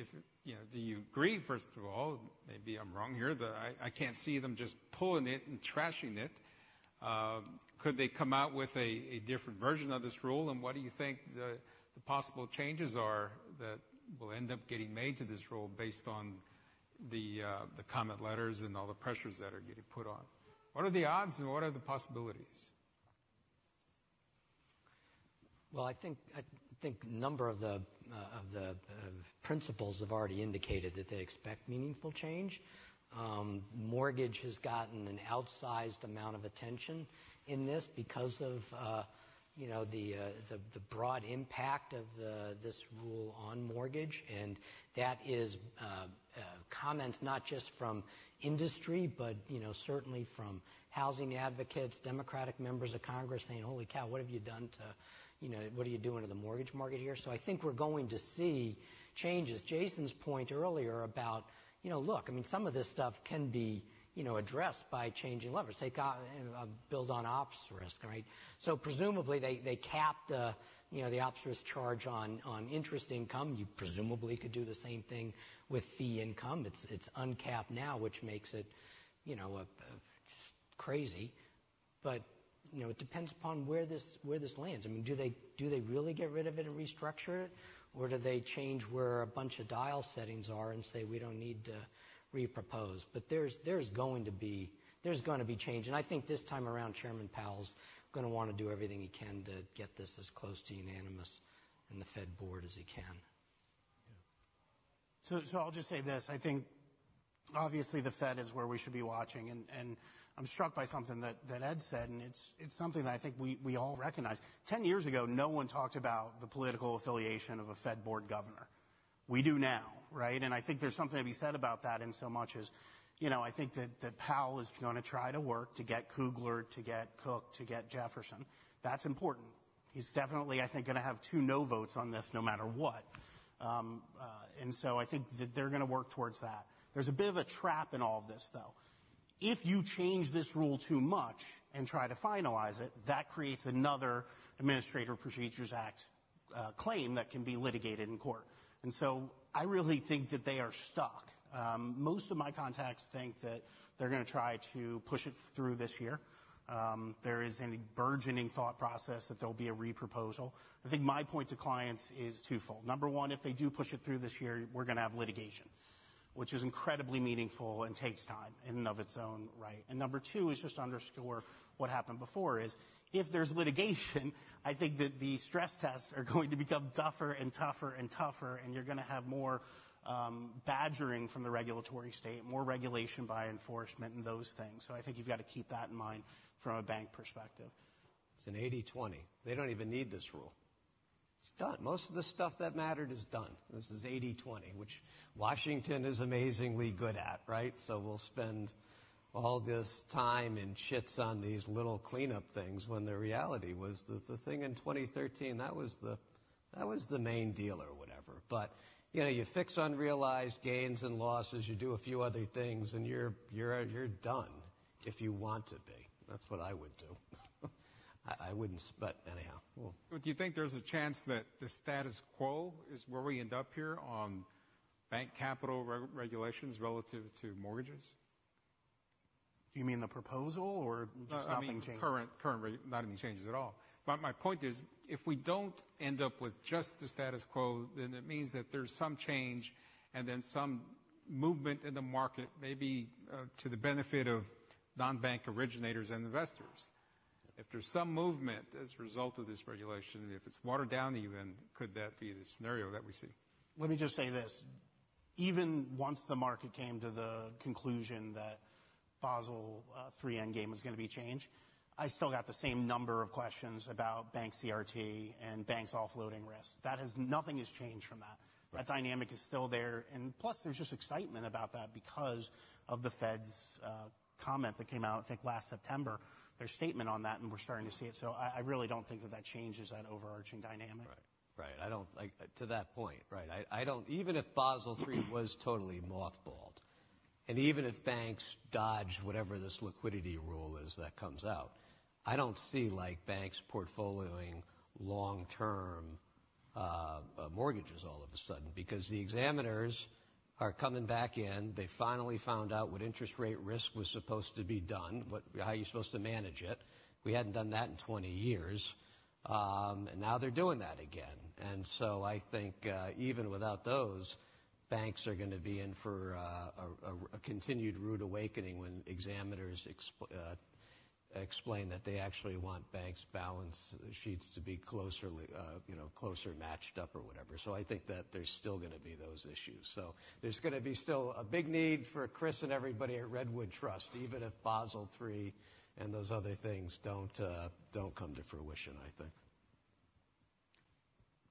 If you know, do you agree, first of all? Maybe I'm wrong here. I can't see them just pulling it and trashing it. Could they come out with a different version of this rule? And what do you think the possible changes are that will end up getting made to this rule based on the comment letters and all the pressures that are getting put on? What are the odds, and what are the possibilities? Well, I think a number of the principles have already indicated that they expect meaningful change. Mortgage has gotten an outsized amount of attention in this because of, you know, the broad impact of this rule on mortgage. And that is comments not just from industry but, you know, certainly from housing advocates, Democratic members of Congress saying, "Holy cow. What have you done to, you know, what are you doing to the mortgage market here?" So I think we're going to see changes. Jason's point earlier about, you know, look, I mean, some of this stuff can be, you know, addressed by changing levers. They got a build-on ops risk, right? So presumably, they capped the ops risk charge on interest income. You presumably could do the same thing with fee income. It's uncapped now, which makes it, you know, just crazy. But, you know, it depends upon where this lands. I mean, do they really get rid of it and restructure it? Or do they change where a bunch of dial settings are and say, "We don't need to repropose"? But there's going to be change. And I think this time around, Chairman Powell's gonna wanna do everything he can to get this as close to unanimous in the Fed board as he can. Yeah. So, so I'll just say this. I think, obviously, the Fed is where we should be watching. And, and I'm struck by something that, that Ed said. And it's, it's something that I think we, we all recognize. 10 years ago, no one talked about the political affiliation of a Fed board governor. We do now, right? And I think there's something to be said about that in so much as, you know, I think that, that Powell is gonna try to work to get Kugler, to get Cook, to get Jefferson. That's important. He's definitely, I think, gonna have two no-votes on this no matter what. And so I think that they're gonna work towards that. There's a bit of a trap in all of this, though. If you change this rule too much and try to finalize it, that creates another Administrative Procedures Act claim that can be litigated in court. And so I really think that they are stuck. Most of my contacts think that they're gonna try to push it through this year. There is any burgeoning thought process that there'll be a reproposal. I think my point to clients is twofold. Number one, if they do push it through this year, we're gonna have litigation, which is incredibly meaningful and takes time in and of itself, right? And number two is just underscore what happened before is if there's litigation, I think that the stress tests are going to become tougher and tougher and tougher. And you're gonna have more badgering from the regulatory state, more regulation by enforcement, and those things. I think you've gotta keep that in mind from a bank perspective. It's an 80/20. They don't even need this rule. It's done. Most of the stuff that mattered is done. This is 80/20, which Washington is amazingly good at, right? So we'll spend all this time and shits on these little cleanup things when the reality was that the thing in 2013, that was the that was the main deal or whatever. But, you know, you fix unrealized gains and losses. You do a few other things. And you're, you're, you're done if you want to be. That's what I would do. I, I wouldn't s but anyhow, we'll. Do you think there's a chance that the status quo is where we end up here on bank capital re-regulations relative to mortgages? Do you mean the proposal or just nothing changed? I mean, current rate, not any changes at all. My point is if we don't end up with just the status quo, then it means that there's some change and then some movement in the market, maybe, to the benefit of non-bank originators and investors. If there's some movement as a result of this regulation, and if it's watered down even, could that be the scenario that we see? Let me just say this. Even once the market came to the conclusion that Basel III Endgame was gonna be changed, I still got the same number of questions about bank CRT and banks offloading risk. Nothing has changed from that. That dynamic is still there. And plus, there's just excitement about that because of the Fed's comment that came out, I think, last September, their statement on that. And we're starting to see it. So I really don't think that that changes that overarching dynamic. Right. Right. I don't like, to that point, right, I don't even if Basel III was totally mothballed and even if banks dodge whatever this liquidity rule is that comes out, I don't see, like, banks portfoling long-term mortgages all of a sudden because the examiners are coming back in. They finally found out what interest rate risk was supposed to be done, what how you're supposed to manage it. We hadn't done that in 20 years, and now they're doing that again. And so I think, even without those, banks are gonna be in for a continued rude awakening when examiners explain that they actually want banks' balance sheets to be closer, like, you know, closer matched up or whatever. So I think that there's still gonna be those issues. So there's gonna be still a big need for Chris and everybody at Redwood Trust, even if Basel III and those other things don't come to fruition, I think.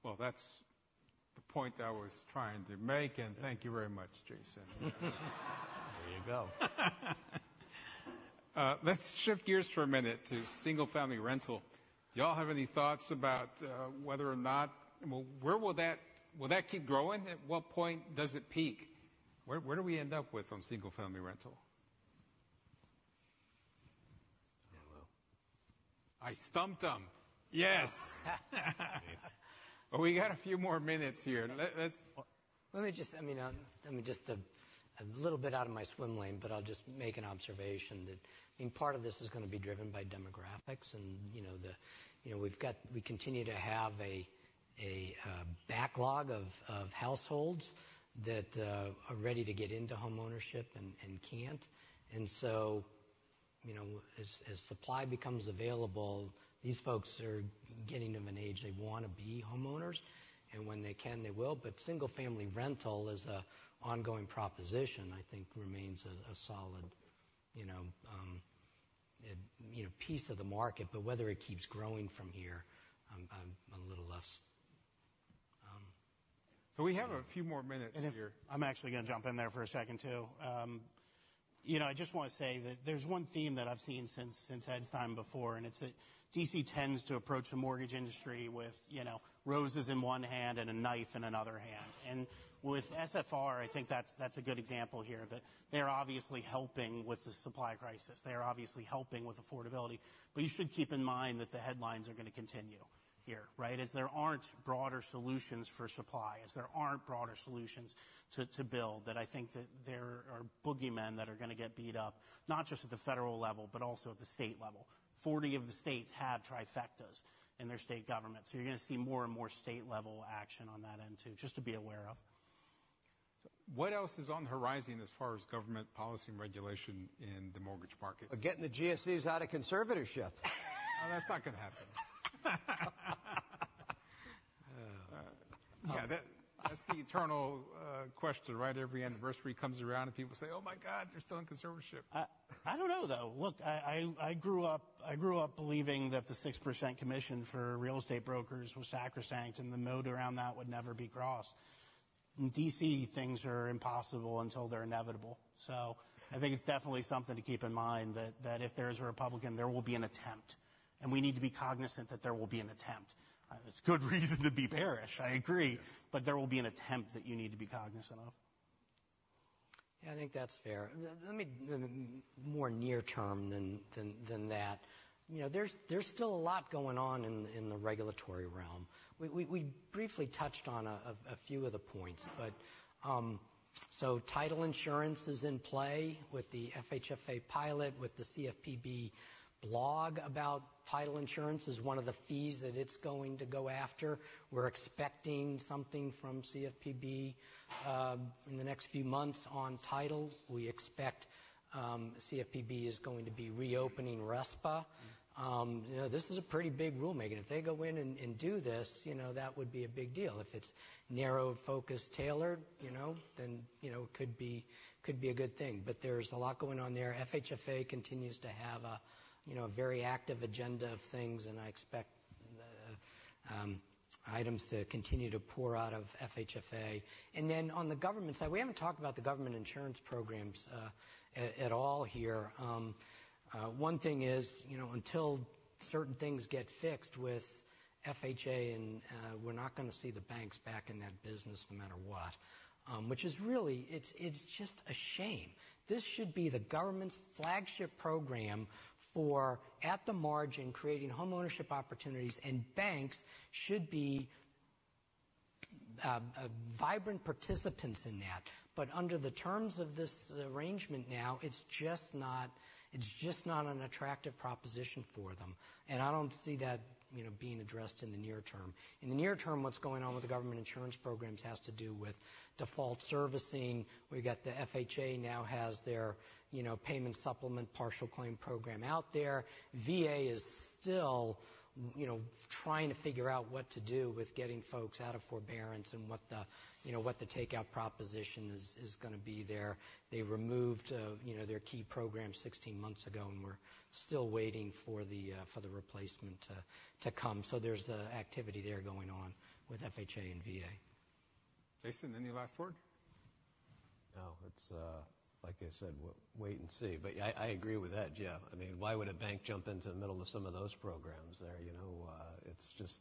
Well, that's the point I was trying to make. Thank you very much, Jason. There you go. Let's shift gears for a minute to single-family rental. Do y'all have any thoughts about whether or not—well, where will that keep growing? At what point does it peak? Where do we end up with on single-family rental? I don't know. I stumped them. Yes. Well, we got a few more minutes here. Let's. Let me just, I mean, I'm just a little bit out of my swim lane. But I'll just make an observation that, I mean, part of this is gonna be driven by demographics. And, you know, we've got we continue to have a backlog of households that are ready to get into homeownership and can't. And so, you know, as supply becomes available, these folks are getting to an age they wanna be homeowners. And when they can, they will. But single-family rental as an ongoing proposition, I think, remains a solid, you know, piece of the market. But whether it keeps growing from here, I'm a little less, We have a few more minutes here. And I'm actually gonna jump in there for a second too. You know, I just wanna say that there's one theme that I've seen since, since Ed's time before. And it's that D.C. tends to approach the mortgage industry with, you know, roses in one hand and a knife in another hand. And with SFR, I think that's, that's a good example here that they're obviously helping with the supply crisis. They're obviously helping with affordability. But you should keep in mind that the headlines are gonna continue here, right, as there aren't broader solutions for supply, as there aren't broader solutions to, to build, that I think that there are boogeymen that are gonna get beat up not just at the federal level but also at the state level. 40 of the states have trifectas in their state government. So you're gonna see more and more state-level action on that end too, just to be aware of. So what else is on the horizon as far as government policy and regulation in the mortgage market? Getting the GSEs out of conservatorship. Oh, that's not gonna happen. Yeah. That's the eternal question, right? Every anniversary comes around, and people say, "Oh, my God. They're still in conservatorship. I don't know, though. Look, I grew up believing that the 6% commission for real estate brokers was sacrosanct. And the moat around that would never be crossed. In D.C., things are impossible until they're inevitable. So I think it's definitely something to keep in mind that if there's a Republican, there will be an attempt. And we need to be cognizant that there will be an attempt. It's good reason to be bearish. I agree. But there will be an attempt that you need to be cognizant of. Yeah. I think that's fair. Let me more near-term than that. You know, there's still a lot going on in the regulatory realm. We briefly touched on a few of the points. But so title insurance is in play with the FHFA pilot with the CFPB blog about title insurance as one of the fees that it's going to go after. We're expecting something from CFPB in the next few months on title. We expect CFPB is going to be reopening RESPA. You know, this is a pretty big rulemaker. And if they go in and do this, you know, that would be a big deal. If it's narrowed, focused, tailored, you know, then it could be a good thing. But there's a lot going on there. FHFA continues to have a, you know, a very active agenda of things. I expect items to continue to pour out of FHFA. Then on the government side, we haven't talked about the government insurance programs at all here. One thing is, you know, until certain things get fixed with FHA and, we're not gonna see the banks back in that business no matter what, which is really it's just a shame. This should be the government's flagship program for, at the margin, creating homeownership opportunities. And banks should be vibrant participants in that. But under the terms of this arrangement now, it's just not an attractive proposition for them. And I don't see that, you know, being addressed in the near term. In the near term, what's going on with the government insurance programs has to do with default servicing. We got the FHA now has their, you know, payment supplement partial claim program out there. VA is still, you know, trying to figure out what to do with getting folks out of forbearance and what the, you know, what the takeout proposition is, is gonna be there. They removed, you know, their key program 16 months ago. And we're still waiting for the, for the replacement to, to come. So there's the activity there going on with FHA and VA. Jason, any last word? No. It's, like I said, wait and see. But I agree with that, Jeff. I mean, why would a bank jump into the middle of some of those programs there? You know, it's just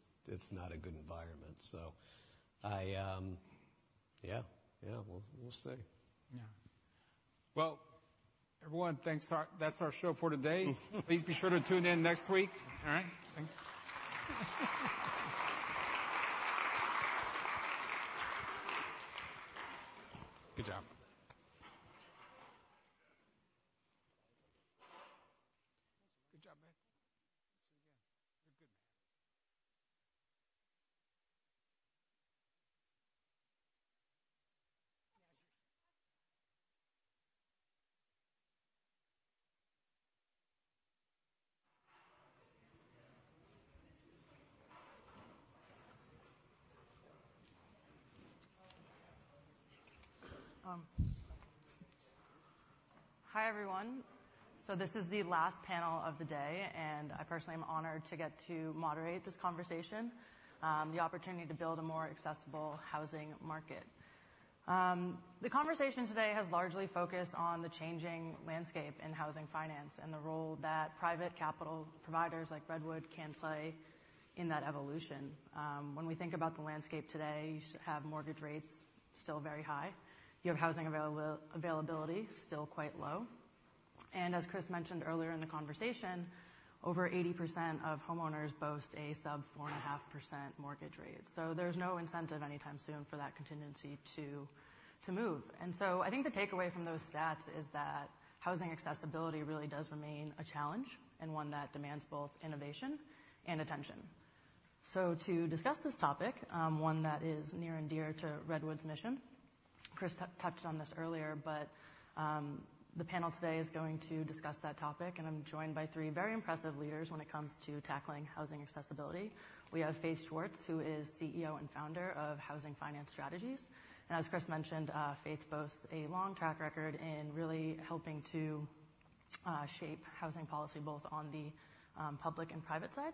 not a good environment. So, yeah. Yeah. We'll see. Yeah. Well, everyone, thanks for that. That's our show for today. Please be sure to tune in next week. All right. Thank you. Good job. Good job, man. You're a good man. Hi, everyone. This is the last panel of the day. I personally am honored to get to moderate this conversation, the opportunity to build a more accessible housing market. The conversation today has largely focused on the changing landscape in housing finance and the role that private capital providers like Redwood can play in that evolution. When we think about the landscape today, the U.S. have mortgage rates still very high. You have housing availability still quite low. As Chris mentioned earlier in the conversation, over 80% of homeowners boast a sub-4.5% mortgage rate. There's no incentive anytime soon for that contingency to, to move. I think the takeaway from those stats is that housing accessibility really does remain a challenge and one that demands both innovation and attention. So to discuss this topic, one that is near and dear to Redwood's mission, Chris touched on this earlier. The panel today is going to discuss that topic. I'm joined by three very impressive leaders when it comes to tackling housing accessibility. We have Faith Schwartz, who is CEO and Founder of Housing Finance Strategies. As Chris mentioned, Faith boasts a long track record in really helping to shape housing policy both on the public and private side.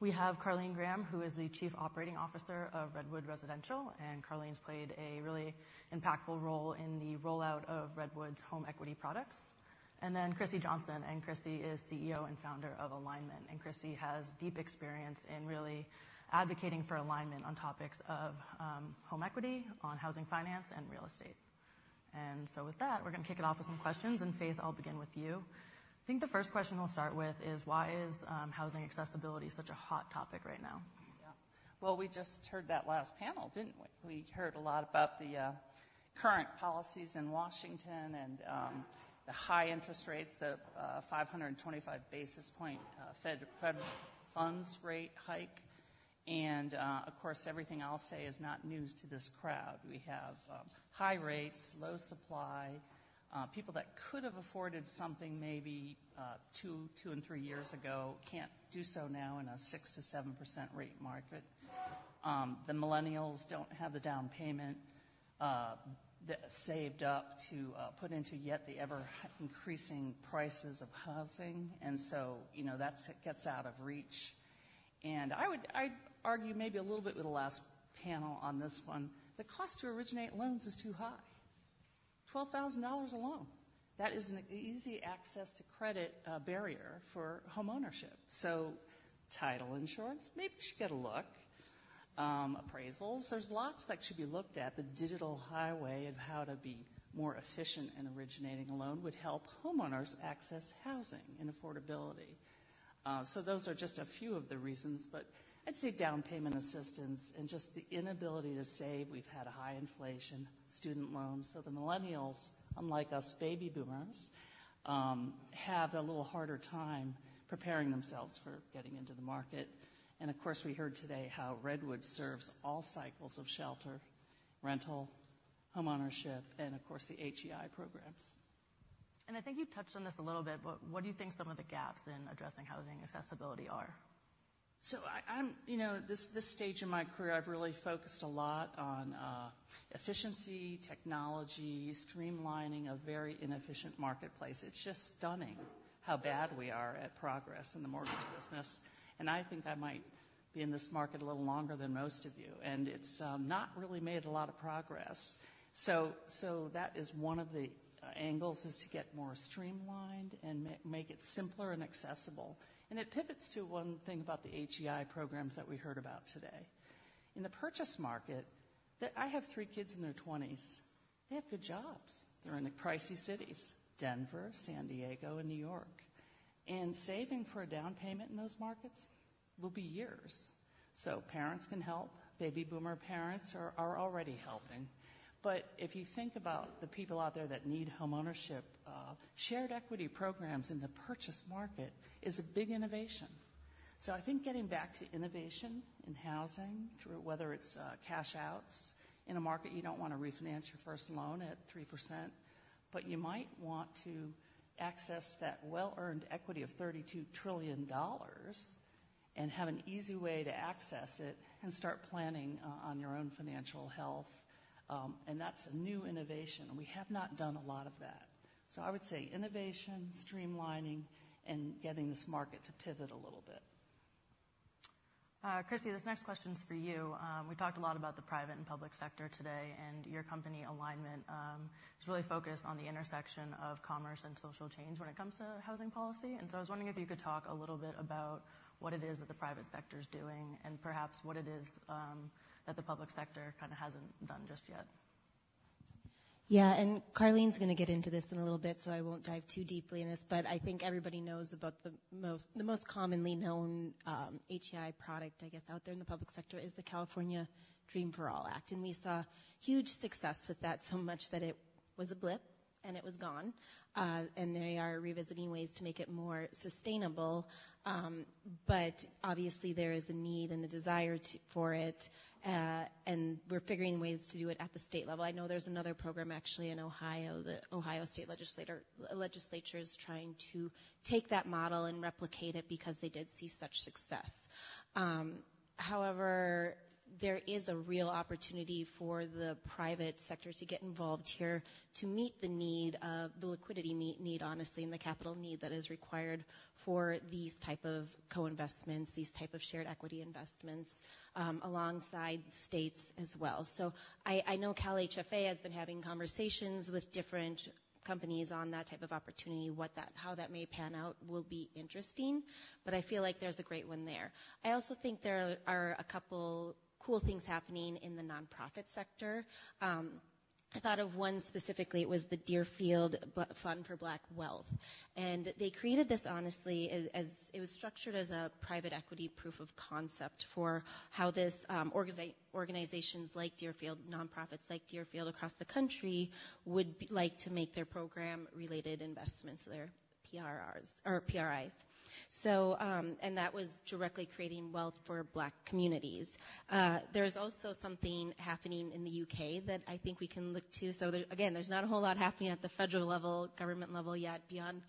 We have Carlene Graham, who is the Chief Operating Officer of Redwood Residential. Carlene's played a really impactful role in the rollout of Redwood's home equity products. Then Chrissi Johnson. Chrissi is CEO and Founder of Alignment. Chrissi has deep experience in really advocating for alignment on topics of home equity, on housing finance, and real estate. So with that, we're gonna kick it off with some questions. Faith, I'll begin with you. I think the first question we'll start with is, why is housing accessibility such a hot topic right now? Yeah. Well, we just heard that last panel, didn't we? We heard a lot about the current policies in Washington and the high interest rates, the 525 basis point Fed funds rate hike. Of course, everything I'll say is not news to this crowd. We have high rates, low supply, people that could have afforded something maybe two, two and three years ago can't do so now in a 6%-7% rate market. The millennials don't have the down payment that saved up to put into yet the ever-increasing prices of housing. And so, you know, that's it gets out of reach. And I would I'd argue maybe a little bit with the last panel on this one, the cost to originate loans is too high, $12,000 a loan. That is an easy access to credit barrier for homeownership. So title insurance, maybe you should get a look. Appraisals, there's lots that should be looked at. The digital highway of how to be more efficient in originating a loan would help homeowners access housing and affordability. So those are just a few of the reasons. But I'd say down payment assistance and just the inability to save. We've had high inflation, student loans. So the millennials, unlike us baby boomers, have a little harder time preparing themselves for getting into the market. And of course, we heard today how Redwood serves all cycles of shelter, rental, homeownership, and of course, the HEI programs. I think you touched on this a little bit. But what do you think some of the gaps in addressing housing accessibility are? So I'm, you know, this stage in my career, I've really focused a lot on efficiency, technology, streamlining a very inefficient marketplace. It's just stunning how bad we are at progress in the mortgage business. And I think I might be in this market a little longer than most of you. And it's not really made a lot of progress. So that is one of the angles is to get more streamlined and make it simpler and accessible. And it pivots to one thing about the HEI programs that we heard about today. In the purchase market, that I have three kids in their 20s. They have good jobs. They're in the pricey cities, Denver, San Diego, and New York. And saving for a down payment in those markets will be years. So parents can help. Baby boomer parents are already helping. But if you think about the people out there that need homeownership, shared equity programs in the purchase market is a big innovation. So I think getting back to innovation in housing through whether it's cash-outs in a market you don't wanna refinance your first loan at 3%. But you might want to access that well-earned equity of $32 trillion and have an easy way to access it and start planning on your own financial health. And that's a new innovation. We have not done a lot of that. So I would say innovation, streamlining, and getting this market to pivot a little bit. Chrissi, this next question's for you. We talked a lot about the private and public sector today. Your company, Alignment, is really focused on the intersection of commerce and social change when it comes to housing policy. So I was wondering if you could talk a little bit about what it is that the private sector's doing and perhaps what it is that the public sector kinda hasn't done just yet. Yeah. And Carlene's gonna get into this in a little bit. So I won't dive too deeply in this. But I think everybody knows about the most commonly known HEI product, I guess, out there in the public sector is the California Dream for All Act. And we saw huge success with that so much that it was a blip. And it was gone. And they are revisiting ways to make it more sustainable. But obviously, there is a need and a desire for it. And we're figuring ways to do it at the state level. I know there's another program, actually, in Ohio that Ohio State Legislature's trying to take that model and replicate it because they did see such success. However, there is a real opportunity for the private sector to get involved here to meet the need of the liquidity need, honestly, and the capital need that is required for these type of co-investments, these type of shared equity investments, alongside states as well. So I, I know CalHFA has been having conversations with different companies on that type of opportunity, what that how that may pan out will be interesting. But I feel like there's a great one there. I also think there are a couple cool things happening in the nonprofit sector. I thought of one specifically. It was the Dearfield Fund for Black Wealth. And they created this, honestly, as, as it was structured as a private equity proof of concept for how this, organizations like Dearfield, nonprofits like Dearfield across the country would like to make their program-related investments, their PRRs or PRIs. So, and that was directly creating wealth for Black communities. There's also something happening in the U.K. that I think we can look to. So there again, there's not a whole lot happening at the federal level, government level yet beyond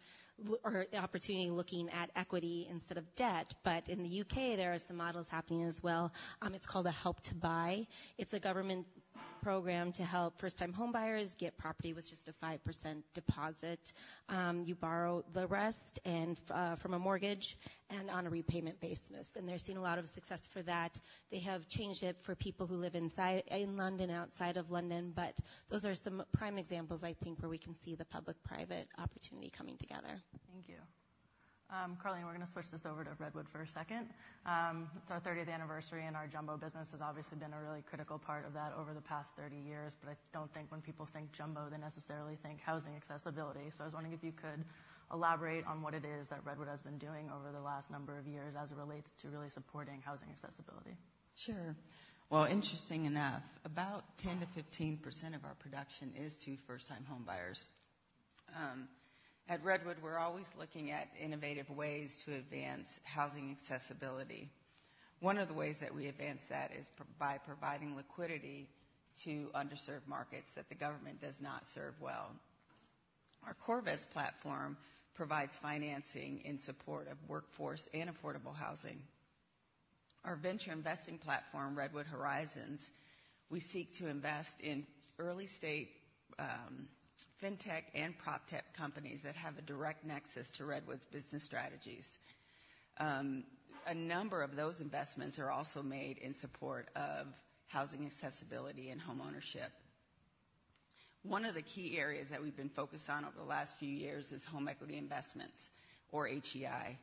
our opportunity looking at equity instead of debt. But in the U.K., there are some models happening as well. It's called Help to Buy. It's a government program to help first-time homebuyers get property with just a 5% deposit. You borrow the rest from a mortgage and on a repayment basis. And they're seeing a lot of success for that. They have changed it for people who live inside London, outside of London. But those are some prime examples, I think, where we can see the public-private opportunity coming together. Thank you. Carlene, we're gonna switch this over to Redwood for a second. It's our 30th anniversary. Our jumbo business has obviously been a really critical part of that over the past 30 years. I don't think when people think jumbo, they necessarily think housing accessibility. I was wondering if you could elaborate on what it is that Redwood has been doing over the last number of years as it relates to really supporting housing accessibility. Sure. Well, interesting enough, about 10%-15% of our production is to first-time homebuyers. At Redwood, we're always looking at innovative ways to advance housing accessibility. One of the ways that we advance that is pro by providing liquidity to underserved markets that the government does not serve well. Our CoreVest platform provides financing in support of workforce and affordable housing. Our venture investing platform, Redwood Horizons, we seek to invest in early-stage, fintech and proptech companies that have a direct nexus to Redwood's business strategies. A number of those investments are also made in support of housing accessibility and homeownership. One of the key areas that we've been focused on over the last few years is home equity investments or HEI.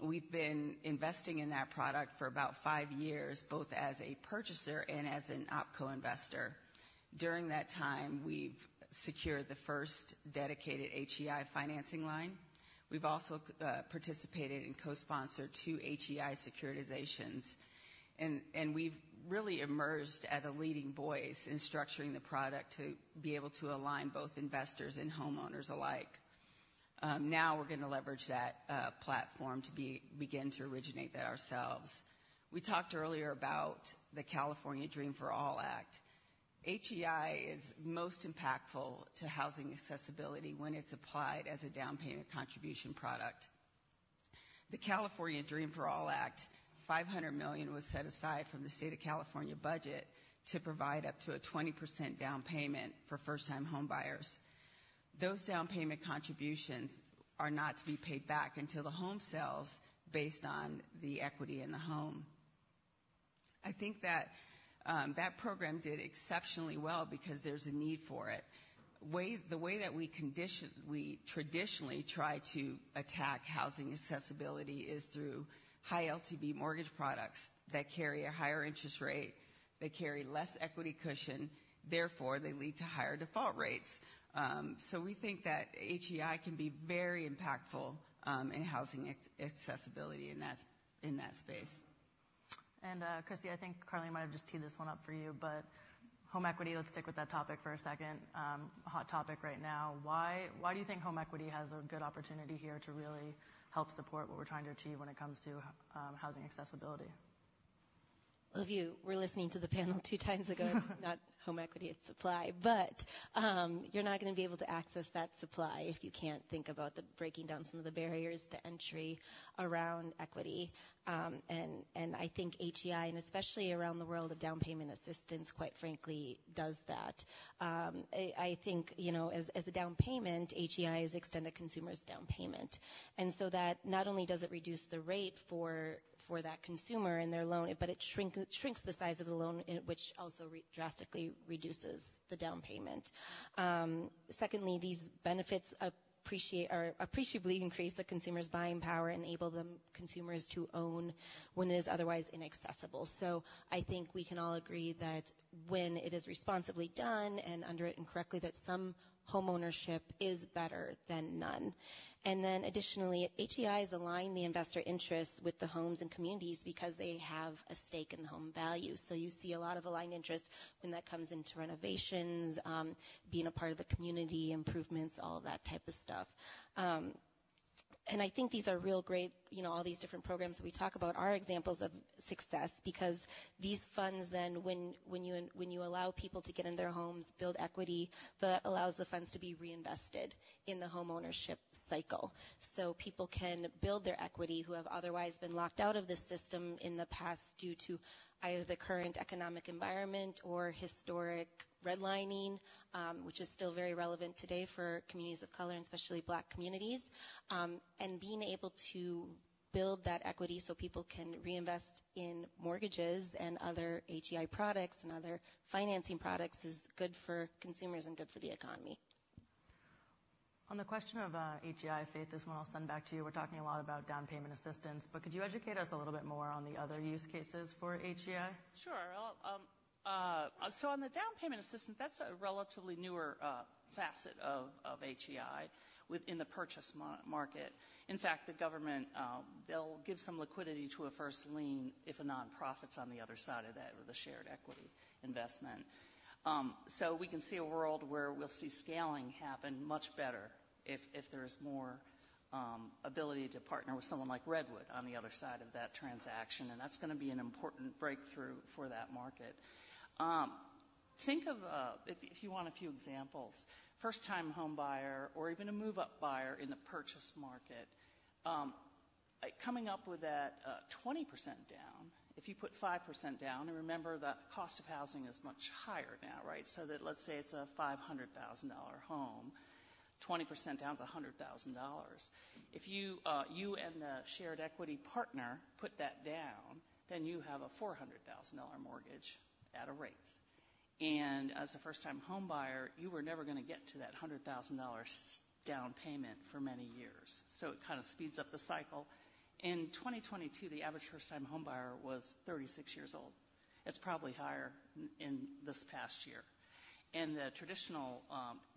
We've been investing in that product for about five years, both as a purchaser and as an opco-investor. During that time, we've secured the first dedicated HEI financing line. We've also participated and co-sponsored two HEI securitizations. And we've really emerged as a leading voice in structuring the product to be able to align both investors and homeowners alike. Now, we're gonna leverage that platform to begin to originate that ourselves. We talked earlier about the California Dream For All Act. HEI is most impactful to housing accessibility when it's applied as a down payment contribution product. The California Dream For All Act, $500 million was set aside from the state of California budget to provide up to a 20% down payment for first-time homebuyers. Those down payment contributions are not to be paid back until the home sells based on the equity in the home. I think that program did exceptionally well because there's a need for it. The way that we conventionally try to attack housing accessibility is through high LTV mortgage products that carry a higher interest rate, that carry less equity cushion. Therefore, they lead to higher default rates. So we think that HEI can be very impactful in housing accessibility in that space. Chrissy, I think Carlene might have just teed this one up for you. Home equity, let's stick with that topic for a second. Hot topic right now. Why, why do you think home equity has a good opportunity here to really help support what we're trying to achieve when it comes to housing accessibility? Well, if you were listening to the panel two times ago, it's not home equity. It's supply. But you're not gonna be able to access that supply if you can't think about the breaking down some of the barriers to entry around equity. And I think HEI, and especially around the world of down payment assistance, quite frankly, does that. I think, you know, as a down payment, HEI is extended consumer's down payment. And so that not only does it reduce the rate for that consumer and their loan, but it shrinks the size of the loan, which also really drastically reduces the down payment. Secondly, these benefits appreciate or appreciably increase the consumer's buying power and enable the consumers to own when it is otherwise inaccessible. So I think we can all agree that when it is responsibly done and underwritten correctly, that some homeownership is better than none. And then additionally, HEIs align the investor interests with the homes and communities because they have a stake in the home value. So you see a lot of aligned interests when that comes into renovations, being a part of the community improvements, all of that type of stuff. And I think these are real great you know, all these different programs that we talk about are examples of success because these funds then, when you allow people to get in their homes, build equity, that allows the funds to be reinvested in the homeownership cycle. So people can build their equity who have otherwise been locked out of the system in the past due to either the current economic environment or historic redlining, which is still very relevant today for communities of color, and especially Black communities. Being able to build that equity so people can reinvest in mortgages and other HEI products and other financing products is good for consumers and good for the economy. On the question of HEI, Faith, this one I'll send back to you. We're talking a lot about down payment assistance. But could you educate us a little bit more on the other use cases for HEI? Sure. So on the down payment assistance, that's a relatively newer facet of HEI within the purchase mortgage market. In fact, the government, they'll give some liquidity to a first lien if a nonprofit's on the other side of that or the shared equity investment. So we can see a world where we'll see scaling happen much better if there's more ability to partner with someone like Redwood on the other side of that transaction. And that's gonna be an important breakthrough for that market. Think of, if you want a few examples, first-time homebuyer or even a move-up buyer in the purchase market, coming up with that 20% down. If you put 5% down and remember that cost of housing is much higher now, right? So that, let's say it's a $500,000 home. 20% down's $100,000. If you and the shared equity partner put that down, then you have a $400,000 mortgage at a rate. And as a first-time homebuyer, you were never gonna get to that $100,000 down payment for many years. So it kinda speeds up the cycle. In 2022, the average first-time homebuyer was 36 years old. It's probably higher in this past year. And the traditional,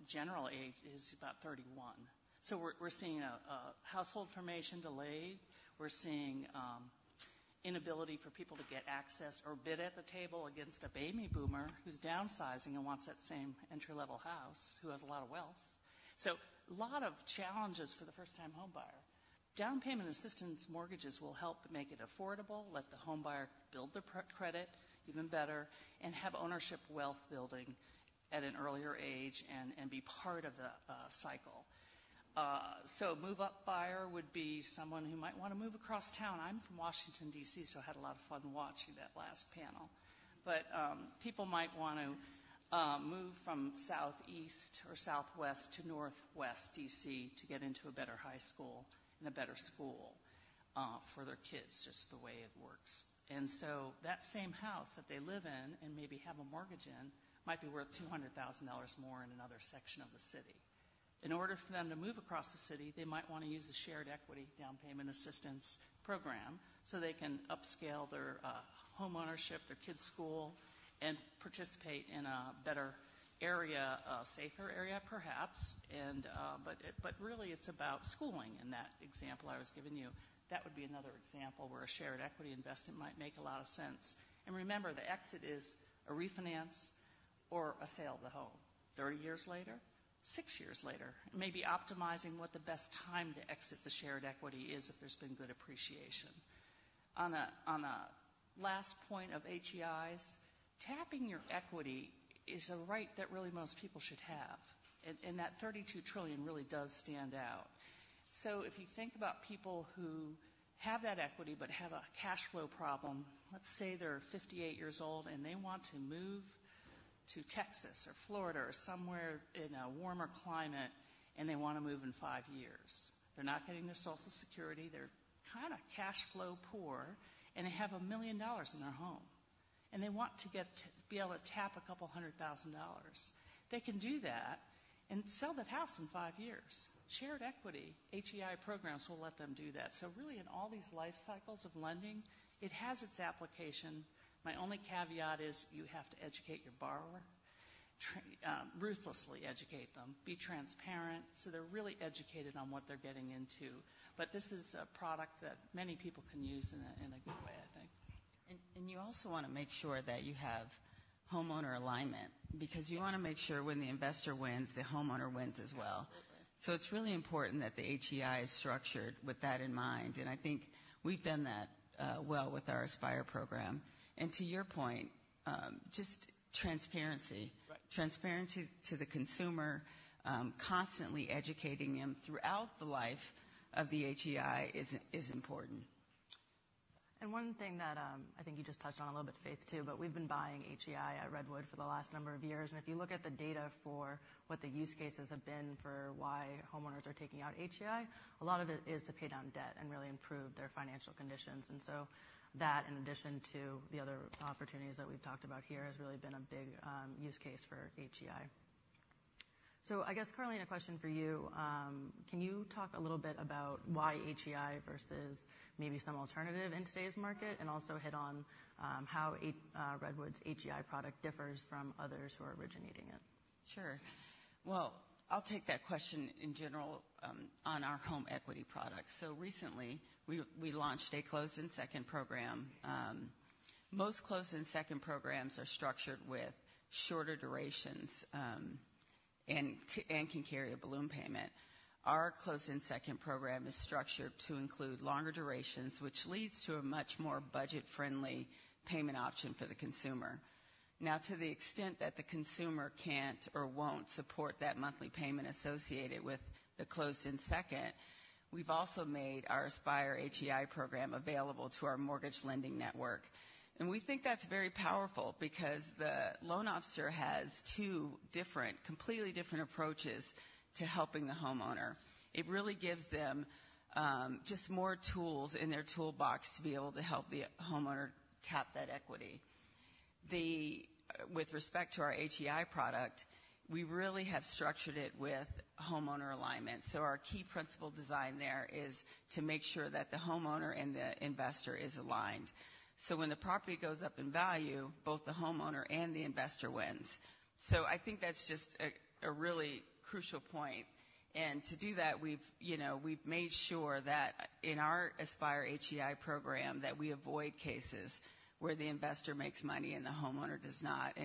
general age is about 31. So we're seeing a household formation delayed. We're seeing inability for people to get access or bid at the table against a baby boomer who's downsizing and wants that same entry-level house who has a lot of wealth. So a lot of challenges for the first-time homebuyer. Down payment assistance mortgages will help make it affordable, let the homebuyer build their pre-credit even better, and have ownership wealth building at an earlier age and be part of the cycle. So move-up buyer would be someone who might wanna move across town. I'm from Washington, D.C. So I had a lot of fun watching that last panel. But people might wanna move from southeast or southwest to northwest, D.C., to get into a better high school and a better school for their kids, just the way it works. And so that same house that they live in and maybe have a mortgage in might be worth $200,000 more in another section of the city. In order for them to move across the city, they might wanna use the shared equity down payment assistance program so they can upscale their homeownership, their kids' school, and participate in a better area, a safer area perhaps. But really, it's about schooling in that example I was giving you. That would be another example where a shared equity investment might make a lot of sense. And remember, the exit is a refinance or a sale of the home. 30 years later? Six years later? Maybe optimizing what the best time to exit the shared equity is if there's been good appreciation. On a last point of HEIs, tapping your equity is a right that really most people should have. And that $32 trillion really does stand out. So if you think about people who have that equity but have a cash flow problem, let's say they're 58 years old, and they want to move to Texas or Florida or somewhere in a warmer climate, and they wanna move in five years. They're not getting their Social Security. They're kinda cash flow poor. And they have $1 million in their home. And they want to get to be able to tap $200,000. They can do that and sell that house in 5 years. Shared equity HEI programs will let them do that. So really, in all these life cycles of lending, it has its application. My only caveat is you have to educate your borrower, train ruthlessly educate them. Be transparent so they're really educated on what they're getting into. But this is a product that many people can use in a good way, I think. And you also wanna make sure that you have homeowner alignment because you wanna make sure when the investor wins, the homeowner wins as well. So it's really important that the HEI is structured with that in mind. And I think we've done that, well with our Aspire program. And to your point, just transparency. Right. Transparency to the consumer, constantly educating them throughout the life of the HEI is important. And one thing that, I think you just touched on a little bit, Faith, too, but we've been buying HEI at Redwood for the last number of years. And if you look at the data for what the use cases have been for why homeowners are taking out HEI, a lot of it is to pay down debt and really improve their financial conditions. And so that, in addition to the other opportunities that we've talked about here, has really been a big use case for HEI. So I guess, Carlene, a question for you. Can you talk a little bit about why HEI versus maybe some alternative in today's market and also hit on how Redwood's HEI product differs from others who are originating it? Sure. Well, I'll take that question in general, on our home equity products. So recently, we launched a closed-in-second program. Most closed-in-second programs are structured with shorter durations, and can carry a balloon payment. Our closed-in-second program is structured to include longer durations, which leads to a much more budget-friendly payment option for the consumer. Now, to the extent that the consumer can't or won't support that monthly payment associated with the closed-in-second, we've also made our Aspire HEI program available to our mortgage lending network. And we think that's very powerful because the loan officer has two different, completely different approaches to helping the homeowner. It really gives them just more tools in their toolbox to be able to help the homeowner tap that equity. With respect to our HEI product, we really have structured it with homeowner alignment. So our key principle design there is to make sure that the homeowner and the investor is aligned. So when the property goes up in value, both the homeowner and the investor wins. So I think that's just a really crucial point. And to do that, we've, you know, made sure that in our Aspire HEI program, that we avoid cases where the investor makes money and the homeowner does not.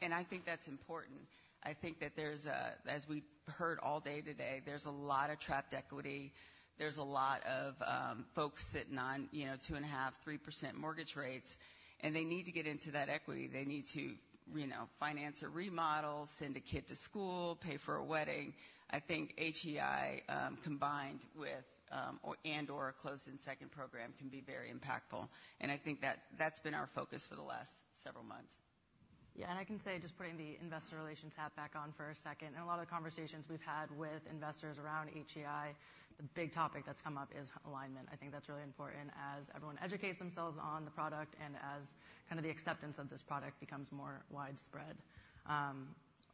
And I think that's important. I think that there's a, as we've heard all day today, there's a lot of trapped equity. There's a lot of folks sitting on, you know, 2.5%, 3% mortgage rates. And they need to get into that equity. They need to, you know, finance a remodel, send a kid to school, pay for a wedding. I think HEI, combined with, or and/or a closed-in-second program can be very impactful. I think that that's been our focus for the last several months. Yeah. And I can say, just putting the investor relations hat back on for a second, in a lot of the conversations we've had with investors around HEI, the big topic that's come up is alignment. I think that's really important as everyone educates themselves on the product and as kinda the acceptance of this product becomes more widespread.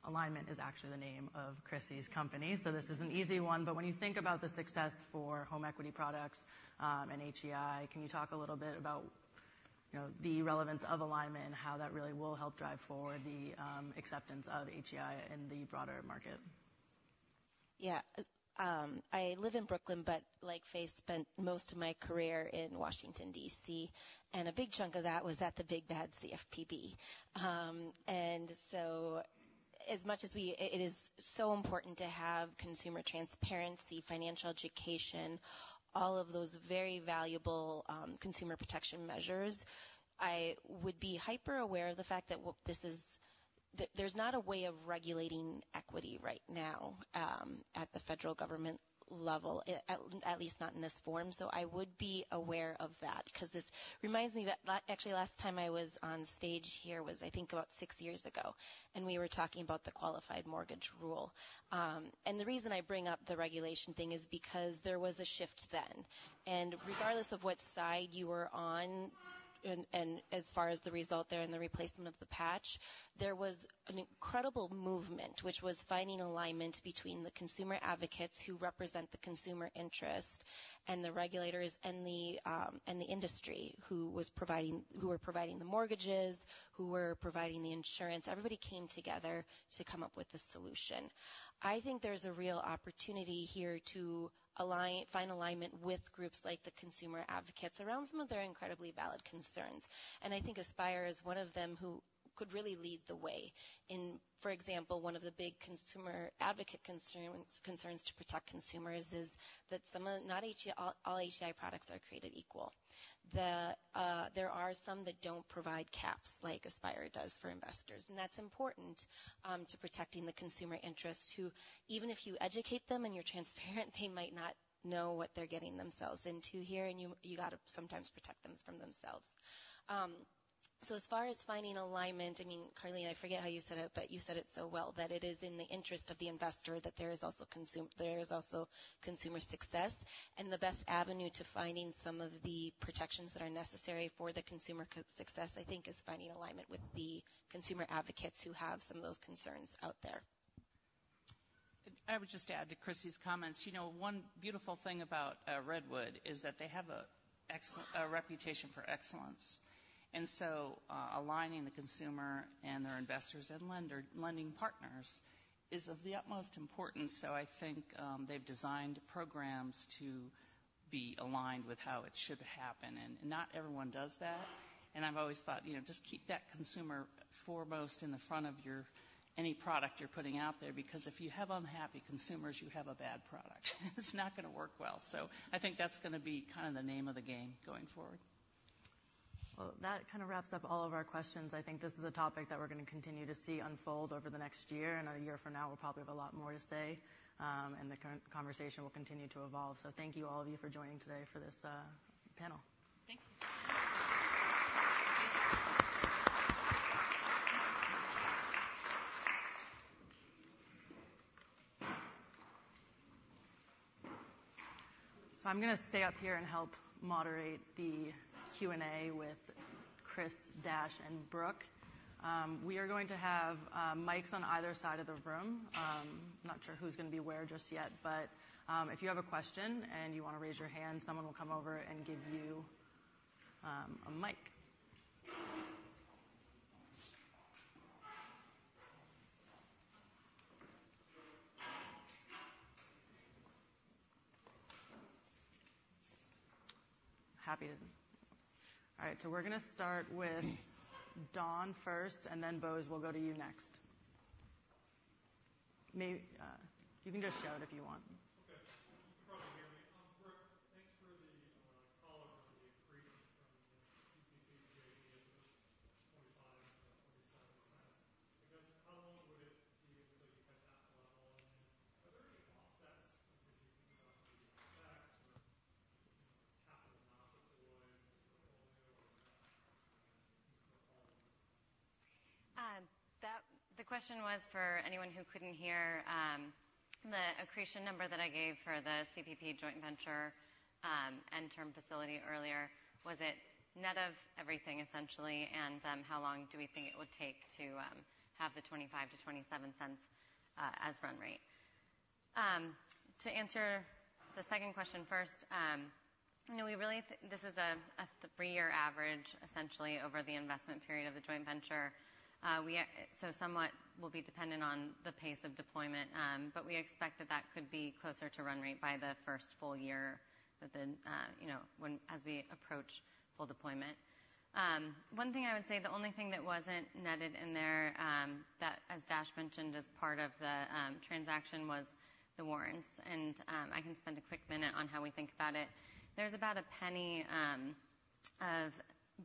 Alignment is actually the name of Chrissi's company. So this is an easy one. But when you think about the success for home equity products, and HEI, can you talk a little bit about, you know, the relevance of alignment and how that really will help drive forward the, acceptance of HEI in the broader market? Yeah. I live in Brooklyn, but, like Faith, spent most of my career in Washington, D.C. And a big chunk of that was at the big, bad CFPB. And so as much as we, it is so important to have consumer transparency, financial education, all of those very valuable, consumer protection measures, I would be hyper aware of the fact that this is, there's not a way of regulating equity right now, at the federal government level, at least not in this form. So I would be aware of that 'cause this reminds me that actually, last time I was on stage here was, I think, about six years ago. And we were talking about the qualified mortgage rule. And the reason I bring up the regulation thing is because there was a shift then. And regardless of what side you were on, and as far as the result there and the replacement of the patch, there was an incredible movement, which was finding alignment between the consumer advocates who represent the consumer interest and the regulators and the industry who were providing the mortgages, who were providing the insurance. Everybody came together to come up with a solution. I think there's a real opportunity here to find alignment with groups like the consumer advocates around some of their incredibly valid concerns. And I think Aspire is one of them who could really lead the way. For example, one of the big consumer advocate concerns to protect consumers is that not all HEI products are created equal. There are some that don't provide caps like Aspire does for investors. And that's important to protecting the consumer interest who, even if you educate them and you're transparent, they might not know what they're getting themselves into here. And you, you gotta sometimes protect them from themselves. So as far as finding alignment, I mean, Carlene, I forget how you said it, but you said it so well, that it is in the interest of the investor that there is also consumer success. And the best avenue to finding some of the protections that are necessary for the consumer success, I think, is finding alignment with the consumer advocates who have some of those concerns out there. And I would just add to Chrissi's comments. You know, one beautiful thing about Redwood is that they have an excellent reputation for excellence. And so, aligning the consumer and their investors and lending partners is of the utmost importance. So I think, they've designed programs to be aligned with how it should happen. And not everyone does that. And I've always thought, you know, just keep that consumer foremost in the front of your mind for any product you're putting out there because if you have unhappy consumers, you have a bad product. It's not gonna work well. So I think that's gonna be kinda the name of the game going forward. That kinda wraps up all of our questions. I think this is a topic that we're gonna continue to see unfold over the next year. A year from now, we'll probably have a lot more to say. The conversation will continue to evolve. So thank you all of you for joining today for this panel. Thank you. So I'm gonna stay up here and help moderate the Q&A with Chris, Dash, and Brooke. We are going to have mics on either side of the room. Not sure who's gonna be where just yet. But if you have a question and you wanna raise your hand, someone will come over and give you a mic. Happy to. All right. So we're gonna start with Don first, and then Bose, we'll go to you next. Maybe you can just show it if you want. Okay. You can probably hear me. Brooke, thanks for the color and the accretion from the CPP's JV $0.25 or $0.27 stats. I guess, how long would it be until you hit that level? And then are there any offsets because you're thinking about maybe OpEx or, you know, capital not deployed in the portfolio, or is that for all of you? That the question was for anyone who couldn't hear, the accretion number that I gave for the CPP joint venture end-term facility earlier. Was it net of everything, essentially? And how long do we think it would take to have the $0.25-$0.27 as run rate? To answer the second question first, you know, we really think this is a three-year average, essentially, over the investment period of the joint venture. We also somewhat will be dependent on the pace of deployment, but we expect that could be closer to run rate by the first full year that, you know, when we approach full deployment. One thing I would say, the only thing that wasn't netted in there, that, as Dash mentioned, is part of the transaction was the warrants. And I can spend a quick minute on how we think about it. There's about $0.01 of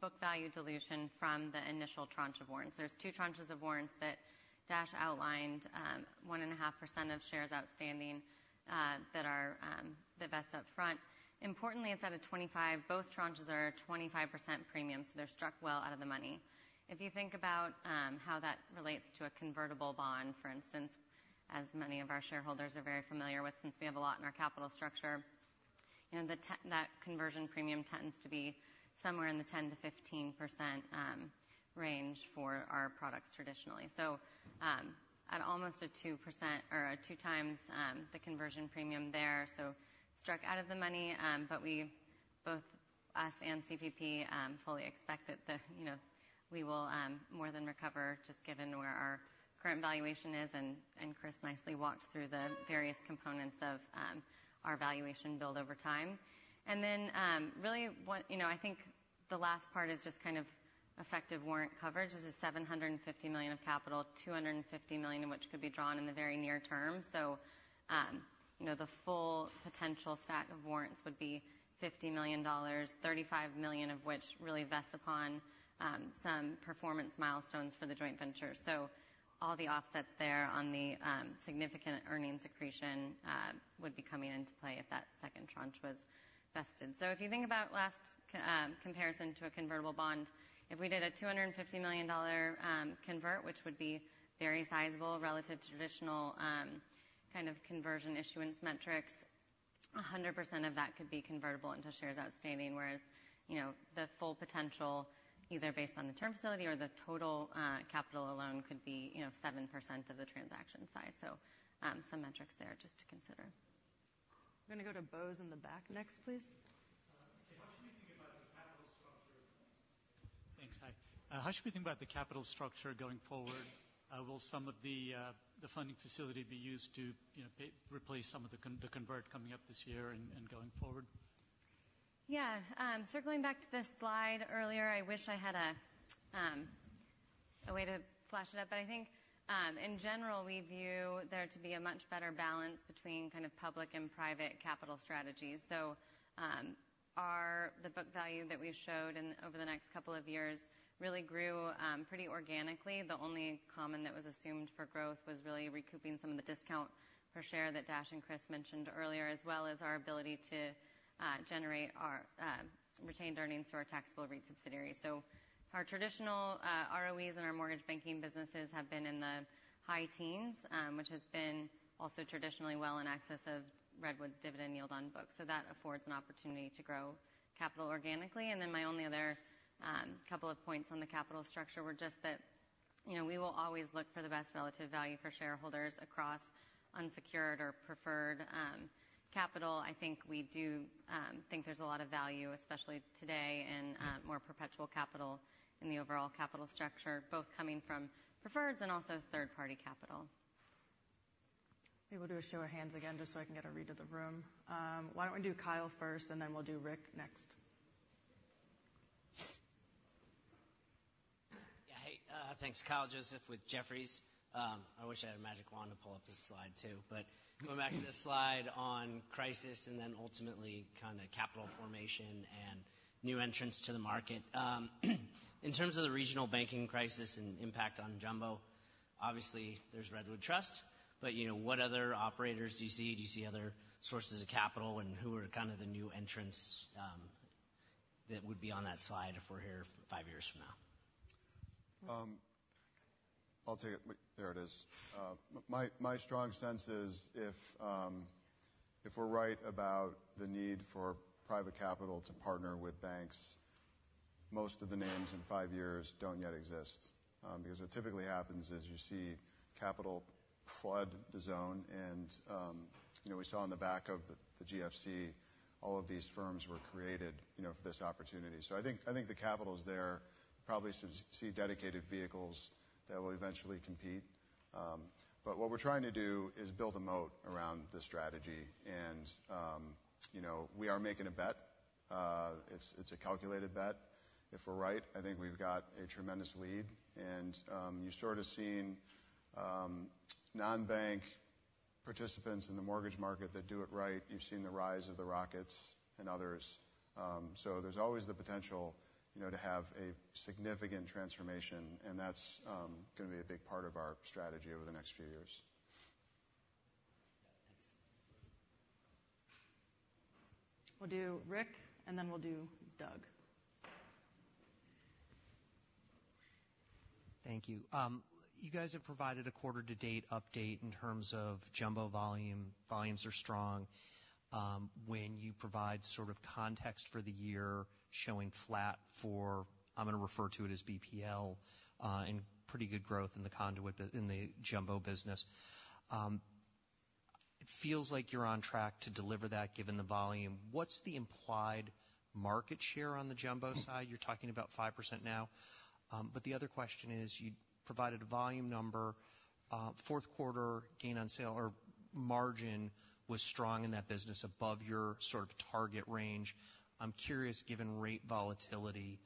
book value dilution from the initial tranche of warrants. There's two tranches of warrants that Dash outlined, 1.5% of shares outstanding, that are the best up front. Importantly, it's at a 25%—both tranches are a 25% premium, so they're struck well out of the money. If you think about how that relates to a convertible bond, for instance, as many of our shareholders are very familiar with since we have a lot in our capital structure, you know, the that conversion premium tends to be somewhere in the 10%-15% range for our products traditionally. So, at almost a 2% or 2x the conversion premium there, so struck out of the money. but we both, us and CPP, fully expect that, you know, we will more than recover just given where our current valuation is. And Chris nicely walked through the various components of our valuation build over time. And then, really what, you know, I think the last part is just kind of effective warrant coverage. This is $750 million of capital, $250 million of which could be drawn in the very near term. So, you know, the full potential stack of warrants would be $50 million, $35 million of which really vests upon some performance milestones for the joint venture. So all the offsets there on the significant earnings accretion would be coming into play if that second tranche was vested. So if you think about lacks comparison to a convertible bond, if we did a $250 million convert, which would be very sizable relative to traditional, kind of conversion issuance metrics, 100% of that could be convertible into shares outstanding. Whereas, you know, the full potential, either based on the term facility or the total capital alone, could be, you know, 7% of the transaction size. So, some metrics there just to consider. I'm gonna go to Bose in the back next, please. How should we think about the capital structure? Thanks. Hi. How should we think about the capital structure going forward? Will some of the funding facility be used to, you know, partially replace some of the converts coming up this year and going forward? Yeah. Circling back to this slide earlier, I wish I had a way to flash it up. But I think, in general, we view there to be a much better balance between kind of public and private capital strategies. So, our book value that we showed in over the next couple of years really grew, pretty organically. The only common that was assumed for growth was really recouping some of the discount per share that Dash and Chris mentioned earlier, as well as our ability to generate our retained earnings through our taxable REIT subsidiary. So our traditional ROEs in our mortgage banking businesses have been in the high teens, which has been also traditionally well in excess of Redwood's dividend yield on books. So that affords an opportunity to grow capital organically. Then my only other couple of points on the capital structure were just that, you know, we will always look for the best relative value for shareholders across unsecured or preferred capital. I think we do think there's a lot of value, especially today, in more perpetual capital in the overall capital structure, both coming from preferreds and also third-party capital. Maybe we'll do a show of hands again just so I can get a read of the room. Why don't we do Kyle first, and then we'll do Rick next. Yeah. Hey. Thanks, Kyle Joseph with Jefferies. I wish I had a magic wand to pull up this slide too. But going back to this slide on crisis and then ultimately kinda capital formation and new entrants to the market, in terms of the regional banking crisis and impact on jumbo, obviously, there's Redwood Trust. But, you know, what other operators do you see? Do you see other sources of capital? And who are kinda the new entrants, that would be on that slide if we're here five years from now? I'll take it. Um, there it is. My strong sense is if we're right about the need for private capital to partner with banks, most of the names in five years don't yet exist, because what typically happens is you see capital flood the zone. And, you know, we saw in the back of the GFC, all of these firms were created, you know, for this opportunity. So I think the capital's there. Probably should see dedicated vehicles that will eventually compete. But what we're trying to do is build a moat around this strategy. And, you know, we are making a bet. It's a calculated bet. If we're right, I think we've got a tremendous lead. And you've sort of seen non-bank participants in the mortgage market that do it right. You've seen the rise of the Rockets and others. So there's always the potential, you know, to have a significant transformation. And that's gonna be a big part of our strategy over the next few years. Yeah. Thanks. We'll do Rick, and then we'll do Doug. Thank you. You guys have provided a quarter-to-date update in terms of jumbo volume. Volumes are strong, when you provide sort of context for the year showing flat for—I'm gonna refer to it as BPL—and pretty good growth in the conduit business in the jumbo business. It feels like you're on track to deliver that given the volume. What's the implied market share on the jumbo side? You're talking about 5% now. But the other question is, you provided a volume number. Fourth quarter gain on sale or margin was strong in that business above your sort of target range. I'm curious, given rate volatility,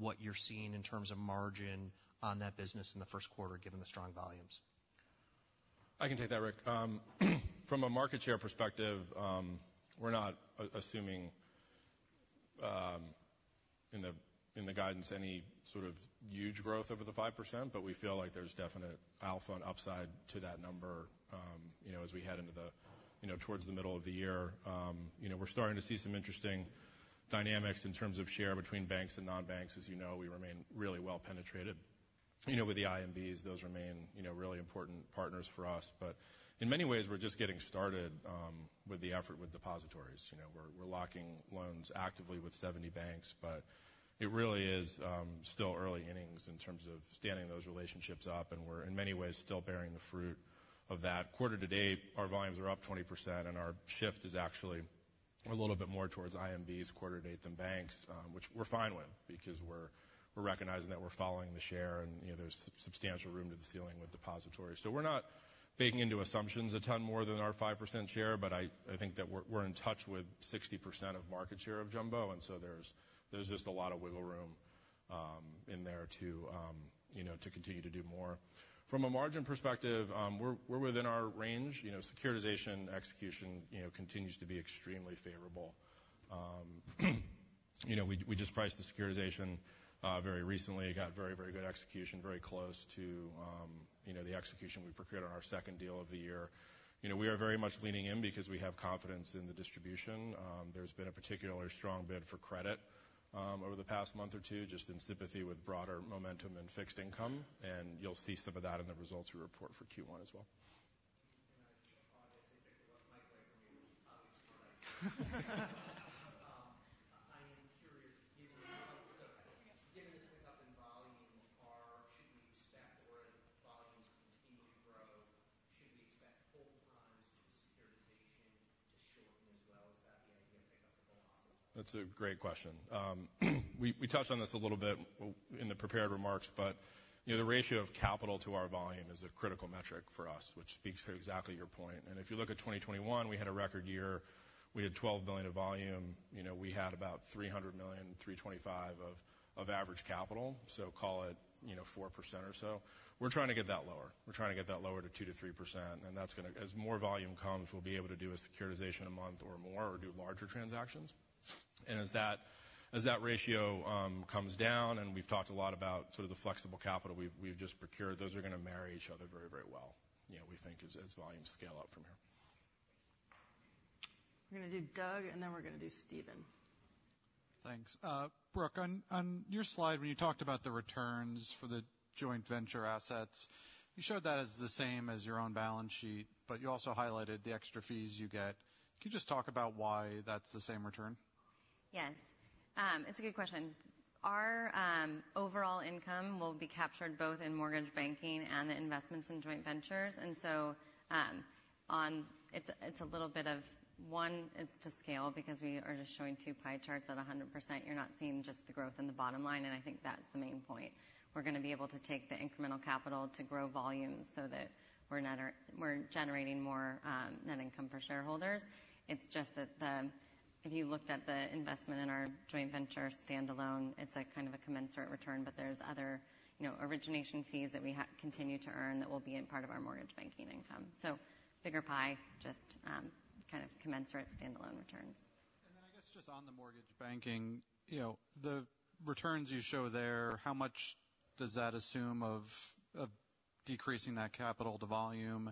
what you're seeing in terms of margin on that business in the first quarter given the strong volumes. I can take that, Rick. From a market share perspective, we're not assuming, in the guidance, any sort of huge growth over the 5%. But we feel like there's definite alpha and upside to that number, you know, as we head into the you know, towards the middle of the year. You know, we're starting to see some interesting dynamics in terms of share between banks and non-banks. As you know, we remain really well-penetrated. You know, with the IMBs, those remain, you know, really important partners for us. But in many ways, we're just getting started, with the effort with depositories. You know, we're locking loans actively with 70 banks. But it really is, still early innings in terms of standing those relationships up. And we're, in many ways, still bearing the fruit of that. Quarter to date, our volumes are up 20%. Our shift is actually a little bit more towards IMBs quarter to date than banks, which we're fine with because we're, we're recognizing that we're following the share. And, you know, there's substantial room to the ceiling with depositories. So we're not baking into assumptions a ton more than our 5% share. But I, I think that we're, we're in touch with 60% of market share of jumbo. And so there's, there's just a lot of wiggle room in there to, you know, to continue to do more. From a margin perspective, we're, we're within our range. You know, securitization execution, you know, continues to be extremely favorable. You know, we, we just priced the securitization very recently. It got very, very good execution, very close to, you know, the execution we procure on our second deal of the year. You know, we are very much leaning in because we have confidence in the distribution. There's been a particularly strong bid for credit, over the past month or two just in sympathy with broader momentum in fixed income. You'll see some of that in the results we report for Q1 as well. I obviously take the mic away from you, which is probably a smart idea. I am curious, given the pickup in volume, or as volumes continue to grow, should we expect time to securitization to shorten as well? Is that the idea of picking up the velocity? That's a great question. We, we touched on this a little bit with in the prepared remarks. But, you know, the ratio of capital to our volume is a critical metric for us, which speaks to exactly your point. And if you look at 2021, we had a record year. We had $12 billion of volume. You know, we had about $300 million-$325 million of average capital. So call it, you know, 4% or so. We're trying to get that lower. We're trying to get that lower to 2%-3%. And that's gonna as more volume comes, we'll be able to do a securitization a month or more or do larger transactions. And as that ratio comes down and we've talked a lot about sort of the flexible capital we've just procured, those are gonna marry each other very, very well, you know, we think, as volumes scale up from here. We're gonna do Doug, and then we're gonna do Stephen. Thanks. Brooke, on your slide, when you talked about the returns for the joint venture assets, you showed that as the same as your own balance sheet. But you also highlighted the extra fees you get. Can you just talk about why that's the same return? Yes. It's a good question. Our overall income will be captured both in mortgage banking and the investments in joint ventures. And so, on it's, it's a little bit of one, it's to scale because we are just showing two pie charts at 100%. You're not seeing just the growth in the bottom line. And I think that's the main point. We're gonna be able to take the incremental capital to grow volumes so that we're better, we're generating more net income for shareholders. It's just that if you looked at the investment in our joint venture standalone, it's a kind of a commensurate return. But there's other, you know, origination fees that we have to continue to earn that will be a part of our mortgage banking income. So bigger pie, just kind of commensurate standalone returns. And then I guess just on the mortgage banking, you know, the returns you show there, how much does that assume of, of decreasing that capital to volume?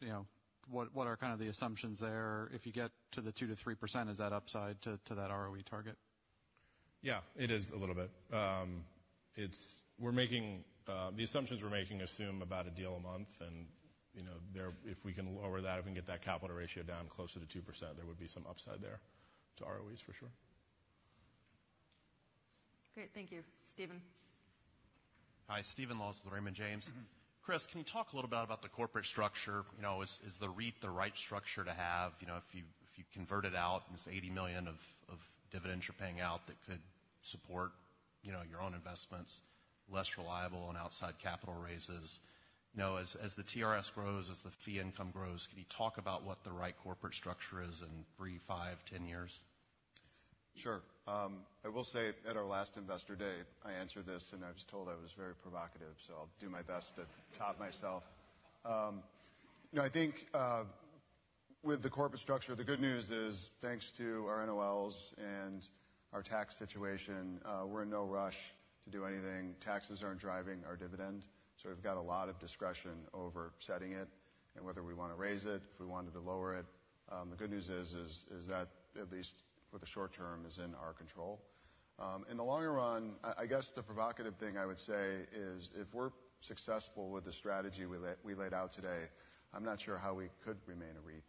You know, what, what are kind of the assumptions there? If you get to the 2%-3%, is that upside to, to that ROE target? Yeah. It is a little bit. It's, we're making the assumptions we're making about a deal a month. And, you know, there, if we can lower that, if we can get that capital ratio down closer to 2%, there would be some upside there to ROEs for sure. Great. Thank you. Stephen. Hi. Stephen Laws with Raymond James. Chris, can you talk a little bit about the corporate structure? You know, is the REIT the right structure to have? You know, if you convert it out and it's $80 million of dividends you're paying out that could support, you know, your own investments, less reliable on outside capital raises? You know, as the TRS grows, as the fee income grows, can you talk about what the right corporate structure is in three, five, 10 years? Sure. I will say at our last investor day, I answered this. And I was told I was very provocative. So I'll do my best to top myself. You know, I think, with the corporate structure, the good news is thanks to our NOLs and our tax situation, we're in no rush to do anything. Taxes aren't driving our dividend. So we've got a lot of discretion over setting it and whether we wanna raise it, if we wanted to lower it. The good news is that at least for the short term, it is in our control. In the longer run, I guess the provocative thing I would say is if we're successful with the strategy we laid out today, I'm not sure how we could remain a REIT.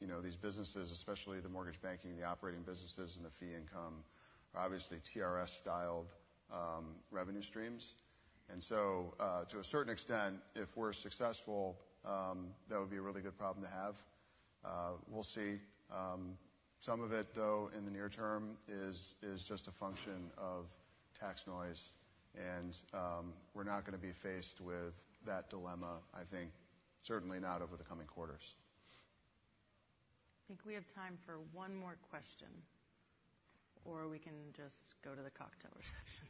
You know, these businesses, especially the mortgage banking, the operating businesses, and the fee income are obviously TRS-styled revenue streams. And so, to a certain extent, if we're successful, that would be a really good problem to have. We'll see. Some of it, though, in the near term is just a function of tax noise. And, we're not gonna be faced with that dilemma, I think, certainly not over the coming quarters. I think we have time for one more question. Or we can just go to the cocktail reception.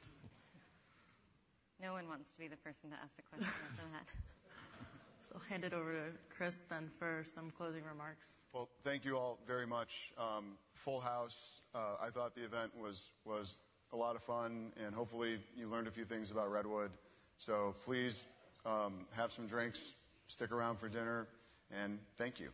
No one wants to be the person to ask the question after that. So I'll hand it over to Chris then for some closing remarks. Well, thank you all very much. Full house. I thought the event was a lot of fun. And hopefully, you learned a few things about Redwood. So please, have some drinks. Stick around for dinner. And thank you.